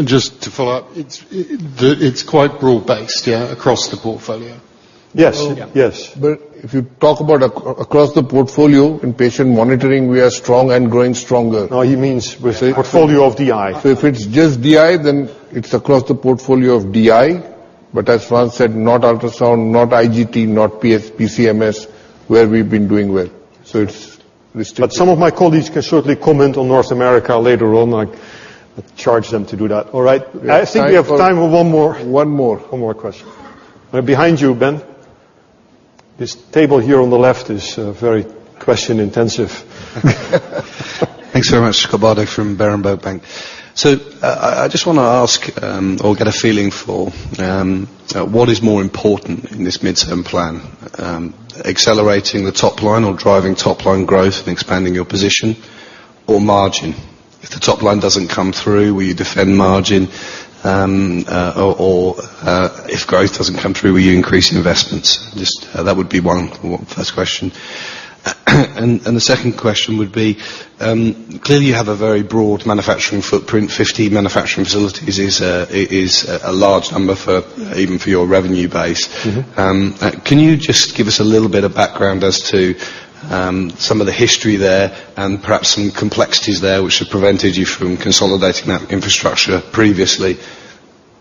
Just to follow up, it's quite broad-based, yeah, across the portfolio? Yes. If you talk about across the portfolio, in patient monitoring, we are strong and growing stronger. He means with the portfolio of DI. If it's just DI, then it's across the portfolio of DI. As Frans said, not ultrasound, not IGT, not PCMS, where we've been doing well. It's restricted. Some of my colleagues can certainly comment on North America later on. I charge them to do that. All right. I think we have time for one more. One more. One more question. Behind you, Ben. This table here on the left is very question-intensive. Thanks very much. Kabadi from Berenberg Bank. I just want to ask or get a feeling for what is more important in this midterm plan, accelerating the top line or driving top-line growth and expanding your position, or margin? If the top line doesn't come through, will you defend margin? If growth doesn't come through, will you increase investments? Just that would be one first question. The second question would be, clearly, you have a very broad manufacturing footprint. 15 manufacturing facilities is a large number even for your revenue base. Can you just give us a little bit of background as to some of the history there and perhaps some complexities there which have prevented you from consolidating that infrastructure previously?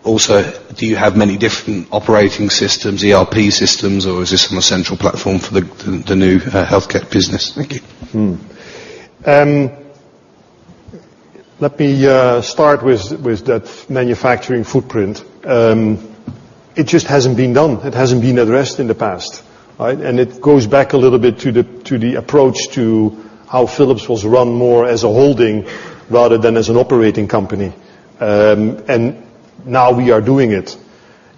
Also, do you have many different operating systems, ERP systems, or is this on a central platform for the new healthcare business? Thank you. Let me start with that manufacturing footprint. It just hasn't been done. It hasn't been addressed in the past. It goes back a little bit to the approach to how Philips was run more as a holding rather than as an operating company. Now we are doing it.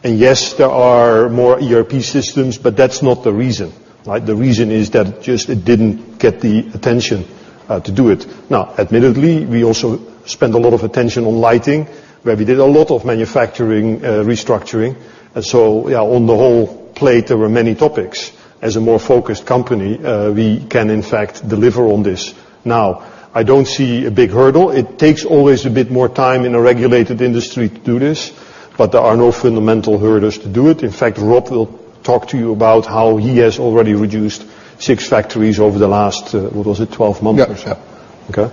Yes, there are more ERP systems, but that's not the reason. The reason is that just it didn't get the attention to do it. Now, admittedly, we also spend a lot of attention on lighting, where we did a lot of manufacturing restructuring. On the whole plate, there were many topics. As a more focused company, we can in fact deliver on this now. I don't see a big hurdle. It takes always a bit more time in a regulated industry to do this, but there are no fundamental hurdles to do it. In fact, Rob will talk to you about how he has already reduced six factories over the last, what was it, 12 months or so? Yeah. Okay.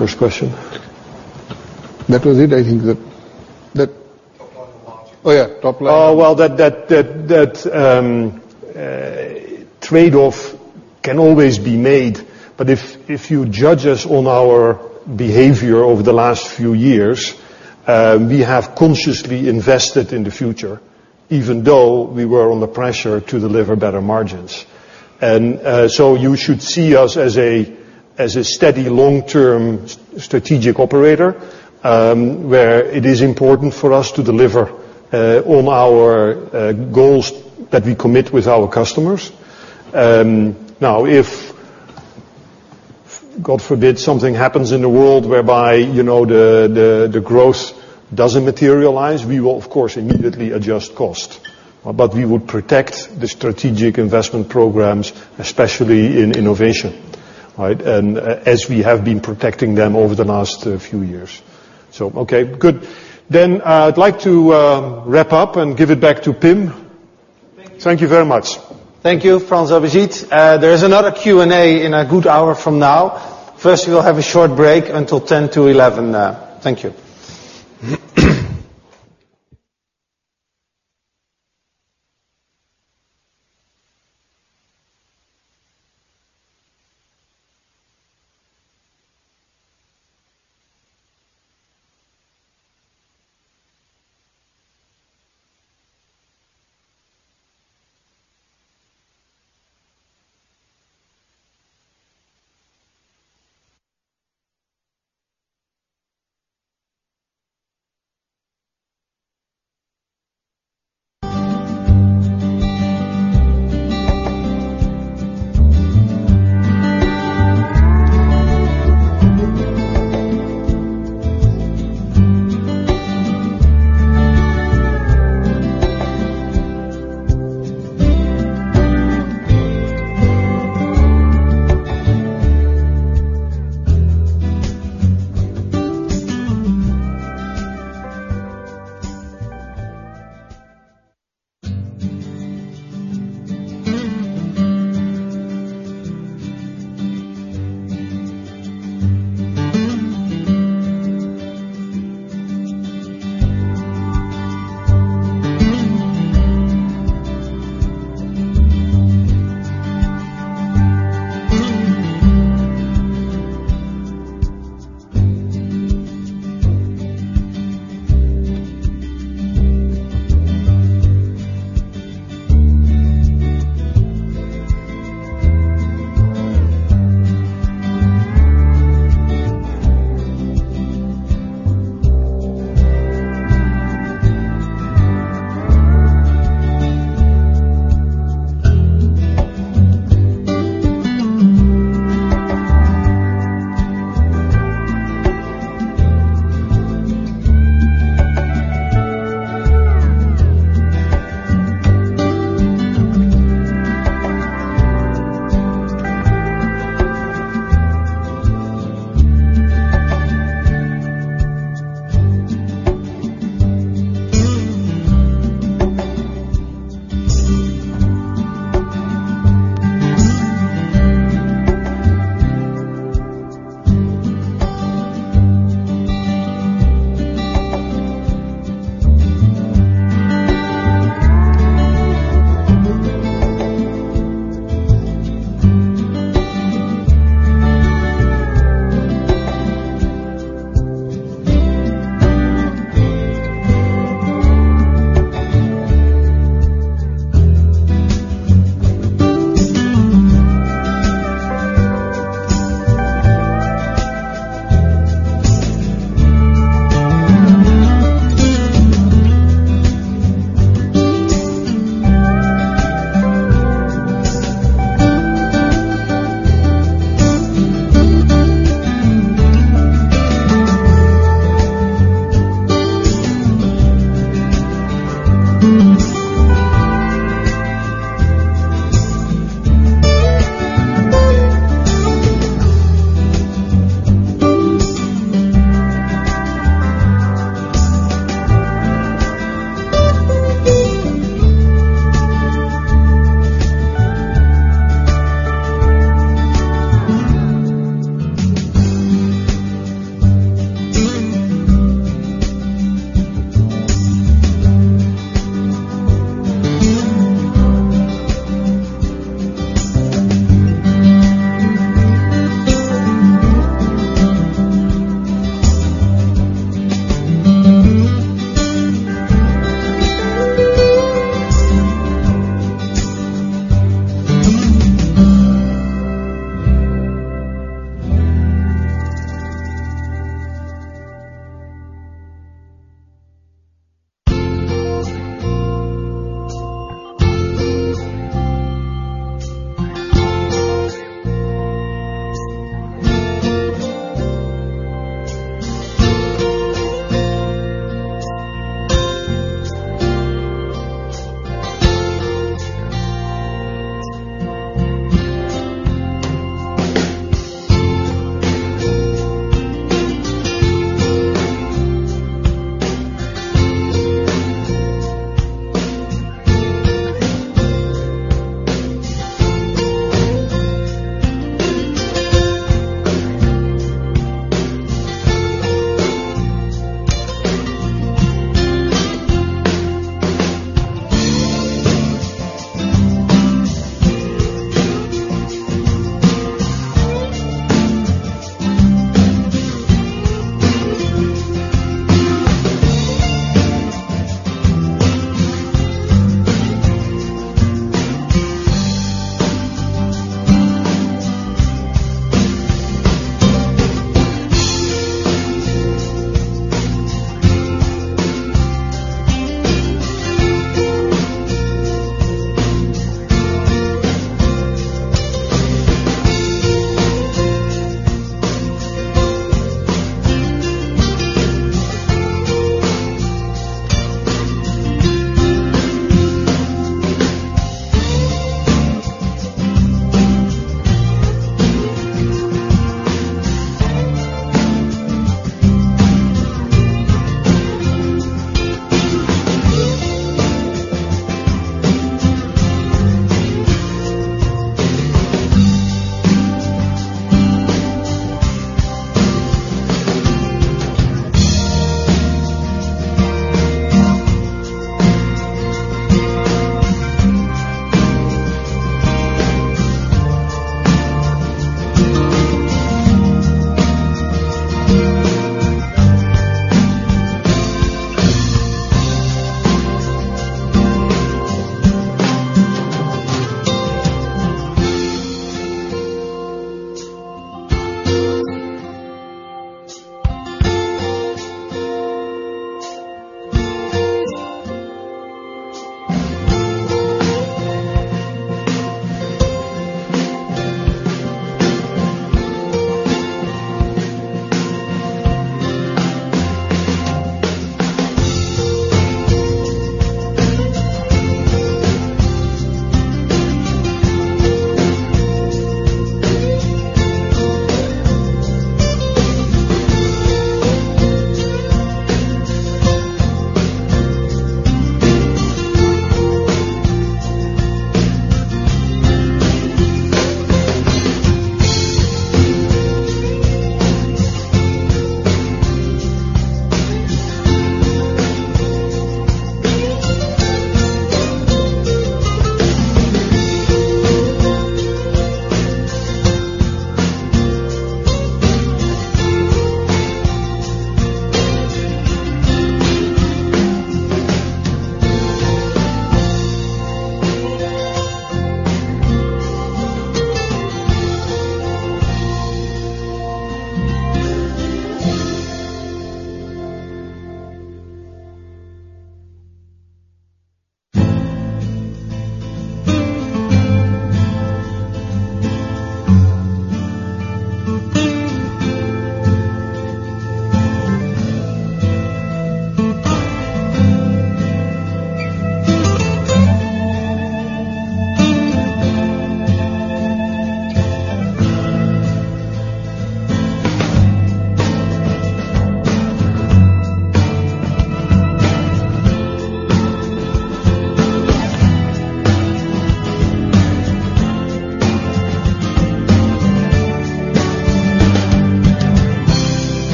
First question. That was it. I think that top line, margin. Yeah, top line. Well, that trade-off can always be made. If you judge us on our behavior over the last few years, we have consciously invested in the future, even though we were under pressure to deliver better margins. You should see us as a steady long-term strategic operator, where it is important for us to deliver on our goals that we commit with our customers. Now, if, God forbid, something happens in the world whereby the growth doesn't materialize, we will, of course, immediately adjust cost, but we will protect the strategic investment programs, especially in innovation. As we have been protecting them over the last few years. Okay, good. I'd like to wrap up and give it back to Pim. Thank you very much. Thank you, Frans van Houten. There is another Q&A in a good hour from now. First, we will have a short break until 10 to 11. Thank you.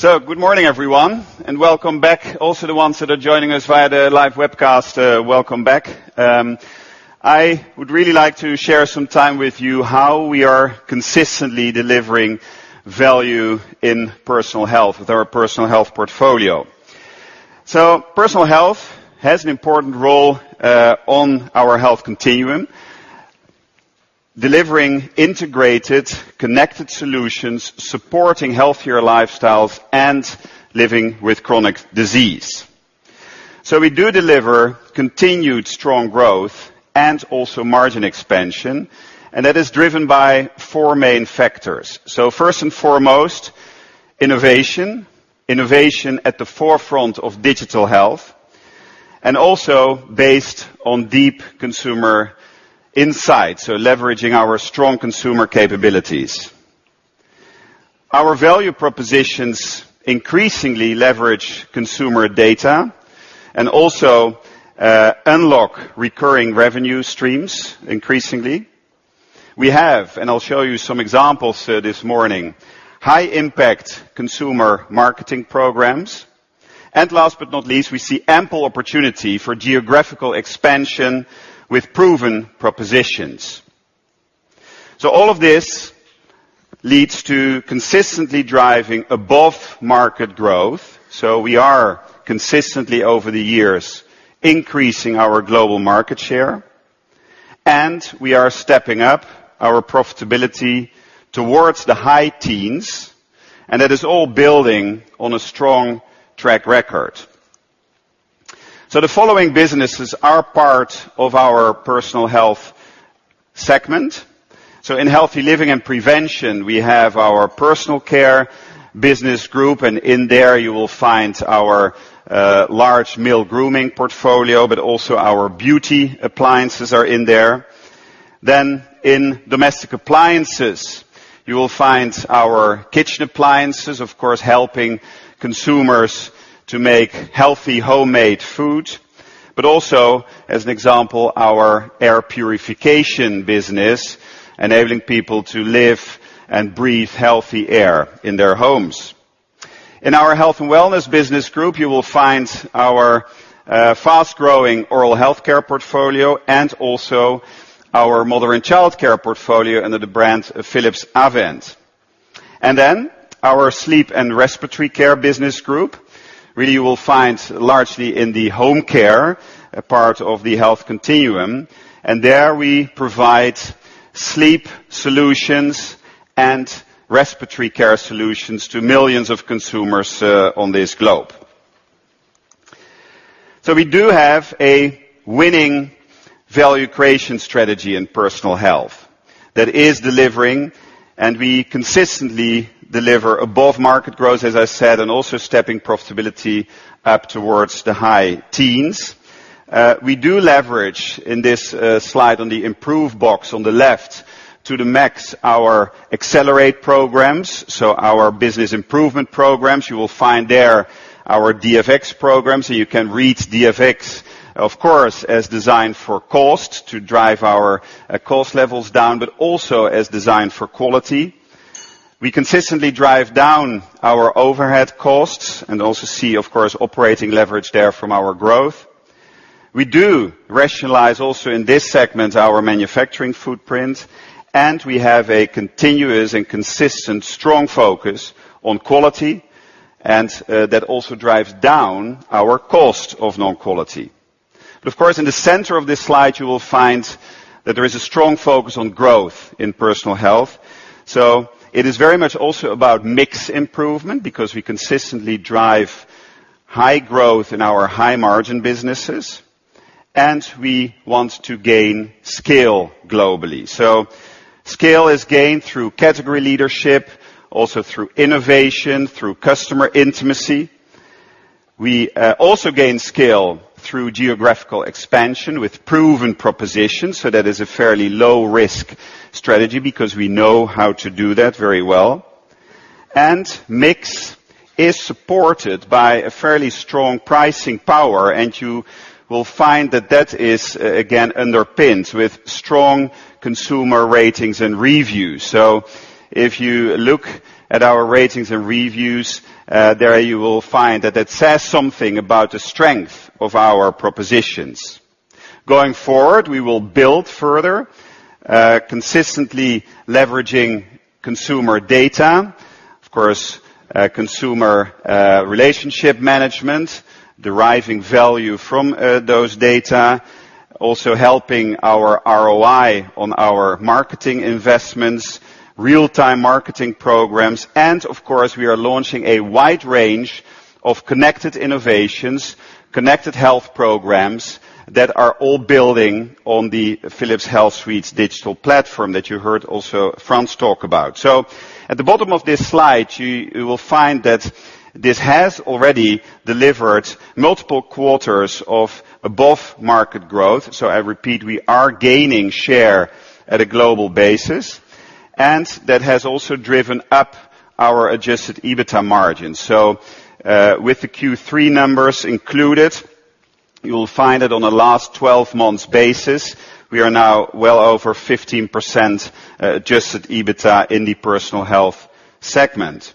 Good morning, everyone, and welcome back. The ones that are joining us via the live webcast, welcome back. I would really like to share some time with you how we are consistently delivering value in Personal Health with our Personal Health portfolio. Personal Health has an important role on our health continuum, delivering integrated, connected solutions, supporting healthier lifestyles, and living with chronic disease. We do deliver continued strong growth and also margin expansion, and that is driven by four main factors. First and foremost, innovation. Innovation at the forefront of digital health, and also based on deep consumer insights, leveraging our strong consumer capabilities. Our value propositions increasingly leverage consumer data and also unlock recurring revenue streams increasingly. We have, and I'll show you some examples this morning, high impact consumer marketing programs. Last but not least, we see ample opportunity for geographical expansion with proven propositions. All of this leads to consistently driving above-market growth. We are consistently, over the years, increasing our global market share, and we are stepping up our profitability towards the high teens, and that is all building on a strong track record. The following businesses are part of our Personal Health segment. In healthy living and prevention, we have our personal care business group, and in there you will find our large male grooming portfolio. Our beauty appliances are in there. In domestic appliances, you will find our kitchen appliances, of course, helping consumers to make healthy, homemade food. As an example, our air purification business, enabling people to live and breathe healthy air in their homes. In our Business Group Health and Wellness, you will find our fast-growing oral health care portfolio and also our mother and child care portfolio under the brand Philips Avent. Our sleep and respiratory care business group, really you will find largely in the home care part of the health continuum. There we provide sleep solutions and respiratory care solutions to millions of consumers on this globe. We do have a winning value creation strategy in Personal Health that is delivering, and we consistently deliver above-market growth, as I said, and also stepping profitability up towards the high teens. We do leverage in this slide on the improve box on the left to the max our Accelerate! programs, our business improvement programs. You will find there our DFX program. You can read DFX, of course, as designed for cost to drive our cost levels down, but also as designed for quality. We consistently drive down our overhead costs and also see, of course, operating leverage there from our growth. We do rationalize also in this segment our manufacturing footprint, and we have a continuous and consistent strong focus on quality, and that also drives down our cost of non-quality. Of course, in the center of this slide, you will find that there is a strong focus on growth in Personal Health. It is very much also about mix improvement because we consistently drive high growth in our high-margin businesses, and we want to gain scale globally. Scale is gained through category leadership, also through innovation, through customer intimacy. We also gain scale through geographical expansion with proven propositions. That is a fairly low-risk strategy because we know how to do that very well. Mix is supported by a fairly strong pricing power, and you will find that that is again underpinned with strong consumer ratings and reviews. If you look at our ratings and reviews, there you will find that that says something about the strength of our propositions. Going forward, we will build further, consistently leveraging consumer data. Consumer relationship management, deriving value from those data, also helping our ROI on our marketing investments, real-time marketing programs, and of course, we are launching a wide range of connected innovations, connected health programs that are all building on the Philips HealthSuite digital platform that you heard also Frans talk about. At the bottom of this slide, you will find that this has already delivered multiple quarters of above-market growth. I repeat, we are gaining share at a global basis, and that has also driven up our adjusted EBITDA margin. With the Q3 numbers included, you will find that on the last 12 months basis, we are now well over 15% adjusted EBITDA in the Personal Health segment.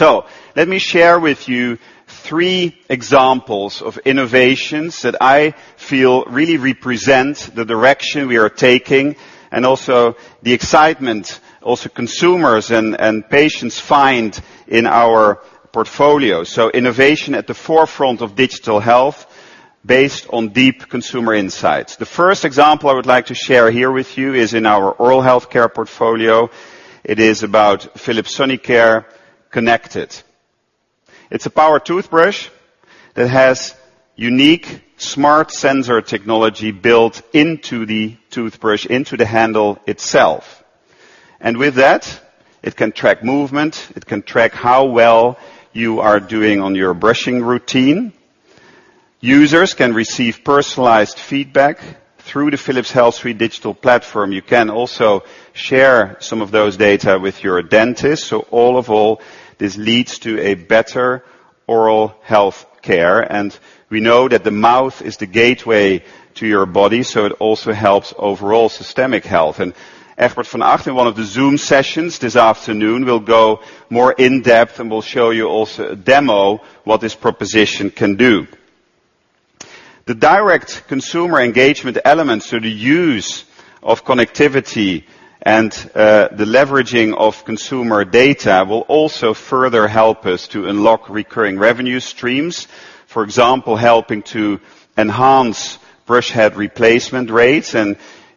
Let me share with you three examples of innovations that I feel really represent the direction we are taking and also the excitement also consumers and patients find in our portfolio. Innovation at the forefront of digital health based on deep consumer insights. The first example I would like to share here with you is in our oral health care portfolio. It is about Philips Sonicare Connected. It's a power toothbrush that has unique smart sensor technology built into the toothbrush, into the handle itself. With that, it can track movement, it can track how well you are doing on your brushing routine. Users can receive personalized feedback through the Philips HealthSuite digital platform. You can also share some of those data with your dentist. All of all, this leads to a better oral health care. We know that the mouth is the gateway to your body, so it also helps overall systemic health. Egbert van Acht in one of the Zoom sessions this afternoon will go more in-depth, and will show you also a demo what this proposition can do. The direct consumer engagement elements, the use of connectivity and the leveraging of consumer data, will also further help us to unlock recurring revenue streams. For example, helping to enhance brush head replacement rates.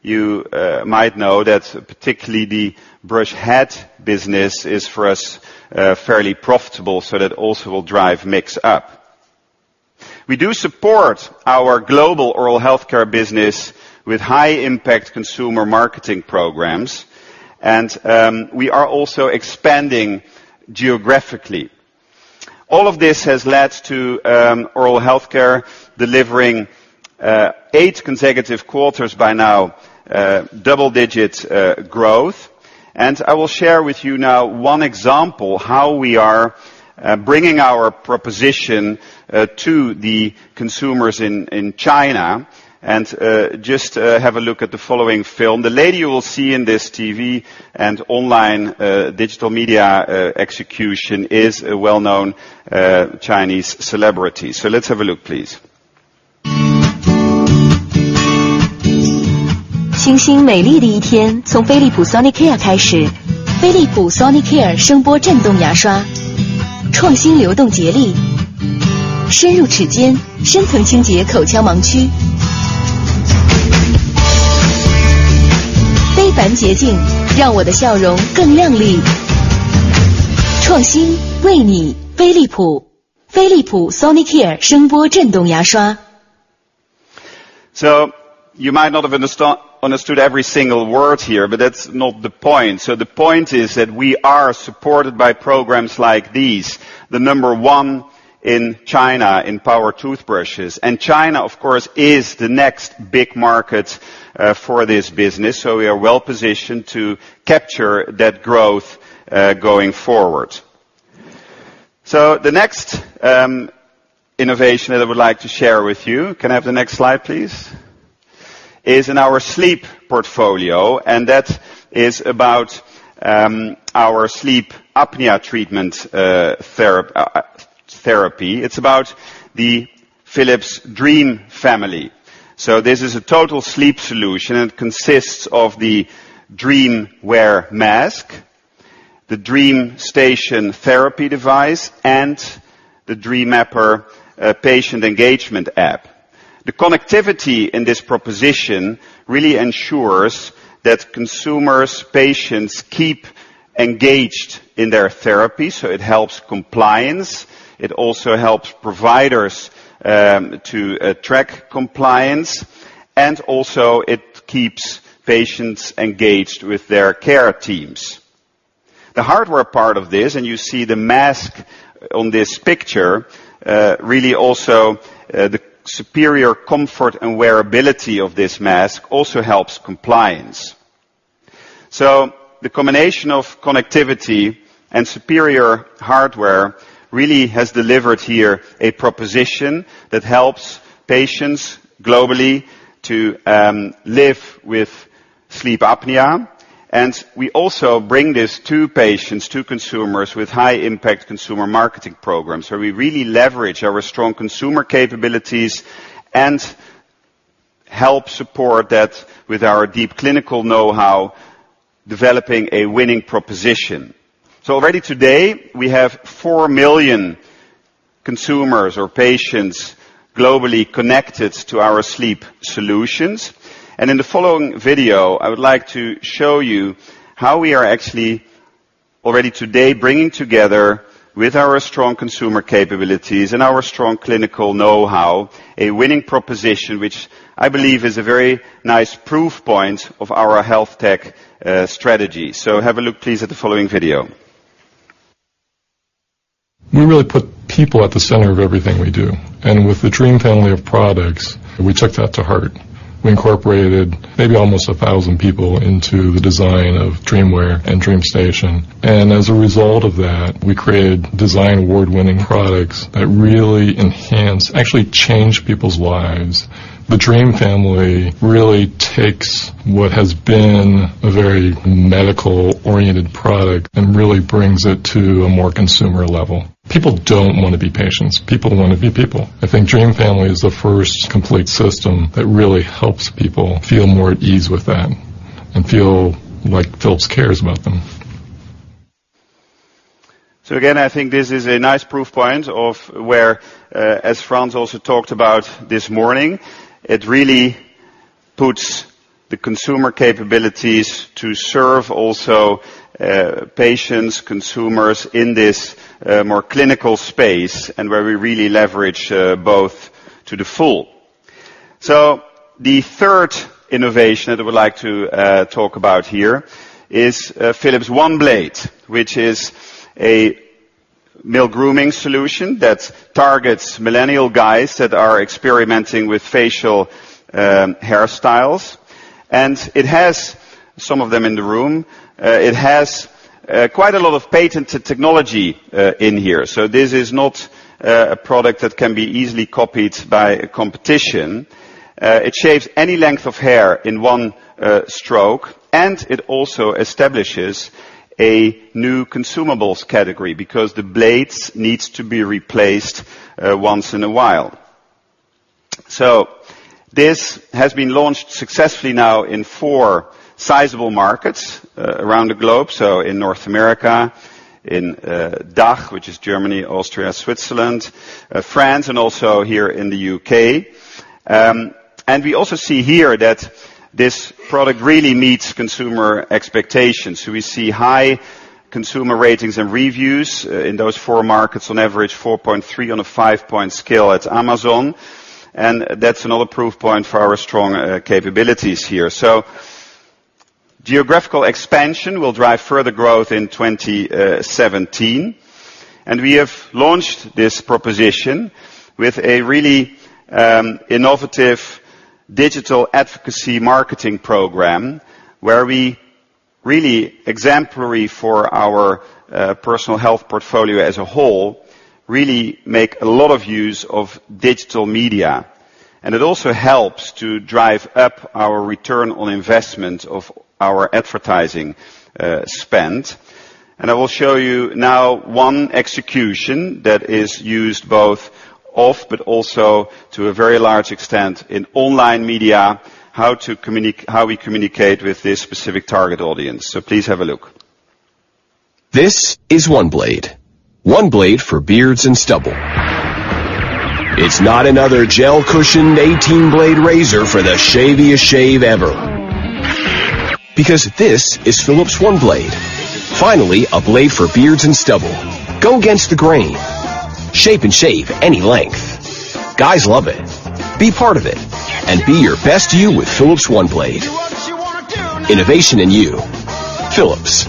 You might know that particularly the brush head business is, for us, fairly profitable. That also will drive mix up. We do support our global oral healthcare business with high impact consumer marketing programs, and we are also expanding geographically. All of this has led to oral healthcare delivering 8 consecutive quarters by now, double-digit growth. I will share with you now one example how we are bringing our proposition to the consumers in China and just have a look at the following film. The lady you will see in this TV and online digital media execution is a well-known Chinese celebrity. Let's have a look, please. You might not have understood every single word here, but that's not the point. The point is that we are supported by programs like these, the number one in China in power toothbrushes. China, of course, is the next big market for this business. We are well-positioned to capture that growth going forward. The next innovation that I would like to share with you, can I have the next slide please? Is in our sleep portfolio, and that is about our sleep apnea treatment therapy. It's about the Philips Dream Family. This is a total sleep solution. It consists of the DreamWear mask, the DreamStation therapy device, and the DreamMapper patient engagement app. The connectivity in this proposition really ensures that consumers, patients keep engaged in their therapy, so it helps compliance. It also helps providers to track compliance, and also it keeps patients engaged with their care teams. The hardware part of this, and you see the mask on this picture, really also the superior comfort and wearability of this mask also helps compliance. The combination of connectivity and superior hardware really has delivered here a proposition that helps patients globally to live with sleep apnea. We also bring this to patients, to consumers with high impact consumer marketing programs, where we really leverage our strong consumer capabilities and help support that with our deep clinical know-how, developing a winning proposition. Already today, we have 4 million consumers or patients globally connected to our sleep solutions. In the following video, I would like to show you how we are actually already today bringing together with our strong consumer capabilities and our strong clinical know-how, a winning proposition, which I believe is a very nice proof point of our health tech strategy. Have a look, please, at the following video. We really put people at the center of everything we do. With the Dream Family of products, we took that to heart. We incorporated maybe almost 1,000 people into the design of DreamWear and DreamStation. As a result of that, we created design award-winning products that really enhance, actually change people's lives. The Dream Family really takes what has been a very medical-oriented product and really brings it to a more consumer level. People don't want to be patients. People want to be people. I think Dream Family is the first complete system that really helps people feel more at ease with that and feel like Philips cares about them. Again, I think this is a nice proof point of where, as Frans also talked about this morning, it really puts the consumer capabilities to serve also patients, consumers in this more clinical space and where we really leverage both to the full. The third innovation that I would like to talk about here is Philips OneBlade, which is a male grooming solution that targets millennial guys that are experimenting with facial hairstyles. It has some of them in the room. It has quite a lot of patented technology in here. This is not a product that can be easily copied by competition. It shaves any length of hair in one stroke. It also establishes a new consumables category because the blades needs to be replaced once in a while. This has been launched successfully now in four sizable markets around the globe. In North America, in DACH, which is Germany, Austria, Switzerland, France, and also here in the U.K. We also see here that this product really meets consumer expectations. We see high consumer ratings and reviews in those four markets, on average 4.3 on a 5-point scale at Amazon. That's another proof point for our strong capabilities here. Geographical expansion will drive further growth in 2017, and we have launched this proposition with a really innovative digital advocacy marketing program where we really exemplary for our Personal Health portfolio as a whole, really make a lot of use of digital media. It also helps to drive up our return on investment of our advertising spend. I will show you now one execution that is used both off, but also to a very large extent in online media, how we communicate with this specific target audience. Please have a look. This is OneBlade. OneBlade for beards and stubble. It's not another gel cushioned 18 blade razor for the shaviest shave ever. This is Philips OneBlade. Finally, a blade for beards and stubble. Go against the grain. Shape and shave any length. Guys love it. Be part of it and be your best you with Philips OneBlade. Innovation in you. Philips.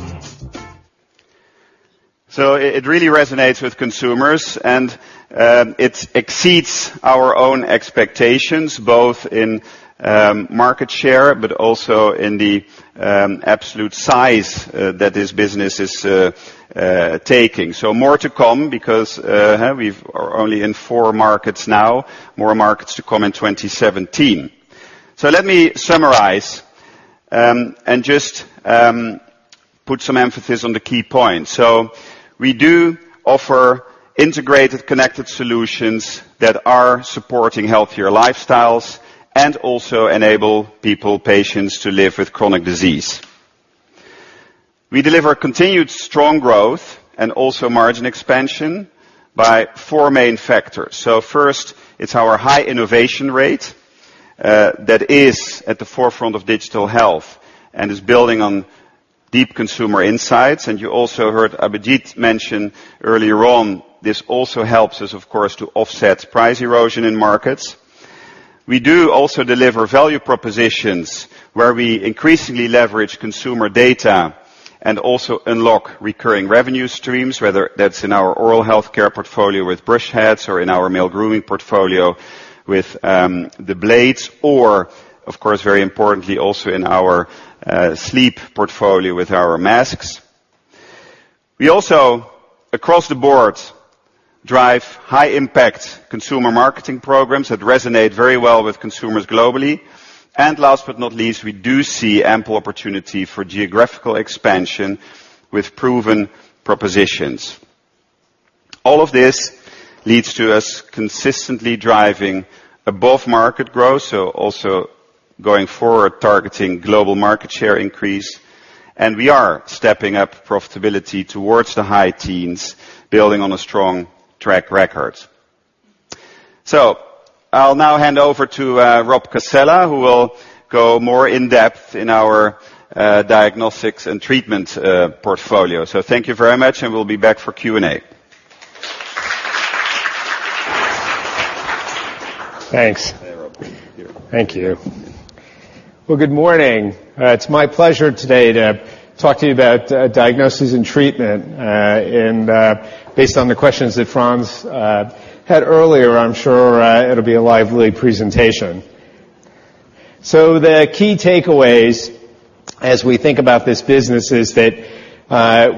It really resonates with consumers, and it exceeds our own expectations, both in market share, but also in the absolute size that this business is taking. More to come because we're only in four markets now. More markets to come in 2017. Let me summarize and just put some emphasis on the key points. We do offer integrated, connected solutions that are supporting healthier lifestyles and also enable people, patients, to live with chronic disease. We deliver continued strong growth and also margin expansion by four main factors. First, it's our high innovation rate that is at the forefront of digital health and is building on deep consumer insights. You also heard Abhijit mention earlier on, this also helps us, of course, to offset price erosion in markets. We do also deliver value propositions where we increasingly leverage consumer data and also unlock recurring revenue streams, whether that's in our oral health care portfolio with brush heads or in our male grooming portfolio with the blades or of course, very importantly also in our sleep portfolio with our masks. We also, across the board, drive high impact consumer marketing programs that resonate very well with consumers globally. Last but not least, we do see ample opportunity for geographical expansion with proven propositions. All of this leads to us consistently driving above-market growth, also going forward, targeting global market share increase. We are stepping up profitability towards the high teens, building on a strong track record. I'll now hand over to Rob Cascella, who will go more in depth in our Diagnosis & Treatment portfolio. Thank you very much, we'll be back for Q&A. Thanks. Rob. Thank you. Thank you. Well, good morning. It is my pleasure today to talk to you about Diagnosis & Treatment. Based on the questions that Frans had earlier, I am sure it will be a lively presentation. The key takeaways as we think about this business is that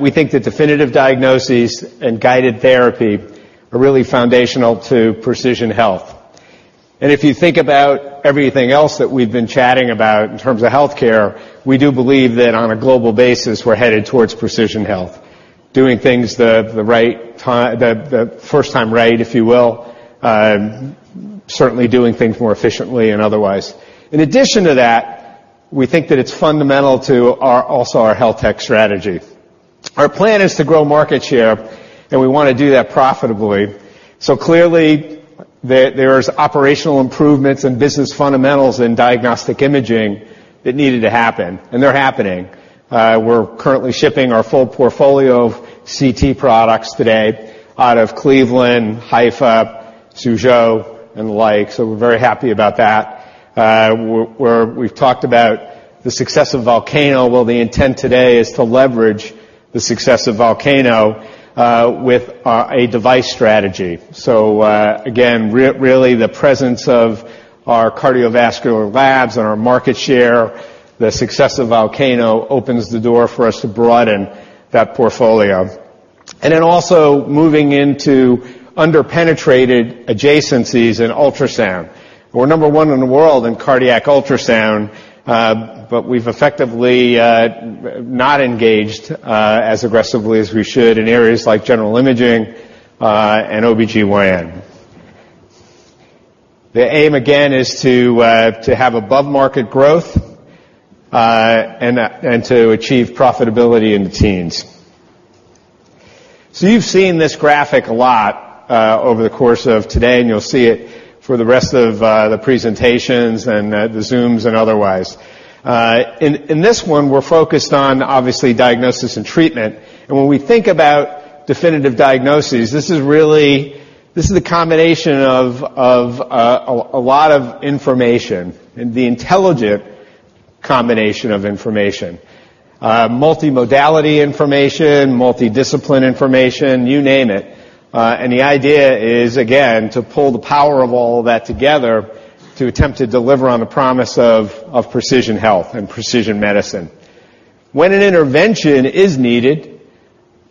we think that definitive diagnoses and guided therapy are really foundational to precision health. If you think about everything else that we have been chatting about in terms of healthcare, we do believe that on a global basis, we are headed towards precision health, doing things the first time right, if you will, certainly doing things more efficiently and otherwise. In addition to that, we think that it is fundamental to also our health tech strategy. Our plan is to grow market share, and we want to do that profitably. Clearly, there is operational improvements in business fundamentals in diagnostic imaging that needed to happen, and they are happening. We are currently shipping our full portfolio of CT products today out of Cleveland, Haifa, Suzhou, and the like. We are very happy about that. We have talked about the success of Volcano. The intent today is to leverage the success of Volcano with a device strategy. Again, really the presence of our cardiovascular labs and our market share, the success of Volcano opens the door for us to broaden that portfolio. Then also moving into under-penetrated adjacencies in ultrasound. We are number one in the world in cardiac ultrasound, but we have effectively not engaged as aggressively as we should in areas like general imaging and OB-GYN. The aim again, is to have above-market growth, and to achieve profitability in the teens. You have seen this graphic a lot over the course of today, and you will see it for the rest of the presentations and the Zooms and otherwise. In this one, we are focused on obviously Diagnosis & Treatment. When we think about definitive diagnoses, this is the combination of a lot of information and the intelligent combination of information. Multimodality information, multidisciplined information, you name it. The idea is, again, to pull the power of all of that together to attempt to deliver on the promise of precision health and precision medicine. When an intervention is needed,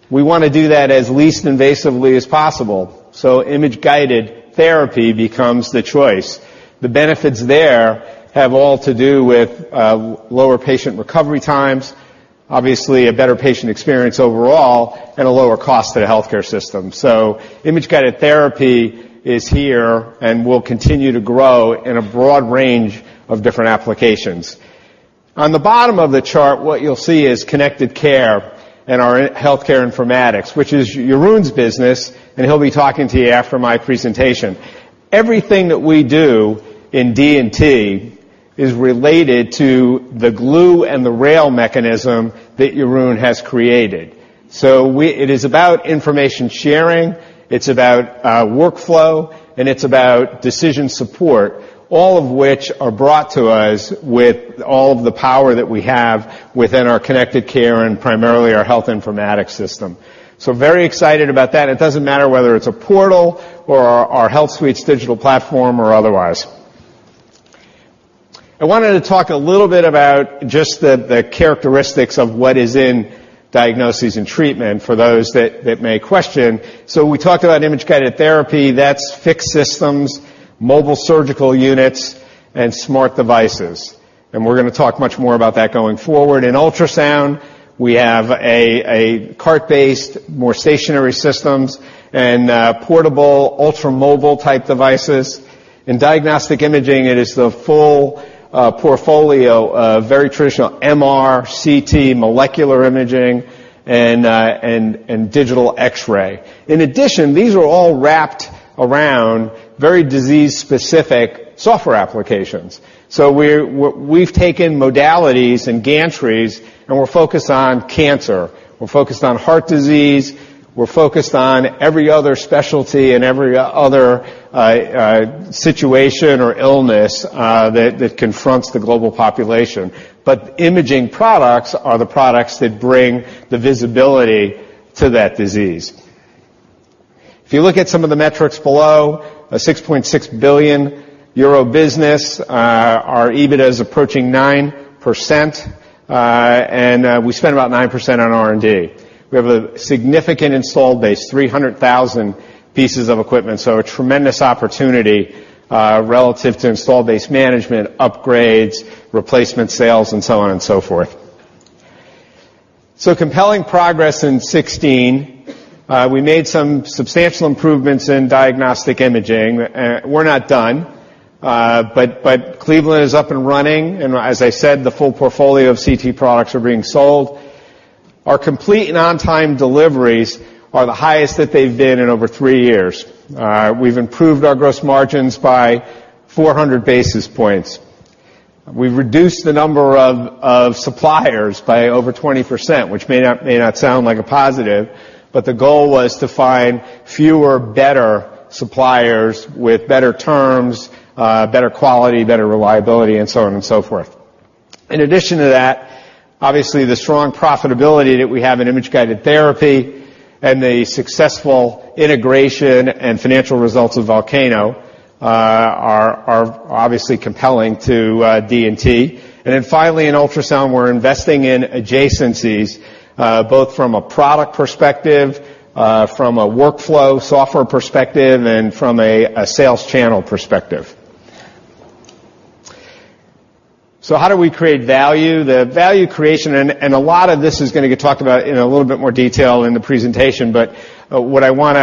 we want to do that as least invasively as possible. Image-guided therapy becomes the choice. The benefits there have all to do with lower patient recovery times, obviously a better patient experience overall, and a lower cost to the healthcare system. Image-guided therapy is here and will continue to grow in a broad range of different applications. On the bottom of the chart, what you will see is Connected Care and our Health Informatics, which is Jeroen's business, and he will be talking to you after my presentation. Everything that we do in D&T is related to the glue and the rail mechanism that Jeroen has created. It is about information sharing, it is about workflow, and it is about decision support, all of which are brought to us with all of the power that we have within our Connected Care and primarily our Health Informatics system. Very excited about that. It does not matter whether it is a portal or our Philips HealthSuite digital platform or otherwise. I wanted to talk a little bit about just the characteristics of what is in Diagnosis & Treatment for those that may question. We talked about image-guided therapy, that's fixed systems, mobile surgical units, and smart devices. We're going to talk much more about that going forward. In ultrasound, we have a cart-based, more stationary systems, and portable, ultra-mobile type devices. In diagnostic imaging, it is the full portfolio of very traditional MR, CT, molecular imaging, and digital X-ray. In addition, these are all wrapped around very disease-specific software applications. We've taken modalities and gantries, and we're focused on cancer. We're focused on heart disease. We're focused on every other specialty and every other situation or illness that confronts the global population. Imaging products are the products that bring the visibility to that disease. If you look at some of the metrics below, a 6.6 billion euro business, our EBITDA is approaching 9%, and we spend about 9% on R&D. We have a significant installed base, 300,000 pieces of equipment, a tremendous opportunity relative to install base management, upgrades, replacement sales, and so on and so forth. Compelling progress in 2016. We made some substantial improvements in diagnostic imaging. We're not done, but Cleveland is up and running, and as I said, the full portfolio of CT products are being sold. Our complete and on-time deliveries are the highest that they've been in over 3 years. We've improved our gross margins by 400 basis points. We've reduced the number of suppliers by over 20%, which may not sound like a positive, but the goal was to find fewer, better suppliers with better terms, better quality, better reliability, and so on and so forth. In addition to that, obviously, the strong profitability that we have in image-guided therapy and the successful integration and financial results of Volcano are obviously compelling to D&T. Finally, in ultrasound, we're investing in adjacencies, both from a product perspective, from a workflow software perspective, and from a sales channel perspective. How do we create value? The value creation, and a lot of this is going to get talked about in a little bit more detail in the presentation, but what I want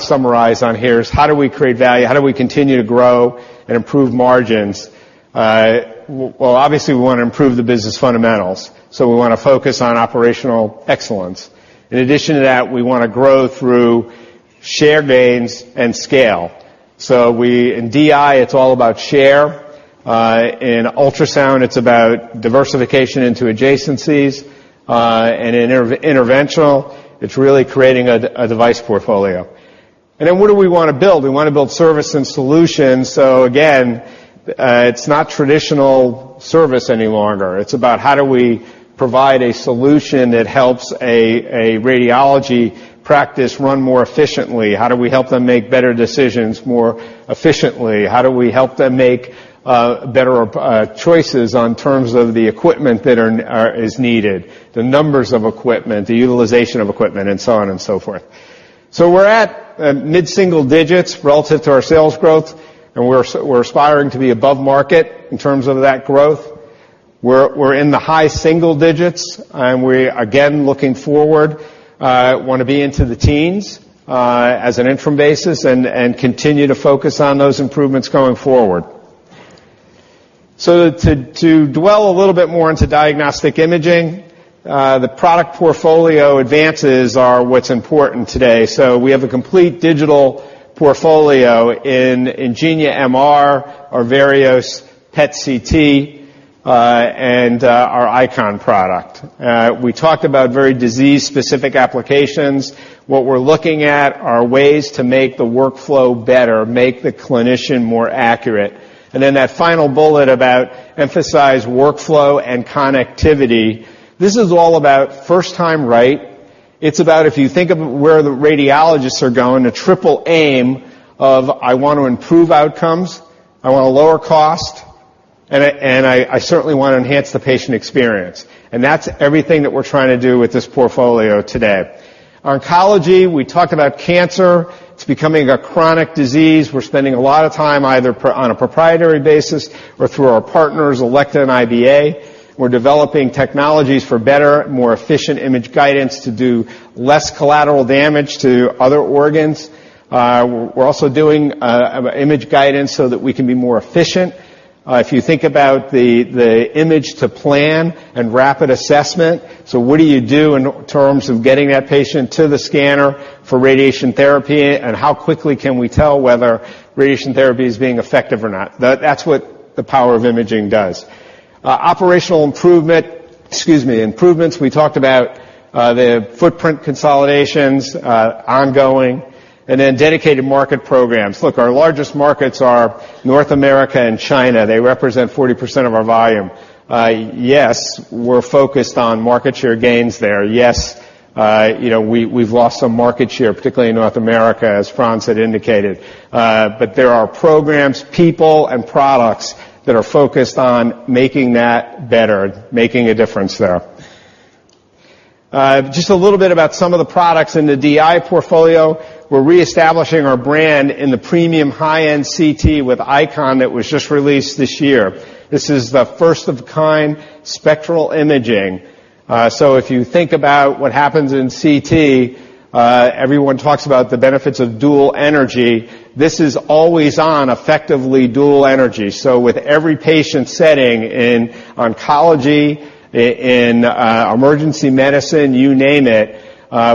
to summarize on here is how do we create value? How do we continue to grow and improve margins? Obviously, we want to improve the business fundamentals, we want to focus on operational excellence. In addition to that, we want to grow through share gains and scale. In DI, it's all about share. In ultrasound, it's about diversification into adjacencies. In interventional, it's really creating a device portfolio. What do we want to build? We want to build service and solutions. Again, it's not traditional service any longer. It's about how do we provide a solution that helps a radiology practice run more efficiently. How do we help them make better decisions more efficiently? How do we help them make better choices on terms of the equipment that is needed, the numbers of equipment, the utilization of equipment, and so on and so forth. We're at mid-single digits relative to our sales growth, and we're aspiring to be above market in terms of that growth. We're in the high single digits, and we, again, looking forward, want to be into the teens as an interim basis and continue to focus on those improvements going forward. To dwell a little bit more into diagnostic imaging, the product portfolio advances are what's important today. We have a complete digital portfolio in Ingenia MR, our various PET/CT, and our IQon product. We talked about very disease-specific applications. What we're looking at are ways to make the workflow better, make the clinician more accurate. That final bullet about emphasize workflow and connectivity, this is all about first time right. It's about if you think of where the radiologists are going, the triple aim of I want to improve outcomes, I want to lower cost, and I certainly want to enhance the patient experience. That's everything that we're trying to do with this portfolio today. Oncology, we talked about cancer. It's becoming a chronic disease. We're spending a lot of time either on a proprietary basis or through our partners, Elekta and IBA. We're developing technologies for better, more efficient image guidance to do less collateral damage to other organs. We're also doing image guidance so that we can be more efficient. If you think about the image to plan and rapid assessment, what do you do in terms of getting that patient to the scanner for radiation therapy, and how quickly can we tell whether radiation therapy is being effective or not? That's what the power of imaging does. Operational improvement, excuse me, improvements, we talked about the footprint consolidations, ongoing, dedicated market programs. Look, our largest markets are North America and China. They represent 40% of our volume. Yes, we're focused on market share gains there. Yes, we've lost some market share, particularly in North America, as Frans had indicated. There are programs, people, and products that are focused on making that better, making a difference there. Just a little bit about some of the products in the DI portfolio. We're reestablishing our brand in the premium high-end CT with IQon that was just released this year. This is the first of a kind spectral imaging. If you think about what happens in CT, everyone talks about the benefits of dual energy. This is always on effectively dual energy. With every patient setting in oncology, in emergency medicine, you name it,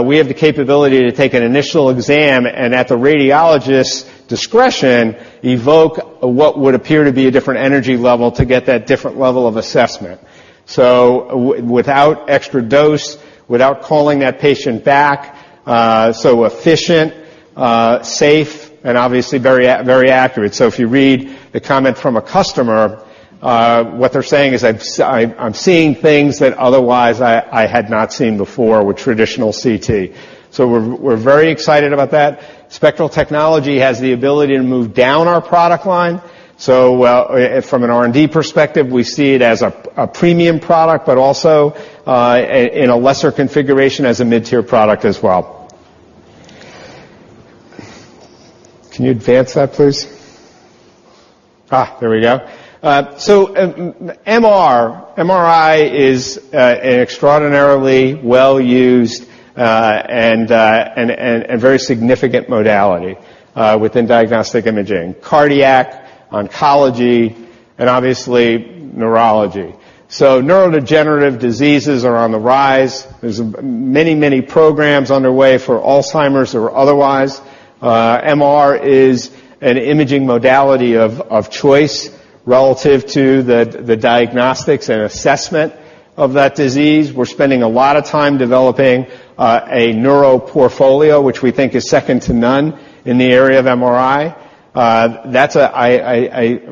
we have the capability to take an initial exam and at the radiologist's discretion, evoke what would appear to be a different energy level to get that different level of assessment. Without extra dose, without calling that patient back, efficient, safe, and obviously very accurate. If you read the comment from a customer, what they're saying is, "I'm seeing things that otherwise I had not seen before with traditional CT." We're very excited about that. Spectral technology has the ability to move down our product line. From an R&D perspective, we see it as a premium product, but also in a lesser configuration as a mid-tier product as well. Can you advance that, please? There we go. MRI is an extraordinarily well-used and very significant modality within diagnostic imaging. Cardiac, oncology, and obviously neurology. Neurodegenerative diseases are on the rise. There's many programs underway for Alzheimer's or otherwise. MR is an imaging modality of choice relative to the diagnostics and assessment of that disease. We're spending a lot of time developing a neuro portfolio, which we think is second to none in the area of MRI. That's,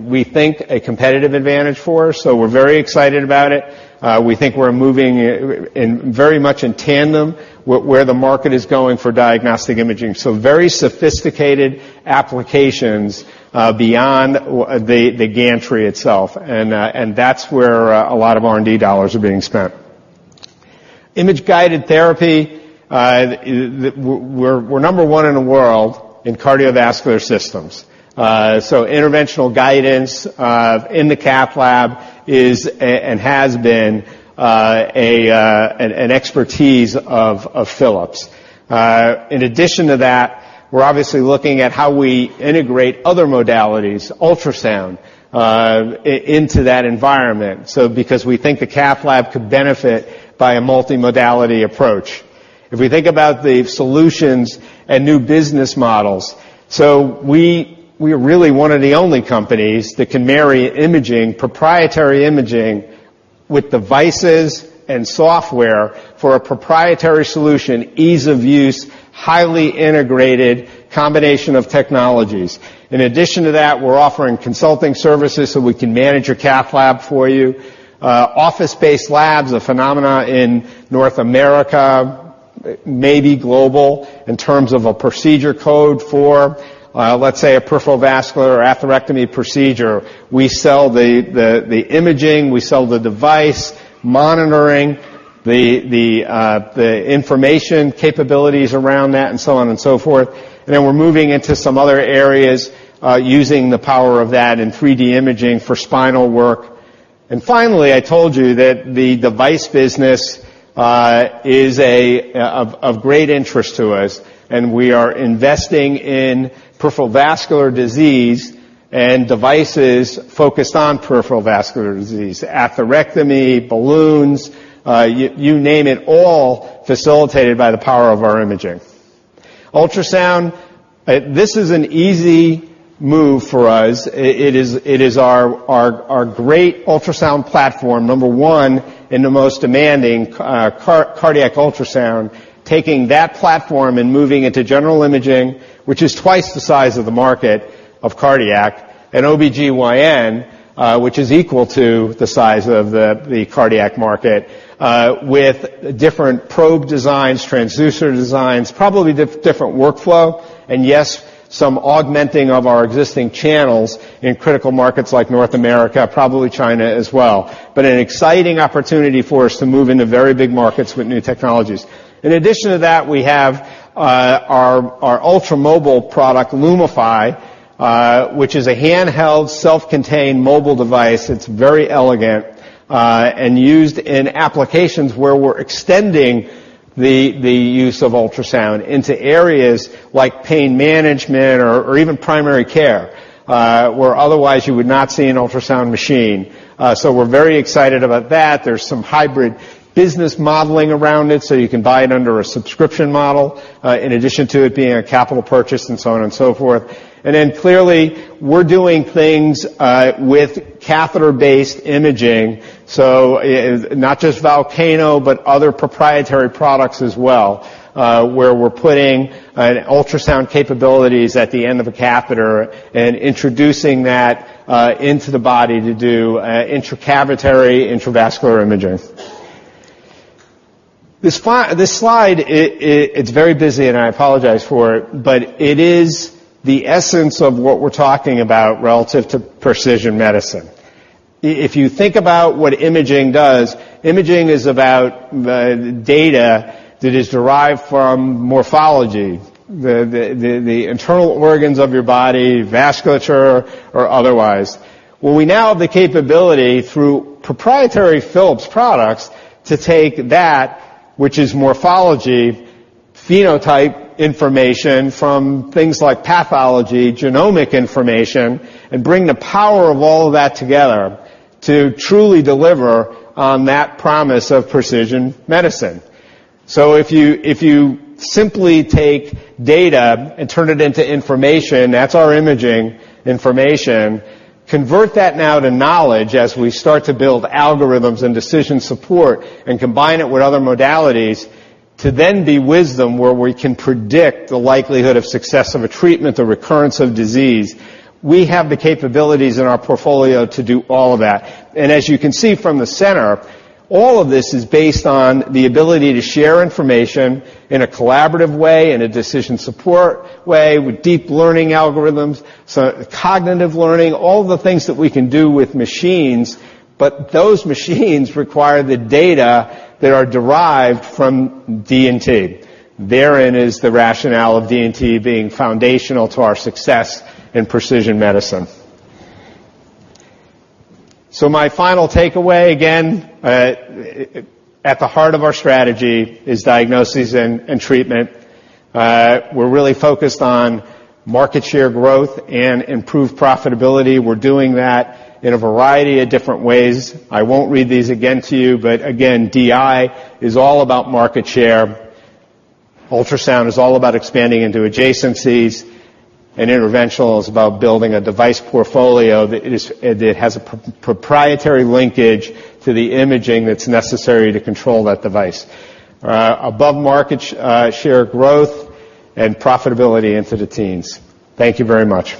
we think, a competitive advantage for us, so we're very excited about it. We think we're moving very much in tandem with where the market is going for diagnostic imaging. Very sophisticated applications beyond the gantry itself, and that's where a lot of R&D dollars are being spent. Image-guided therapy. We're number one in the world in cardiovascular systems. Interventional guidance in the cath lab is, and has been, an expertise of Philips. In addition to that, we're obviously looking at how we integrate other modalities, ultrasound, into that environment because we think the cath lab could benefit by a multimodality approach. If we think about the solutions and new business models, we are really one of the only companies that can marry proprietary imaging with devices and software for a proprietary solution, ease of use, highly integrated combination of technologies. In addition to that, we're offering consulting services, we can manage your cath lab for you. Office-based labs, a phenomena in North America, may be global in terms of a procedure code for, let's say, a peripheral vascular atherectomy procedure. We sell the imaging, we sell the device, monitoring, the information capabilities around that, and so on and so forth. We're moving into some other areas, using the power of that in 3D imaging for spinal work. Finally, I told you that the device business is of great interest to us, and we are investing in peripheral vascular disease and devices focused on peripheral vascular disease, atherectomy, balloons, you name it, all facilitated by the power of our imaging. Ultrasound. This is an easy move for us. It is our great ultrasound platform, number one in the most demanding cardiac ultrasound, taking that platform and moving it to general imaging, which is twice the size of the market of cardiac, and OB-GYN, which is equal to the size of the cardiac market, with different probe designs, transducer designs, probably different workflow, and yes, some augmenting of our existing channels in critical markets like North America, probably China as well. An exciting opportunity for us to move into very big markets with new technologies. In addition to that, we have our ultramobile product, Lumify, which is a handheld, self-contained mobile device. It's very elegant and used in applications where we're extending the use of ultrasound into areas like pain management or even primary care, where otherwise you would not see an ultrasound machine. We're very excited about that. There's some hybrid business modeling around it, you can buy it under a subscription model, in addition to it being a capital purchase and so on and so forth. Clearly, we're doing things with catheter-based imaging, not just Volcano, but other proprietary products as well, where we're putting ultrasound capabilities at the end of a catheter and introducing that into the body to do intracavitary, intravascular imaging. This slide, it's very busy, and I apologize for it, but it is the essence of what we're talking about relative to precision medicine. If you think about what imaging does, imaging is about the data that is derived from morphology, the internal organs of your body, vasculature or otherwise. We now have the capability, through proprietary Philips products, to take that, which is morphology, phenotype information from things like pathology, genomic information, and bring the power of all of that together to truly deliver on that promise of precision medicine. If you simply take data and turn it into information, that's our imaging information, convert that now to knowledge as we start to build algorithms and decision support and combine it with other modalities to then be wisdom where we can predict the likelihood of success of a treatment or recurrence of disease. We have the capabilities in our portfolio to do all of that. As you can see from the center, all of this is based on the ability to share information in a collaborative way, in a decision support way, with deep learning algorithms, cognitive learning, all the things that we can do with machines, but those machines require the data that are derived from D&T. Therein is the rationale of D&T being foundational to our success in precision medicine. My final takeaway, again, at the heart of our strategy is Diagnosis & Treatment. We're really focused on market share growth and improved profitability. We're doing that in a variety of different ways. I won't read these again to you, but again, DI is all about market share, ultrasound is all about expanding into adjacencies, and interventional is about building a device portfolio that has a proprietary linkage to the imaging that's necessary to control that device. Above-market share growth and profitability into the teens. Thank you very much.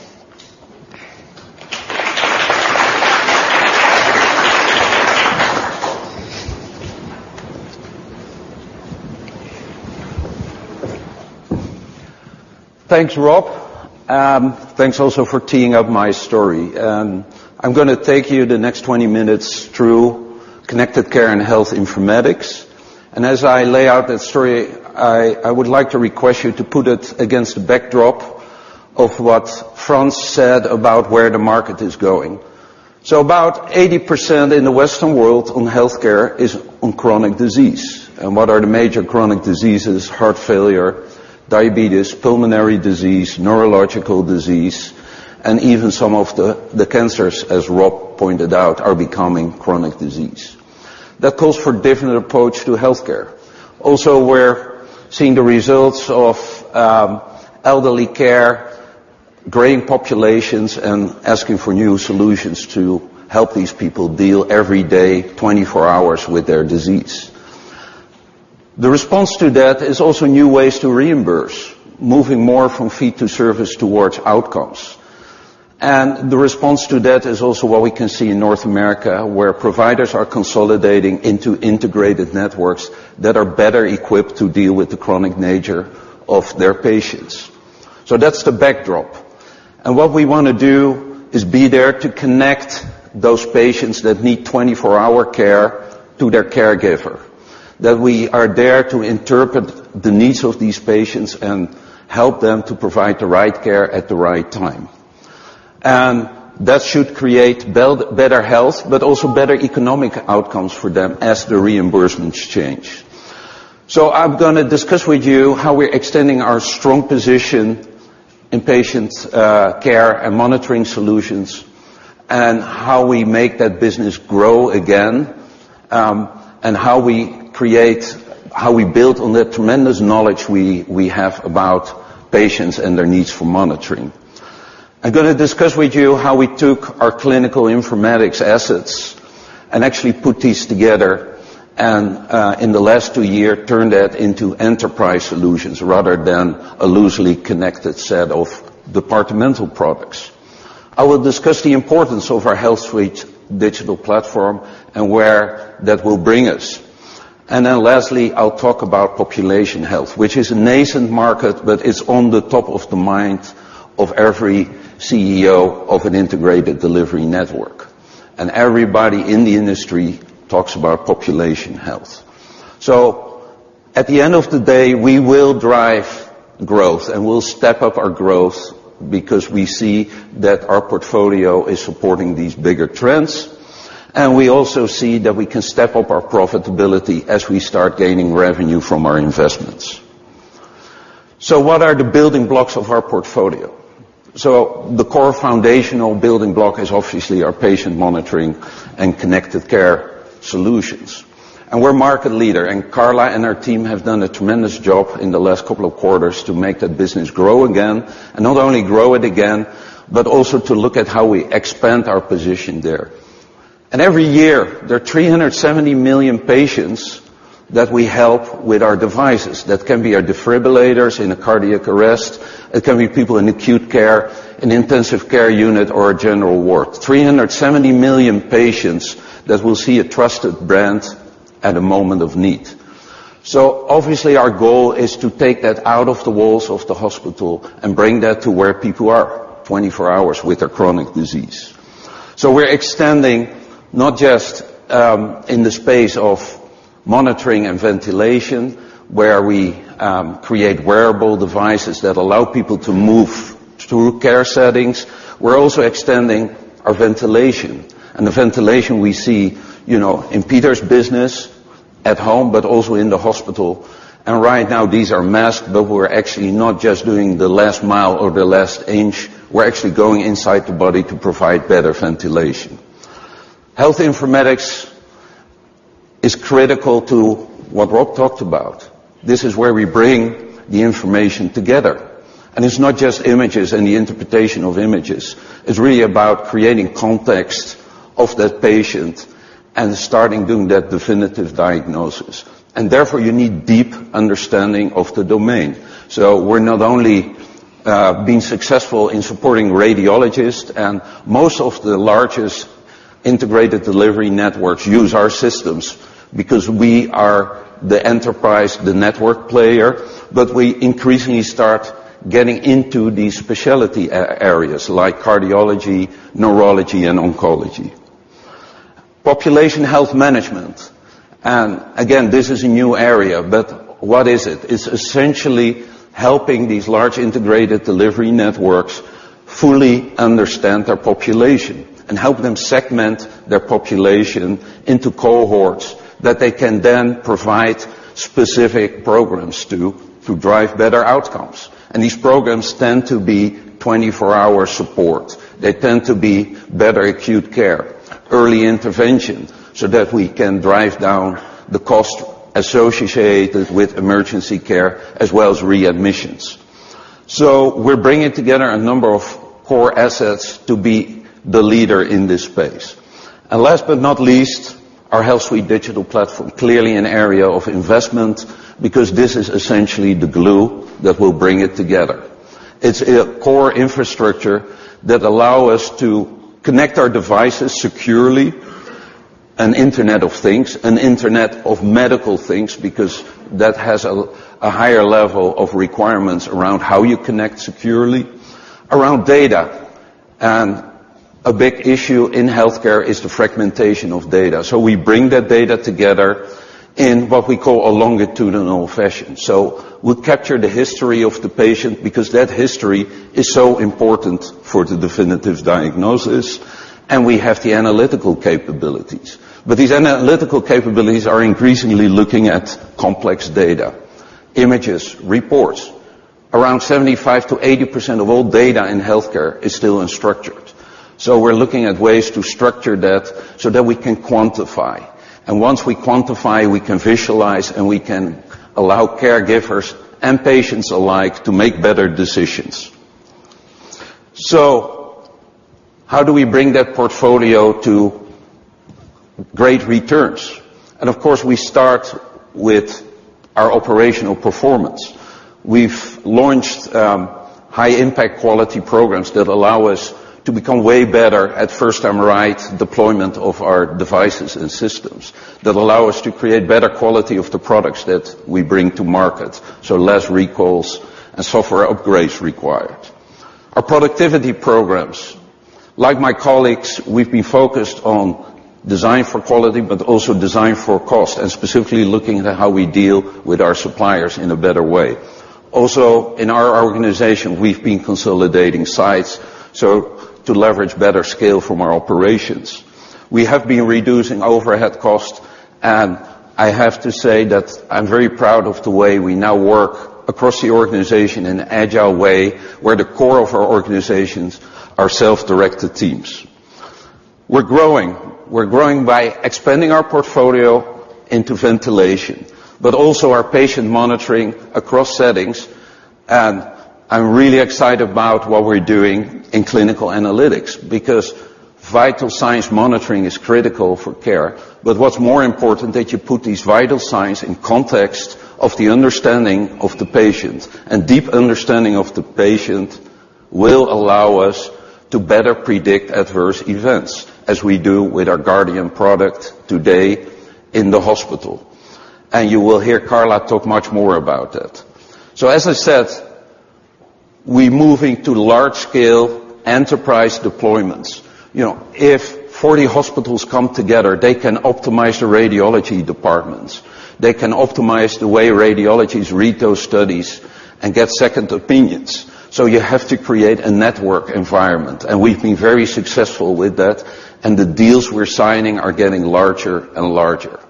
Thanks, Rob. Thanks also for teeing up my story. I'm going to take you the next 20 minutes through Connected Care and Health Informatics. As I lay out that story, I would like to request you to put it against the backdrop of what Frans said about where the market is going. About 80% in the Western world on healthcare is on chronic disease. What are the major chronic diseases? Heart failure, diabetes, pulmonary disease, neurological disease, and even some of the cancers, as Rob pointed out, are becoming chronic disease. That calls for a different approach to healthcare. Also, we're seeing the results of elderly care, graying populations, and asking for new solutions to help these people deal every day, 24 hours, with their disease. The response to that is also new ways to reimburse, moving more from fee to service towards outcomes. The response to that is also what we can see in North America, where providers are consolidating into integrated networks that are better equipped to deal with the chronic nature of their patients. That's the backdrop. What we want to do is be there to connect those patients that need 24-hour care to their caregiver. That we are there to interpret the needs of these patients and help them to provide the right care at the right time. That should create better health, but also better economic outcomes for them as the reimbursements change. I'm going to discuss with you how we're extending our strong position in Patient Care & Monitoring Solutions, and how we make that business grow again. How we build on the tremendous knowledge we have about patients and their needs for monitoring. I'm going to discuss with you how we took our clinical informatics assets and actually put these together and, in the last two years, turned that into enterprise solutions rather than a loosely connected set of departmental products. I will discuss the importance of our HealthSuite Digital Platform and where that will bring us. Lastly, I'll talk about population health, which is a nascent market, but it's on the top of the mind of every CEO of an integrated delivery network. Everybody in the industry talks about population health. At the end of the day, we will drive growth, and we'll step up our growth because we see that our portfolio is supporting these bigger trends. We also see that we can step up our profitability as we start gaining revenue from our investments. What are the building blocks of our portfolio? The core foundational building block is obviously our patient monitoring and connected care solutions. We're a market leader, and Carla and her team have done a tremendous job in the last couple of quarters to make that business grow again. Not only grow it again, but also to look at how we expand our position there. Every year, there are 370 million patients that we help with our devices. That can be our defibrillators in a cardiac arrest, it can be people in acute care, in intensive care unit or a general ward. 370 million patients that will see a trusted brand at a moment of need. Obviously, our goal is to take that out of the walls of the hospital and bring that to where people are 24 hours with their chronic disease. We're extending, not just in the space of monitoring and ventilation, where we create wearable devices that allow people to move through care settings. We're also extending our ventilation. The ventilation we see in Pieter's business, at home, but also in the hospital. Right now, these are masks, but we're actually not just doing the last mile or the last inch, we're actually going inside the body to provide better ventilation. Health informatics is critical to what Rob talked about. This is where we bring the information together. It's not just images and the interpretation of images. It's really about creating context of that patient and starting doing that definitive diagnosis. Therefore, you need deep understanding of the domain. We're not only being successful in supporting radiologists, and most of the largest integrated delivery networks use our systems because we are the enterprise, the network player, but we increasingly start getting into these specialty areas like cardiology, neurology, and oncology. Population health management. Again, this is a new area, but what is it? It's essentially helping these large integrated delivery networks fully understand their population and help them segment their population into cohorts that they can then provide specific programs to drive better outcomes. These programs tend to be 24-hour support. They tend to be better acute care, early intervention, so that we can drive down the cost associated with emergency care as well as readmissions. We're bringing together a number of core assets to be the leader in this space. Last but not least, our HealthSuite digital platform. Clearly an area of investment, because this is essentially the glue that will bring it together. It's a core infrastructure that allow us to connect our devices securely, an Internet of things, an internet of medical things, because that has a higher level of requirements around how you connect securely, around data. A big issue in healthcare is the fragmentation of data. We bring that data together in what we call a longitudinal fashion. We capture the history of the patient because that history is so important for the definitive diagnosis. We have the analytical capabilities. These analytical capabilities are increasingly looking at complex data, images, reports. Around 75% to 80% of all data in healthcare is still unstructured. We're looking at ways to structure that so that we can quantify. Once we quantify, we can visualize, and we can allow caregivers and patients alike to make better decisions. How do we bring that portfolio to great returns? Of course, we start with our operational performance. We've launched high-impact quality programs that allow us to become way better at first-time-right deployment of our devices and systems, that allow us to create better quality of the products that we bring to market, so less recalls and software upgrades required. Our productivity programs. Like my colleagues, we've been focused on design for quality but also design for cost, and specifically looking at how we deal with our suppliers in a better way. Also, in our organization, we've been consolidating sites, so to leverage better scale from our operations. We have been reducing overhead cost, and I have to say that I'm very proud of the way we now work across the organization in an agile way, where the core of our organizations are self-directed teams. We're growing. We're growing by expanding our portfolio into ventilation, but also our patient monitoring across settings. I'm really excited about what we're doing in clinical analytics because vital signs monitoring is critical for care. What's more important that you put these vital signs in context of the understanding of the patient. Deep understanding of the patient will allow us to better predict adverse events, as we do with our Guardian product today in the hospital. You will hear Carla talk much more about that. As I said, we're moving to large-scale enterprise deployments. If 40 hospitals come together, they can optimize the radiology departments. They can optimize the way radiologies read those studies and get second opinions. You have to create a network environment, we've been very successful with that, and the deals we're signing are getting larger and larger.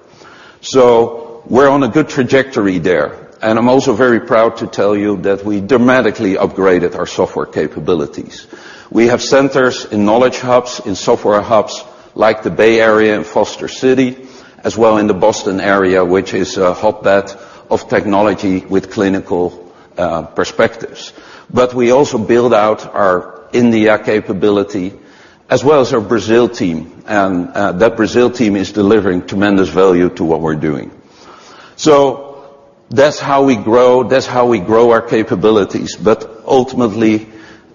We're on a good trajectory there. I'm also very proud to tell you that we dramatically upgraded our software capabilities. We have centers in knowledge hubs, in software hubs like the Bay Area and Foster City, as well in the Boston area, which is a hotbed of technology with clinical perspectives. We also build out our India capability as well as our Brazil team. That Brazil team is delivering tremendous value to what we're doing. That's how we grow, that's how we grow our capabilities. Ultimately,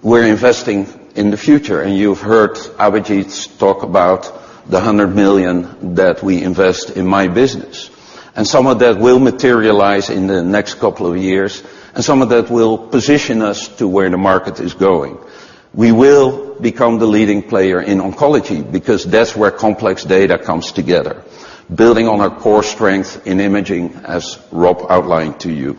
we're investing in the future. You've heard Abhijit talk about the 100 million that we invest in my business. Some of that will materialize in the next couple of years, and some of that will position us to where the market is going. We will become the leading player in oncology because that's where complex data comes together, building on our core strength in imaging, as Rob outlined to you.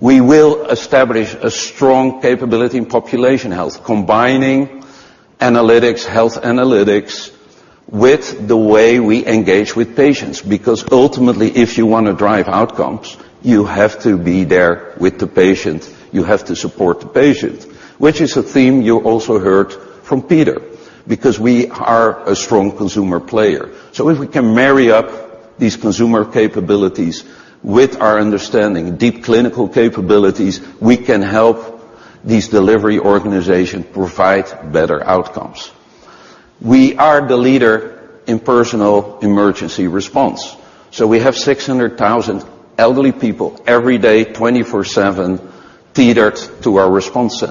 We will establish a strong capability in population health, combining analytics, health analytics, with the way we engage with patients. Ultimately, if you want to drive outcomes, you have to be there with the patient. You have to support the patient, which is a theme you also heard from Pieter, because we are a strong consumer player. If we can marry up these consumer capabilities with our understanding, deep clinical capabilities, we can help these delivery organization provide better outcomes. We are the leader in personal emergency response. We have 600,000 elderly people every day, 24/7, tethered to our response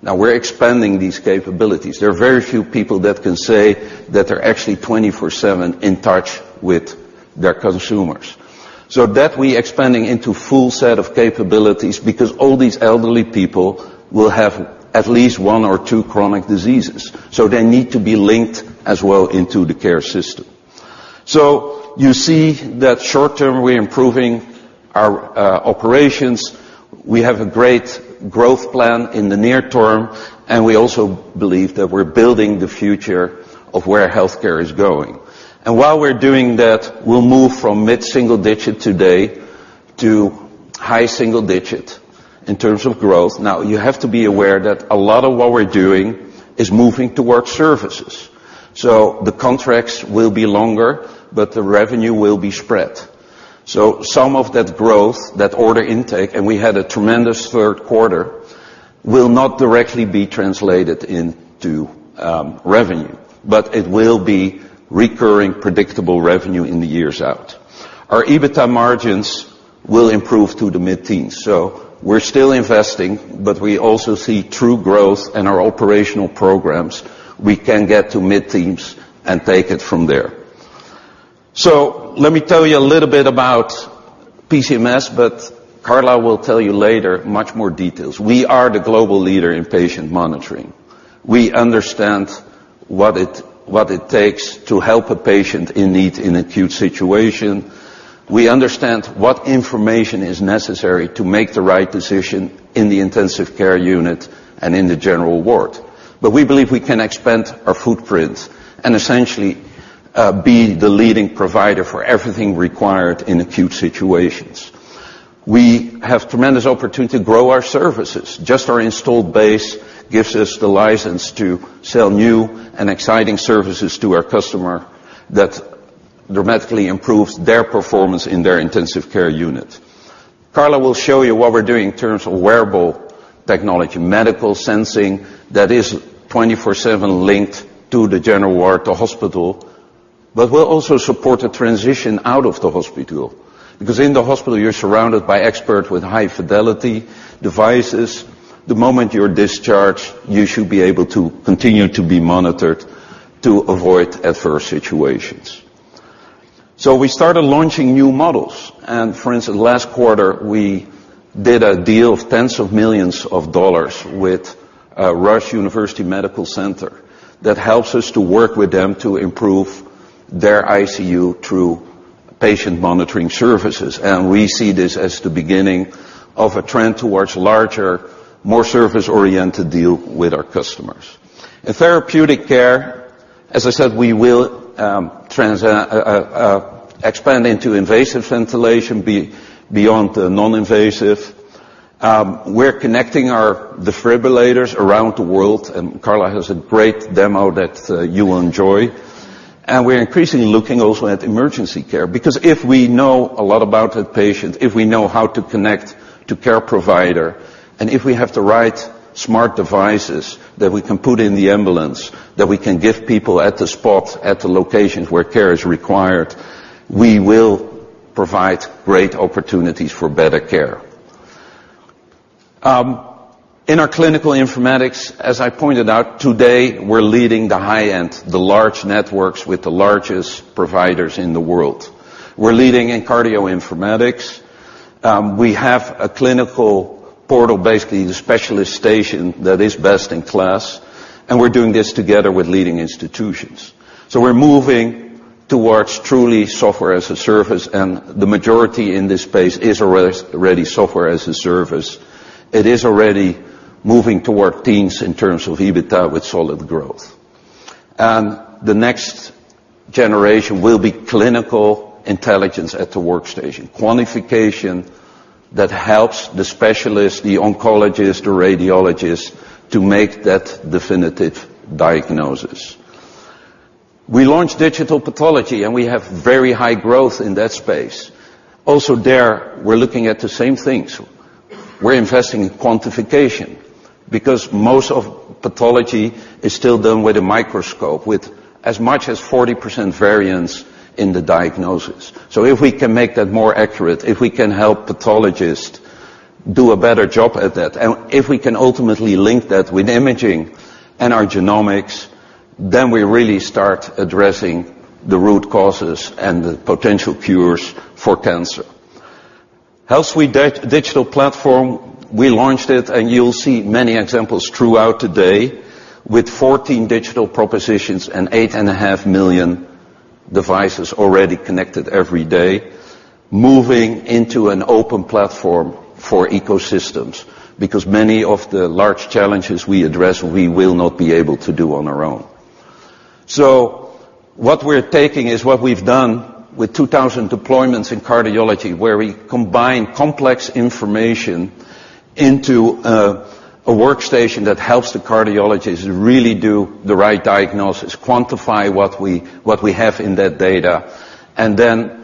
center. We're expanding these capabilities. There are very few people that can say that they're actually 24/7 in touch with their consumers. That we expanding into full set of capabilities because all these elderly people will have at least one or two chronic diseases, they need to be linked as well into the care system. You see that short term, we're improving our operations. We have a great growth plan in the near term, and we also believe that we're building the future of where healthcare is going. While we're doing that, we'll move from mid-single digit today to high single digit in terms of growth. You have to be aware that a lot of what we're doing is moving toward services. The contracts will be longer, but the revenue will be spread. Some of that growth, that order intake, and we had a tremendous third quarter, will not directly be translated into revenue, but it will be recurring predictable revenue in the years out. Our EBITDA margins will improve to the mid-teens. We're still investing, but we also see true growth in our operational programs. We can get to mid-teens and take it from there. Let me tell you a little bit about PCMS, but Carla will tell you later much more details. We are the global leader in patient monitoring. We understand what it takes to help a patient in need in acute situation. We understand what information is necessary to make the right decision in the intensive care unit and in the general ward. We believe we can expand our footprint and essentially, be the leading provider for everything required in acute situations. We have tremendous opportunity to grow our services. Just our installed base gives us the license to sell new and exciting services to our customer that dramatically improves their performance in their intensive care unit. Carla will show you what we're doing in terms of wearable technology, medical sensing that is 24 seven linked to the general ward, the hospital. We'll also support a transition out of the hospital. Because in the hospital, you're surrounded by experts with high fidelity devices. The moment you're discharged, you should be able to continue to be monitored to avoid adverse situations. We started launching new models. For instance, last quarter, we did a deal of tens of millions of EUR with Rush University Medical Center. That helps us to work with them to improve their ICU through patient monitoring services. We see this as the beginning of a trend towards larger, more service-oriented deal with our customers. In therapeutic care, as I said, we will expand into invasive ventilation, beyond the non-invasive. We're connecting our defibrillators around the world, and Carla has a great demo that you will enjoy. We're increasingly looking also at emergency care because if we know a lot about a patient, if we know how to connect to care provider, and if we have the right smart devices that we can put in the ambulance, that we can give people at the spot, at the locations where care is required, we will provide great opportunities for better care. In our clinical informatics, as I pointed out, today, we're leading the high-end, the large networks with the largest providers in the world. We're leading in cardio informatics. We have a clinical portal, basically the specialist station that is best in class, and we're doing this together with leading institutions. We're moving towards truly software as a service, and the majority in this space is already software as a service. It is already moving toward teens in terms of EBITDA with solid growth. The next generation will be clinical intelligence at the workstation. Quantification that helps the specialist, the oncologist, the radiologist, to make that definitive diagnosis. We launched digital pathology, and we have very high growth in that space. Also there, we're looking at the same things. We're investing in quantification because most of pathology is still done with a microscope, with as much as 40% variance in the diagnosis. If we can make that more accurate, if we can help pathologists do a better job at that, and if we can ultimately link that with imaging and our genomics, then we really start addressing the root causes and the potential cures for cancer. HealthSuite digital platform, we launched it, and you'll see many examples throughout today with 14 digital propositions and eight and a half million devices already connected every day, moving into an open platform for ecosystems. Many of the large challenges we address, we will not be able to do on our own. What we're taking is what we've done with 2,000 deployments in cardiology, where we combine complex information into a workstation that helps the cardiologists really do the right diagnosis, quantify what we have in that data, and then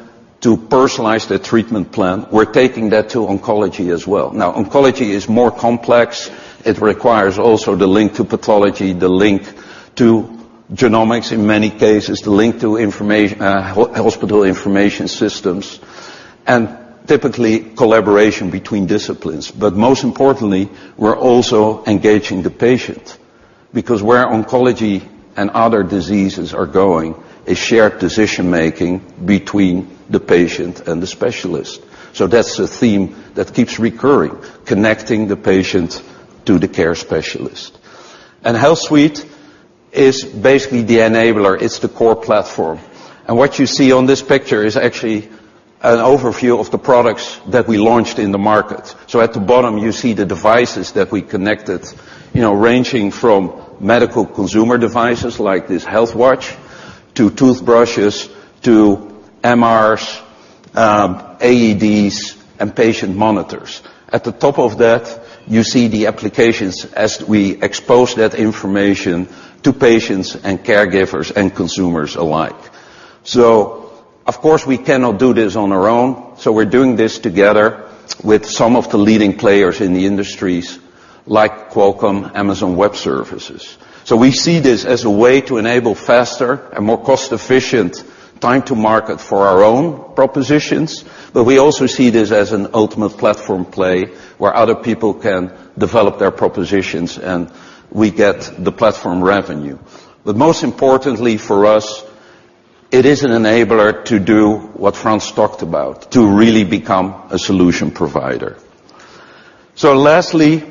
to personalize the treatment plan. We're taking that to oncology as well. Oncology is more complex. It requires also the link to pathology, the link to genomics in many cases, the link to hospital information systems, and typically collaboration between disciplines. Most importantly, we're also engaging the patient because where oncology and other diseases are going, a shared decision-making between the patient and the specialist. That's the theme that keeps recurring, connecting the patient to the care specialist. HealthSuite is basically the enabler. It's the core platform. What you see on this picture is actually an overview of the products that we launched in the market. At the bottom, you see the devices that we connected, ranging from medical consumer devices like this health watch to toothbrushes, to MRs, AEDs, and patient monitors. At the top of that, you see the applications as we expose that information to patients and caregivers and consumers alike. Of course, we cannot do this on our own, so we're doing this together with some of the leading players in the industries like Qualcomm, Amazon Web Services. We see this as a way to enable faster and more cost-efficient time to market for our own propositions, but we also see this as an ultimate platform play where other people can develop their propositions, and we get the platform revenue. Most importantly for us, it is an enabler to do what Frans talked about, to really become a solution provider. Lastly,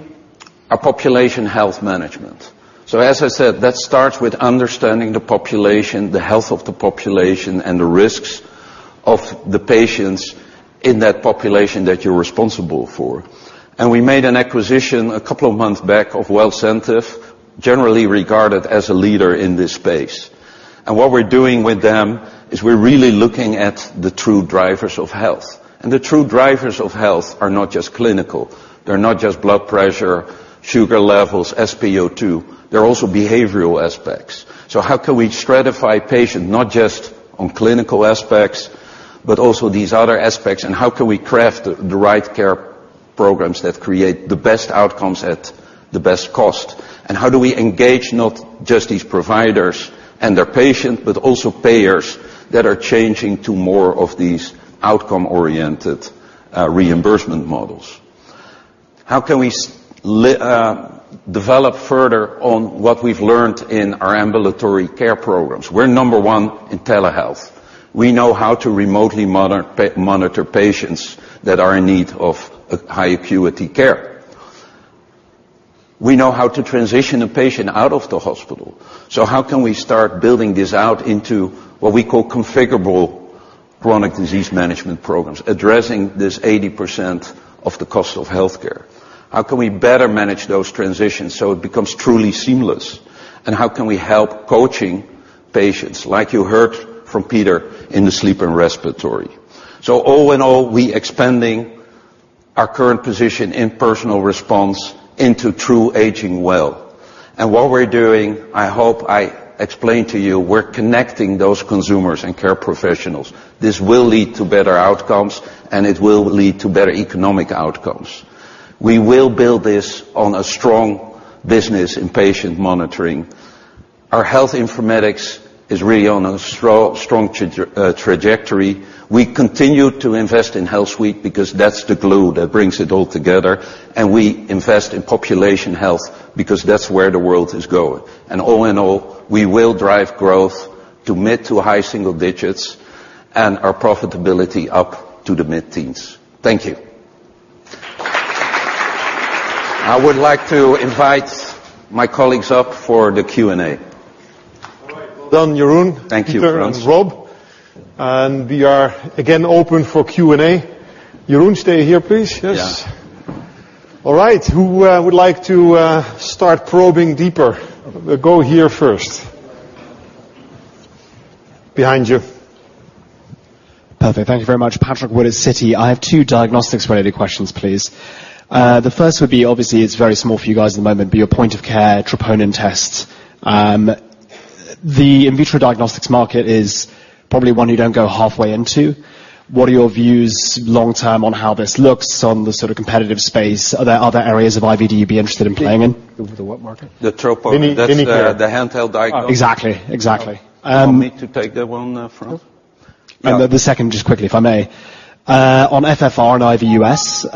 our Population Health Management. As I said, that starts with understanding the population, the health of the population, and the risks of the patients in that population that you're responsible for. We made an acquisition a couple of months back of Wellcentive, generally regarded as a leader in this space. What we're doing with them is we're really looking at the true drivers of health. The true drivers of health are not just clinical, they're not just blood pressure, sugar levels, SpO2, they're also behavioral aspects. How can we stratify patient, not just on clinical aspects, but also these other aspects, and how can we craft the right care programs that create the best outcomes at the best cost? How do we engage not just these providers and their patient, but also payers that are changing to more of these outcome-oriented reimbursement models? How can we develop further on what we've learned in our ambulatory care programs? We're number one in telehealth. We know how to remotely monitor patients that are in need of high-acuity care. We know how to transition a patient out of the hospital. How can we start building this out into what we call configurable chronic disease management programs, addressing this 80% of the cost of healthcare? How can we better manage those transitions so it becomes truly seamless? How can we help coaching patients, like you heard from Pieter in the sleep and respiratory? All in all, we expanding our current position in personal response into true aging well. What we're doing, I hope I explained to you, we're connecting those consumers and care professionals. This will lead to better outcomes, and it will lead to better economic outcomes. We will build this on a strong business in patient monitoring. Our health informatics is really on a strong trajectory. We continue to invest in HealthSuite because that's the glue that brings it all together. We invest in population health because that's where the world is going. All in all, we will drive growth to mid to high single digits and our profitability up to the mid-teens. Thank you. I would like to invite my colleagues up for the Q&A. All right. Well done, Jeroen, Thank you, Frans. Pieter, and Rob. We are again open for Q&A. Jeroen, stay here, please. Yes. Yeah. All right. Who would like to start probing deeper? We'll go here first. Behind you. Perfect. Thank you very much. Patrick Wood at Citi. I have two diagnostics-related questions, please. The first would be, obviously, it's very small for you guys at the moment, but your point of care troponin tests. The in vitro diagnostics market is probably one you don't go halfway into. What are your views long term on how this looks on the sort of competitive space? Are there other areas of IVD you'd be interested in playing in? The what market? The troponin. The handheld Exactly. You want me to take that one, Frans? Sure. The second, just quickly, if I may. On FFR and IVUS,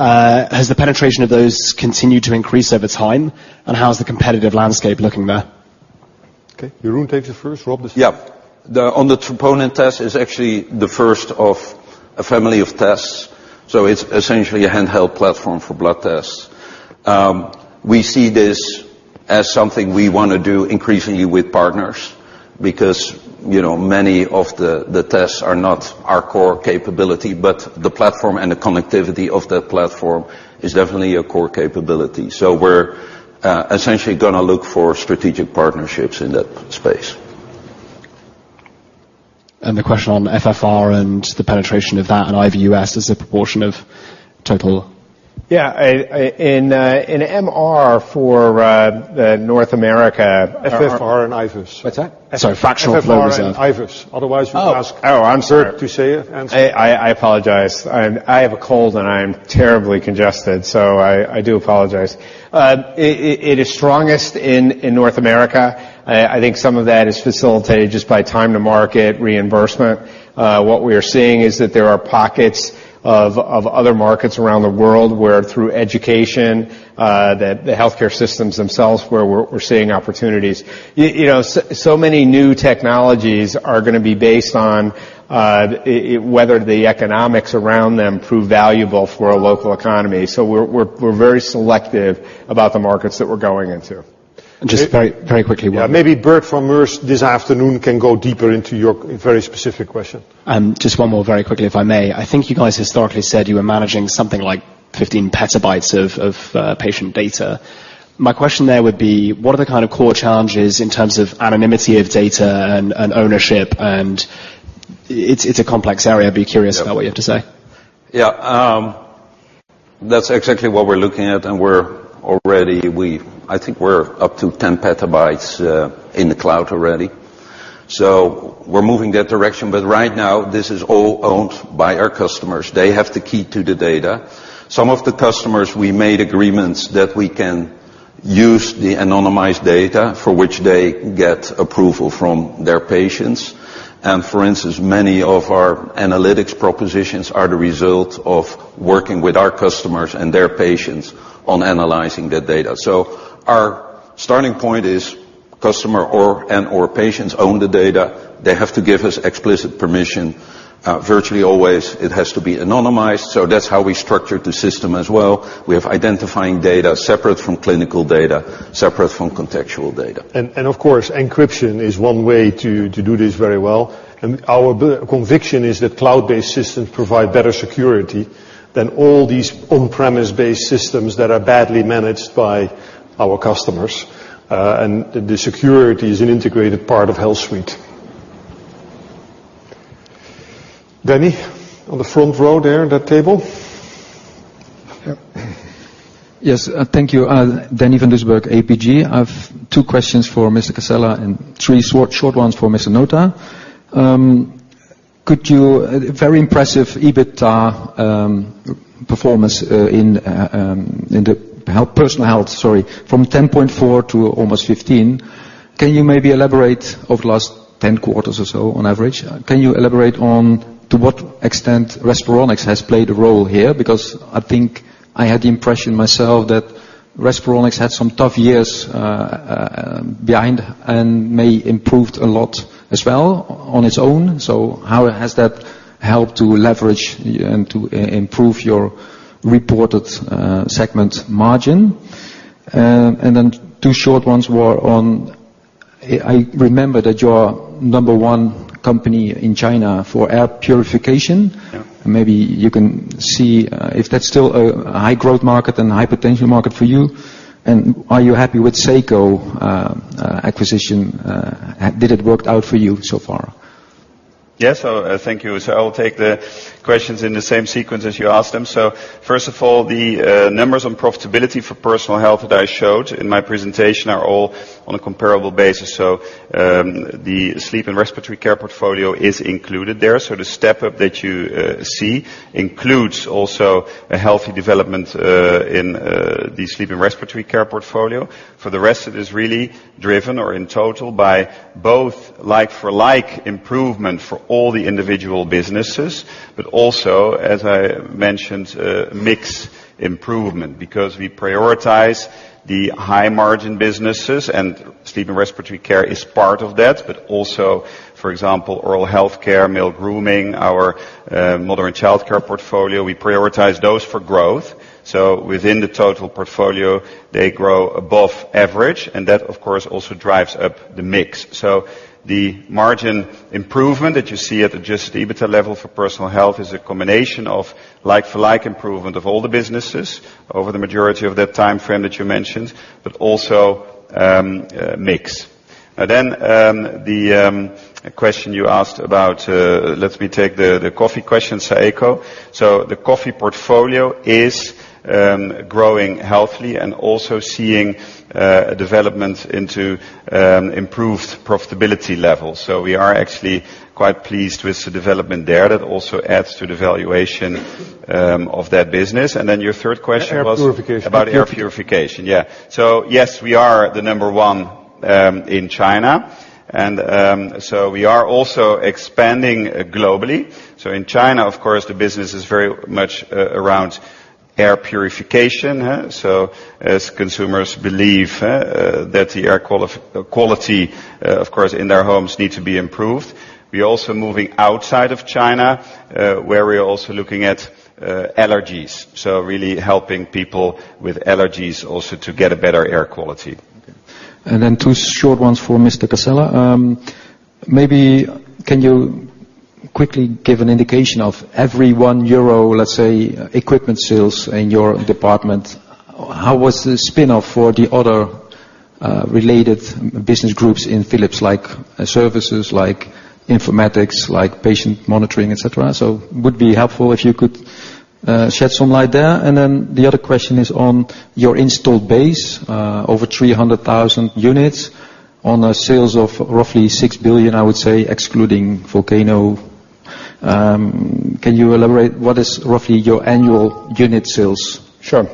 has the penetration of those continued to increase over time, and how's the competitive landscape looking there? Okay. Jeroen takes it first. Rob. Yeah. On the troponin test is actually the first of a family of tests, it's essentially a handheld platform for blood tests. We see this as something we want to do increasingly with partners because many of the tests are not our core capability, but the platform and the connectivity of that platform is definitely a core capability. We're essentially going to look for strategic partnerships in that space. The question on FFR and the penetration of that and IVUS as a proportion of total. Yeah. In MR for North America. FFR and IVUS. What's that? Sorry. Fractional flow- FFR and IVUS. Otherwise, you ask- Oh, I'm sorry Bert to say an answer. I apologize. I have a cold, and I am terribly congested, I do apologize. It is strongest in North America. I think some of that is facilitated just by time to market reimbursement. What we are seeing is that there are pockets of other markets around the world where through education, the healthcare systems themselves, where we're seeing opportunities. Many new technologies are going to be based on whether the economics around them prove valuable for a local economy. We're very selective about the markets that we're going into. Just very quickly. Maybe Bert from [Ernst] this afternoon can go deeper into your very specific question. Just one more very quickly, if I may. I think you guys historically said you were managing something like 15 petabytes of patient data. My question there would be, what are the core challenges in terms of anonymity of data and ownership? It's a complex area. I'd be curious about what you have to say. Yeah. That's exactly what we're looking at. I think we're up to 10 petabytes in the cloud already. We're moving that direction. Right now, this is all owned by our customers. They have the key to the data. Some of the customers, we made agreements that we can use the anonymized data for which they get approval from their patients. For instance, many of our analytics propositions are the result of working with our customers and their patients on analyzing that data. Our starting point is customer and/or patients own the data. They have to give us explicit permission. Virtually always it has to be anonymized. That's how we structured the system as well. We have identifying data separate from clinical data, separate from contextual data. Of course, encryption is one way to do this very well. Our conviction is that cloud-based systems provide better security than all these on-premise-based systems that are badly managed by our customers. The security is an integrated part of HealthSuite. Danny, on the front row there, that table. Yep. Yes. Thank you. Danny van Doesburg, APG. I have two questions for Mr. Cascella and three short ones for Mr. Nota. Very impressive EBITA performance in the Personal Health. From 10.4% to almost 15%. Can you maybe elaborate, over the last 10 quarters or so on average, can you elaborate on to what extent Respironics has played a role here? Because I think I had the impression myself that Respironics had some tough years behind and may improved a lot as well on its own. How has that helped to leverage and to improve your reported segment margin? Then two short ones were on, I remember that you're number one company in China for air purification. Yeah. Maybe you can see if that's still a high-growth market and a high-potential market for you. Are you happy with Saeco acquisition? Did it work out for you so far? Yes. Thank you. I will take the questions in the same sequence as you asked them. First of all, the numbers on profitability for Personal Health that I showed in my presentation are all on a comparable basis. The sleep and respiratory care portfolio is included there. The step-up that you see includes also a healthy development in the sleep and respiratory care portfolio. For the rest, it is really driven or in total by both like-for-like improvement for all the individual businesses, but also, as I mentioned, mix improvement because we prioritize the high-margin businesses and sleep and respiratory care is part of that. Also, for example, oral health care, male grooming, our mother and child care portfolio, we prioritize those for growth. Within the total portfolio, they grow above average and that of course also drives up the mix. The margin improvement that you see at just EBITDA level for Personal Health is a combination of like-for-like improvement of all the businesses over the majority of that timeframe that you mentioned, but also mix. Now then, the question you asked about, let me take the coffee question, Saeco. The coffee portfolio is growing healthily and also seeing a development into improved profitability levels. We are actually quite pleased with the development there. That also adds to the valuation of that business. Your third question was- Air purification About air purification. Yes. Yes, we are the number one in China, and we are also expanding globally. In China, of course, the business is very much around air purification. As consumers believe that the air quality, of course, in their homes need to be improved. We're also moving outside of China, where we're also looking at allergies. Really helping people with allergies also to get a better air quality. Two short ones for Mr. Cascella. Maybe can you quickly give an indication of every 1 euro, let's say, equipment sales in your department, how was the spin-off for the other related business groups in Philips, like services, like informatics, like patient monitoring, et cetera? Would be helpful if you could shed some light there. The other question is on your installed base, over 300,000 units on a sales of roughly 6 billion, I would say, excluding Volcano. Can you elaborate what is roughly your annual unit sales? Sure.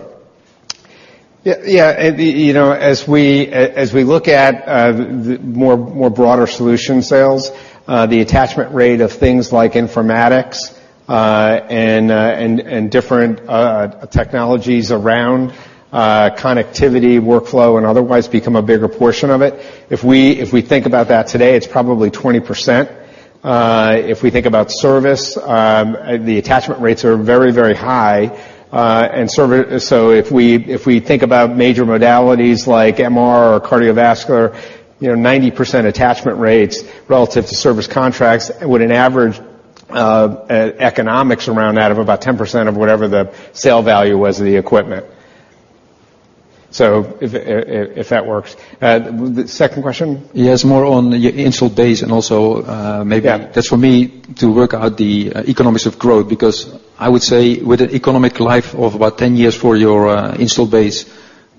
Yeah. As we look at more broader solution sales, the attachment rate of things like informatics, and different technologies around connectivity, workflow, and otherwise become a bigger portion of it. If we think about that today, it's probably 20%. If we think about service, the attachment rates are very high. If we think about major modalities like MR or cardiovascular, 90% attachment rates relative to service contracts with an average economics around that of about 10% of whatever the sale value was of the equipment. If that works. The second question? Yes, more on your install base and also maybe. Yeah just for me to work out the economics of growth, I would say with an economic life of 10 years for your install base,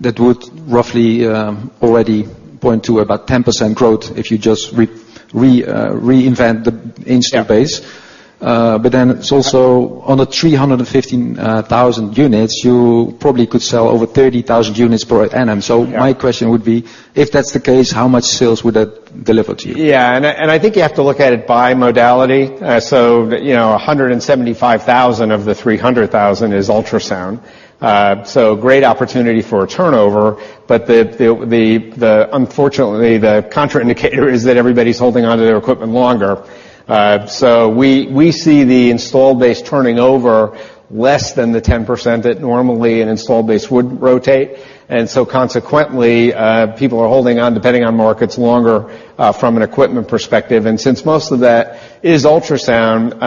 that would roughly already point to 10% growth if you just reinvent the install base. Yeah. It's also on the 315,000 units, you probably could sell over 30,000 units per annum. Yeah. My question would be, if that's the case, how much sales would that deliver to you? Yeah, I think you have to look at it by modality. 175,000 of the 300,000 is ultrasound. Great opportunity for a turnover, unfortunately, the contraindicator is that everybody's holding onto their equipment longer. We see the installed base turning over less than the 10% that normally an installed base would rotate. Consequently, people are holding on, depending on markets, longer, from an equipment perspective. Since most of that is ultrasound,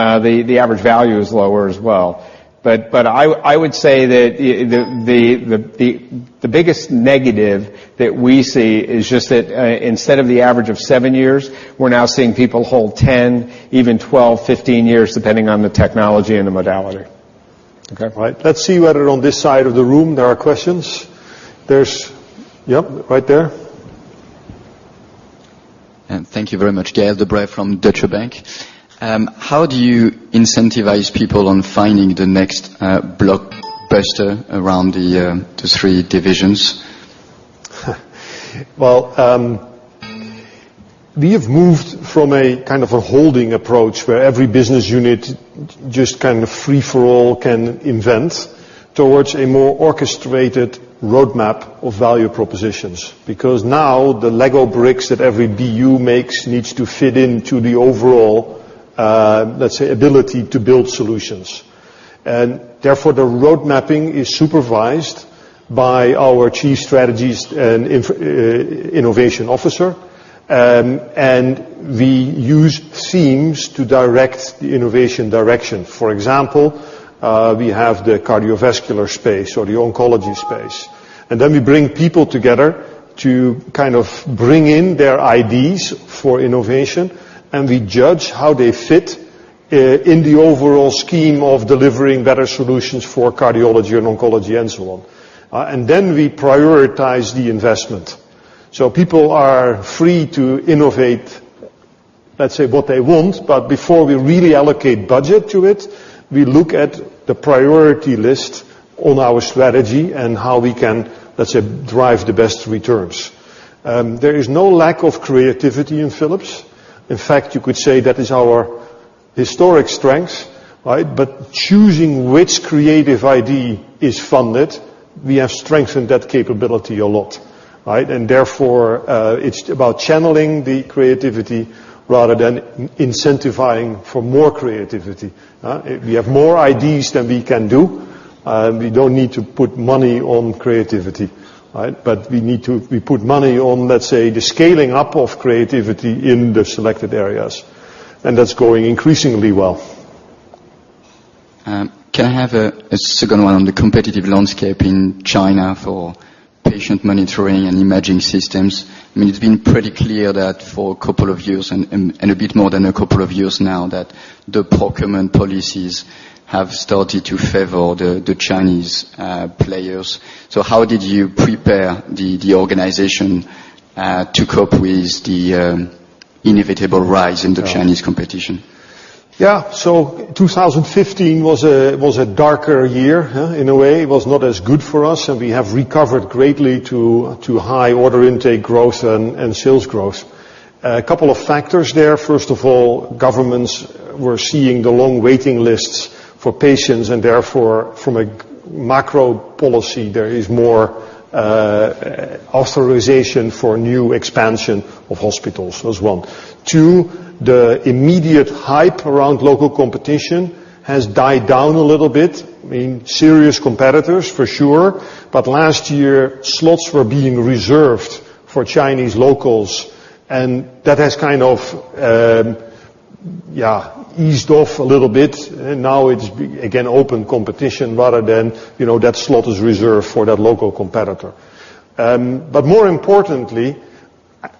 the average value is lower as well. I would say that the biggest negative that we see is just that instead of the average of seven years, we're now seeing people hold 10, even 12, 15 years, depending on the technology and the modality. Okay. All right. Let's see whether on this side of the room there are questions. There's, yep, right there. Thank you very much. Gaël de Bray from Deutsche Bank. How do you incentivize people on finding the next blockbuster around the three divisions? Well, we have moved from a kind of a holding approach where every business unit, just kind of free for all can invent, towards a more orchestrated roadmap of value propositions. Now the Lego bricks that every BU makes needs to fit into the overall, let's say, ability to build solutions. Therefore, the road mapping is supervised by our chief strategies and innovation officer. We use themes to direct the innovation direction. For example, we have the cardiovascular space or the oncology space. Then we bring people together to kind of bring in their IDs for innovation, and we judge how they fit in the overall scheme of delivering better solutions for cardiology and oncology and so on. Then we prioritize the investment. People are free to innovate, let's say, what they want, but before we really allocate budget to it, we look at the priority list on our strategy and how we can, let's say, drive the best returns. There is no lack of creativity in Philips. In fact, you could say that is our historic strength, right? Choosing which creative ID is funded, we have strengthened that capability a lot. Right? Therefore, it's about channeling the creativity rather than incentivizing for more creativity. We have more IDs than we can do. We don't need to put money on creativity. Right? We put money on, let's say, the scaling up of creativity in the selected areas. That's going increasingly well. Can I have a second one on the competitive landscape in China for patient monitoring and imaging systems? I mean, it has been pretty clear that for 2 years and a bit more than 2 years now, that the procurement policies have started to favor the Chinese players. How did you prepare the organization, to cope with the inevitable rise in the Chinese competition? Yeah. 2015 was a darker year, in a way. It was not as good for us, and we have recovered greatly to high order intake growth and sales growth. 2 factors there. First of all, governments were seeing the long waiting lists for patients and therefore, from a macro policy, there is more authorization for new expansion of hospitals as well. Two, the immediate hype around local competition has died down a little bit. I mean, serious competitors for sure, but last year slots were being reserved for Chinese locals, and that has kind of eased off a little bit. Now it is, again, open competition rather than, that slot is reserved for that local competitor. More importantly,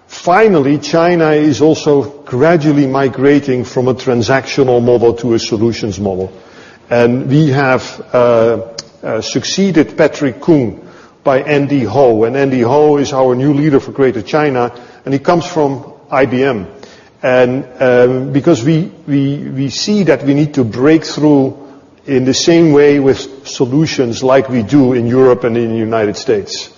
finally, China is also gradually migrating from a transactional model to a solutions model. We have succeeded Patrick Kung by Andy Ho. Andy Ho is our new leader for Greater China, and he comes from IBM. Because we see that we need to break through in the same way with solutions like we do in Europe and in the U.S.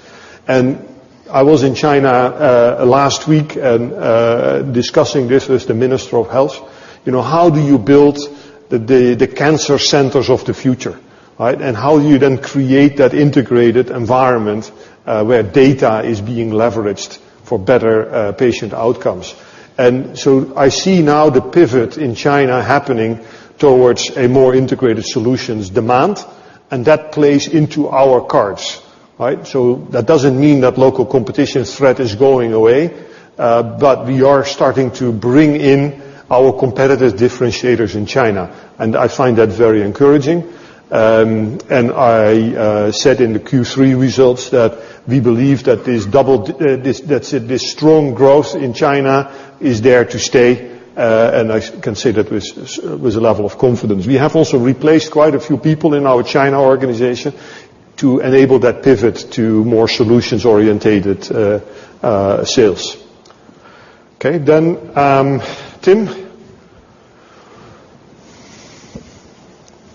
I was in China last week and discussing this with the Minister of Health. How do you build the cancer centers of the future, right? How you then create that integrated environment, where data is being leveraged for better patient outcomes. I see now the pivot in China happening towards a more integrated solutions demand, and that plays into our cards. Right? That does not mean that local competition threat is going away, we are starting to bring in our competitive differentiators in China, I find that very encouraging. I said in the Q3 results that we believe that this strong growth in China is there to stay, and I can say that with a level of confidence. We have also replaced quite a few people in our China organization to enable that pivot to more solutions-orientated sales. Okay, Tim?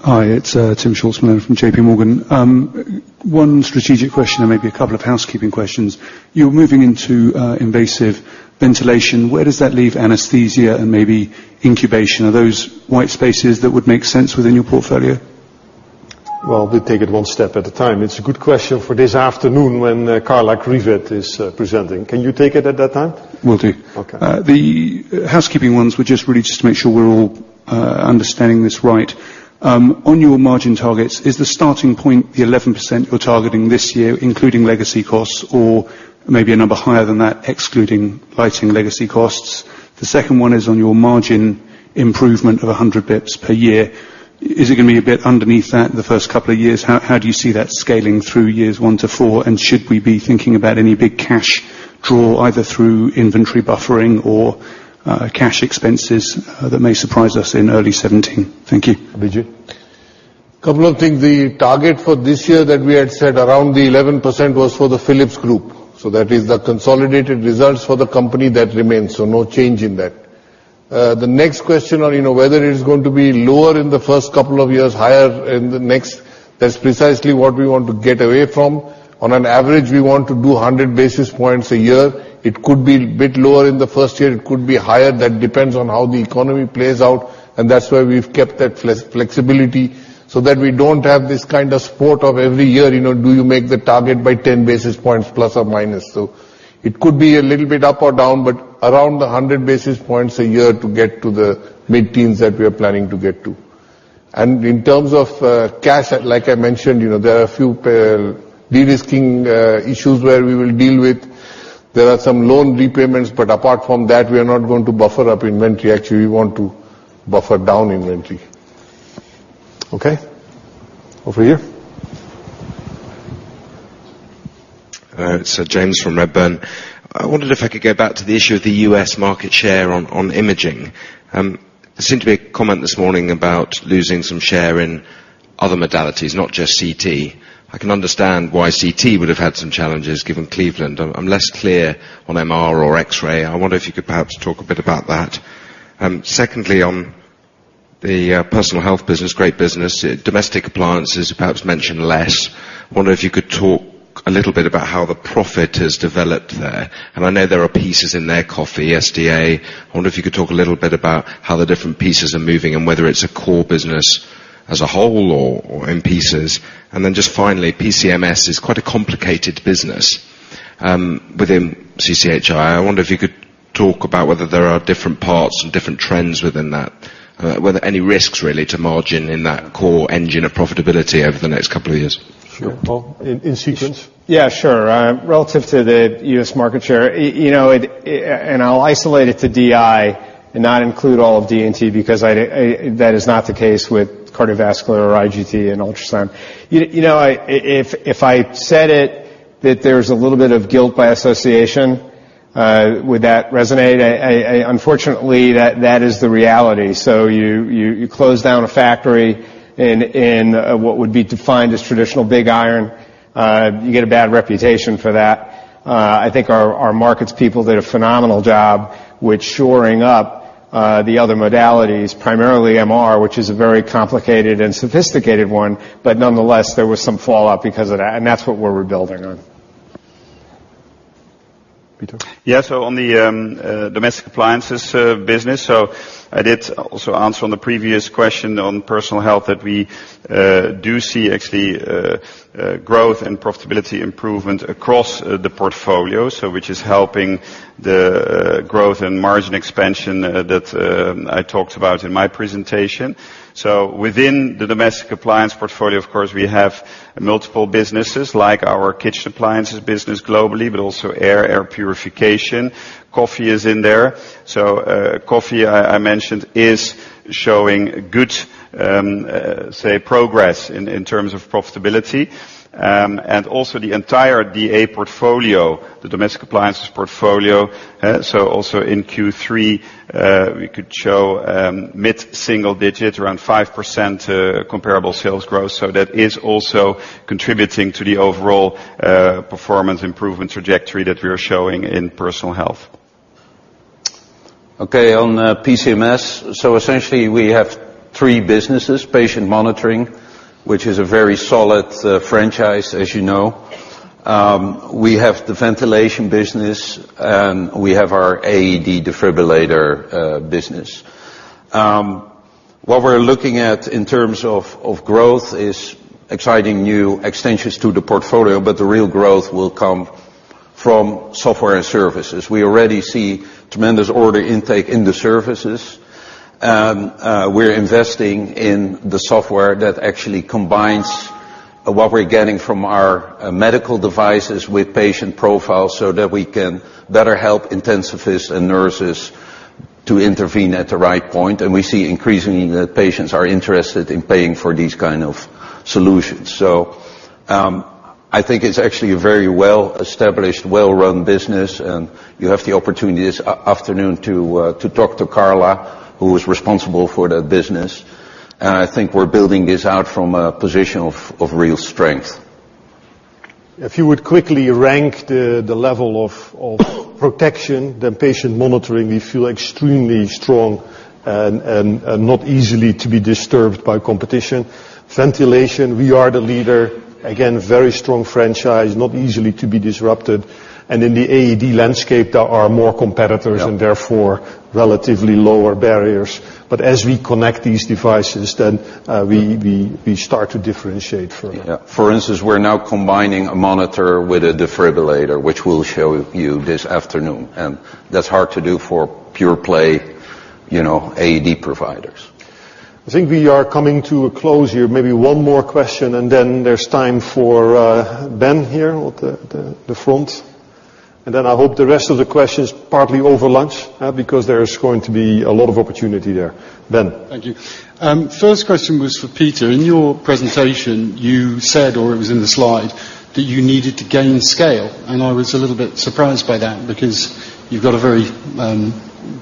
Hi, it is Tim Schultz from JP Morgan. One strategic question and maybe a couple of housekeeping questions. You are moving into invasive ventilation. Where does that leave anesthesia and maybe incubation? Are those white spaces that would make sense within your portfolio? Well, we take it one step at a time. It is a good question for this afternoon when Carla Kriwet is presenting. Can you take it at that time? Will do. Okay. The housekeeping ones were just really just to make sure we are all understanding this right. On your margin targets, is the starting point the 11% you are targeting this year, including legacy costs, or maybe a number higher than that, excluding lighting legacy costs? The second one is on your margin improvement of 100 basis points per year. Is it going to be a bit underneath that in the first couple of years? How do you see that scaling through years one to four, and should we be thinking about any big cash draw, either through inventory buffering or cash expenses that may surprise us in early 2017? Thank you. Abhijit? Couple of things. The target for this year that we had set around the 11% was for the Philips group. That is the consolidated results for the company that remains. No change in that. The next question on whether it is going to be lower in the first couple of years, higher in the next, that is precisely what we want to get away from. On an average, we want to do 100 basis points a year. It could be a bit lower in the first year, it could be higher. That depends on how the economy plays out, and that is why we have kept that flexibility, so that we do not have this kind of sport of every year, do you make the target by 10 basis points plus or minus? It could be a little bit up or down, but around 100 basis points a year to get to the mid-teens that we are planning to get to. In terms of cash, like I mentioned, there are a few de-risking issues where we will deal with. There are some loan repayments, but apart from that, we are not going to buffer up inventory. Actually, we want to buffer down inventory. Okay. Over here. It is James from Redburn. I wondered if I could go back to the issue of the U.S. market share on imaging. There seemed to be a comment this morning about losing some share in other modalities, not just CT. I can understand why CT would have had some challenges given Cleveland. I am less clear on MR or X-ray. I wonder if you could perhaps talk a bit about that. Secondly, on the Personal Health business, great business. Domestic appliances are perhaps mentioned less. I wonder if you could talk a little bit about how the profit has developed there. I know there are pieces in there, coffee, SDA. I wonder if you could talk a little bit about how the different pieces are moving and whether it is a core business as a whole or in pieces. Just finally, PCMS is quite a complicated business within CCHI. I wonder if you could talk about whether there are different parts and different trends within that. Were there any risks, really, to margin in that core engine of profitability over the next couple of years? Sure. [Bob]? In sequence. Yeah, sure. Relative to the U.S. market share, and I'll isolate it to DI and not include all of D&T because that is not the case with cardiovascular or IGT and ultrasound. If I said it, that there's a little bit of guilt by association, would that resonate? Unfortunately, that is the reality. You close down a factory in what would be defined as traditional big iron. You get a bad reputation for that. I think our markets people did a phenomenal job with shoring up the other modalities, primarily MR, which is a very complicated and sophisticated one. Nonetheless, there was some fallout because of that, and that's what we're rebuilding on. Pieter? Yeah. On the domestic appliances business, so I did also answer on the previous question on Personal Health that we do see actually growth and profitability improvement across the portfolio. Which is helping the growth and margin expansion that I talked about in my presentation. Within the domestic appliance portfolio, of course, we have multiple businesses like our kitchen appliances business globally, but also air purification. Coffee is in there. Coffee, I mentioned, is showing good progress in terms of profitability. Also the entire DA portfolio, the domestic appliances portfolio. Also in Q3, we could show mid-single digit, around 5% comparable sales growth. That is also contributing to the overall performance improvement trajectory that we are showing in Personal Health. Okay, on PCMS. Essentially we have three businesses, patient monitoring, which is a very solid franchise as you know. We have the ventilation business, and we have our AED defibrillator business. What we're looking at in terms of growth is exciting new extensions to the portfolio, but the real growth will come From software and services. We already see tremendous order intake in the services. We're investing in the software that actually combines what we're getting from our medical devices with patient profiles so that we can better help intensivists and nurses to intervene at the right point. We see increasingly that patients are interested in paying for these kind of solutions. I think it's actually a very well-established, well-run business, and you have the opportunity this afternoon to talk to Carla, who is responsible for that business. I think we're building this out from a position of real strength. If you would quickly rank the level of protection, then patient monitoring, we feel extremely strong and not easily to be disturbed by competition. Ventilation, we are the leader, again, very strong franchise, not easily to be disrupted. In the AED landscape, there are more competitors- Yeah and therefore, relatively lower barriers. As we connect these devices, then we start to differentiate further. Yeah. For instance, we're now combining a monitor with a defibrillator, which we'll show you this afternoon, and that's hard to do for pure play AED providers. I think we are coming to a close here. Maybe one more question, then there's time for Ben here at the front. I hope the rest of the questions partly over lunch, because there is going to be a lot of opportunity there. Ben. Thank you. First question was for Pieter. In your presentation, you said, or it was in the slide, that you needed to gain scale, and I was a little bit surprised by that, because you've got a very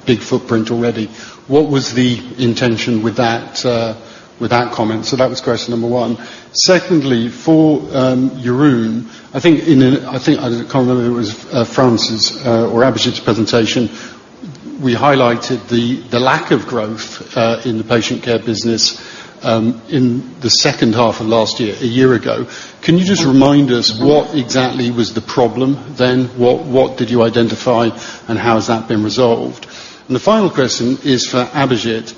big footprint already. What was the intention with that comment? That was question number one. Secondly, for Jeroen, I think, I can't remember if it was Frans or Abhijit's presentation, we highlighted the lack of growth in the patient care business in the second half of last year, a year ago. Can you just remind us what exactly was the problem then? What did you identify, and how has that been resolved? The final question is for Abhijit.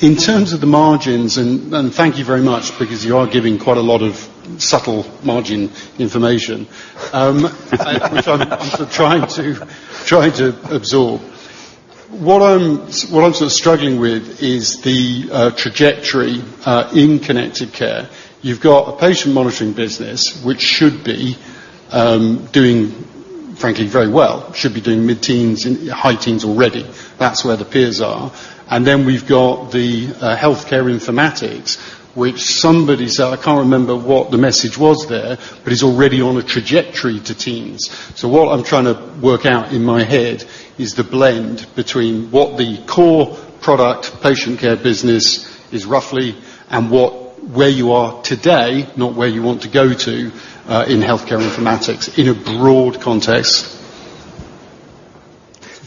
In terms of the margins, and thank you very much, because you are giving quite a lot of subtle margin information. Which I'm trying to absorb. What I'm sort of struggling with is the trajectory in connected care. You've got a patient monitoring business, which should be doing, frankly, very well. Should be doing mid-teens, high teens already. That's where the peers are. We've got the healthcare informatics, which somebody said, I can't remember what the message was there, but is already on a trajectory to teens. What I'm trying to work out in my head is the blend between what the core product patient care business is roughly and where you are today, not where you want to go to, in healthcare informatics in a broad context.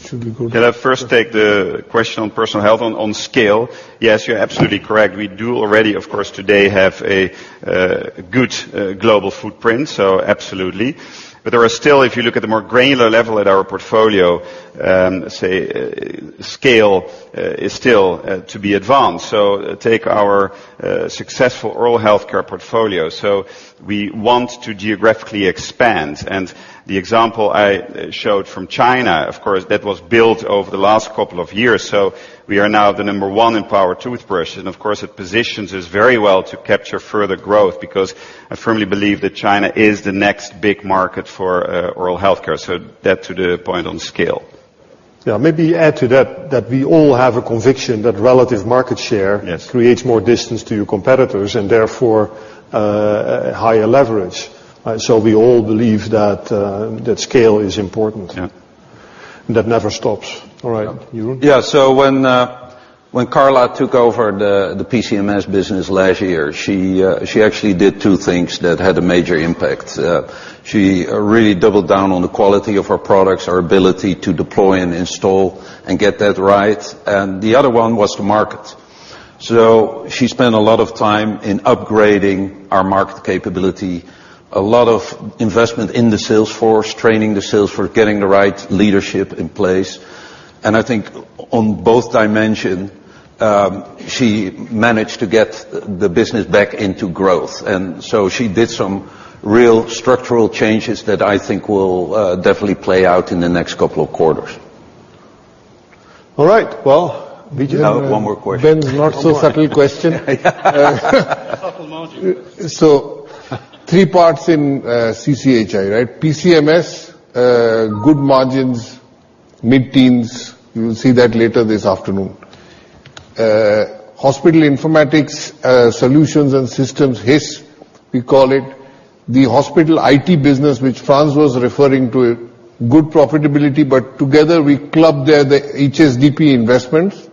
Should we go to- Can I first take the question on Personal Health on scale? Yes, you're absolutely correct. We do already, of course, today have a good global footprint, so absolutely. There are still, if you look at the more granular level at our portfolio, scale is still to be advanced. Take our successful oral healthcare portfolio. We want to geographically expand, and the example I showed from China, of course, that was built over the last couple of years. We are now the number one in power toothbrush. Of course, it positions us very well to capture further growth because I firmly believe that China is the next big market for oral healthcare. That to the point on scale. Yeah, maybe add to that we all have a conviction that relative market share- Yes creates more distance to your competitors and therefore, higher leverage. We all believe that scale is important. Yeah. That never stops. All right. Jeroen. Yeah. When Carla took over the PCMS business last year, she actually did two things that had a major impact. She really doubled down on the quality of her products, our ability to deploy and install and get that right. The other one was to market. She spent a lot of time in upgrading our market capability, a lot of investment in the sales force, training the sales force, getting the right leadership in place. I think on both dimensions, she managed to get the business back into growth. She did some real structural changes that I think will definitely play out in the next couple of quarters. All right. Well, Abhijit. I have one more question. Ben's not-so-subtle question. Subtle margin. Three parts in CCHI, right? PCMS, good margins, mid-teens. You will see that later this afternoon. Hospital Informatics Solutions and Systems, HISS we call it, the hospital IT business which Frans was referring to. Good profitability, together we club there the HSDP investments,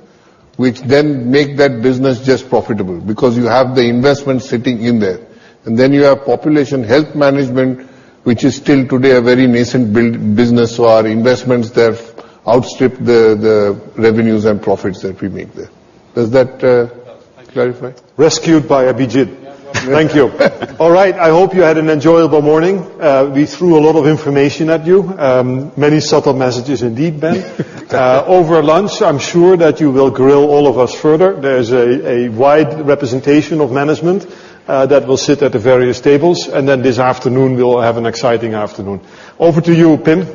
which then make that business just profitable because you have the investment sitting in there. You have Population Health Management, which is still today a very nascent business. Our investments there outstrip the revenues and profits that we make there. Does that clarify? Rescued by Abhijit. Yeah. Thank you. All right. I hope you had an enjoyable morning. We threw a lot of information at you. Many subtle messages indeed, Ben. Over lunch, I'm sure that you will grill all of us further. There's a wide representation of management that will sit at the various tables. This afternoon we'll have an exciting afternoon. Over to you, Pim.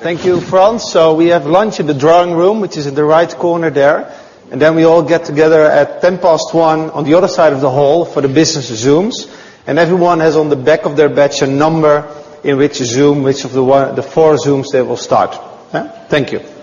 Thank you, Frans. We have lunch in the drawing room, which is in the right corner there. We all get together at 1:10 P.M. on the other side of the hall for the business zooms. Everyone has on the back of their badge a number in which zoom, which of the four zooms they will start. Thank you.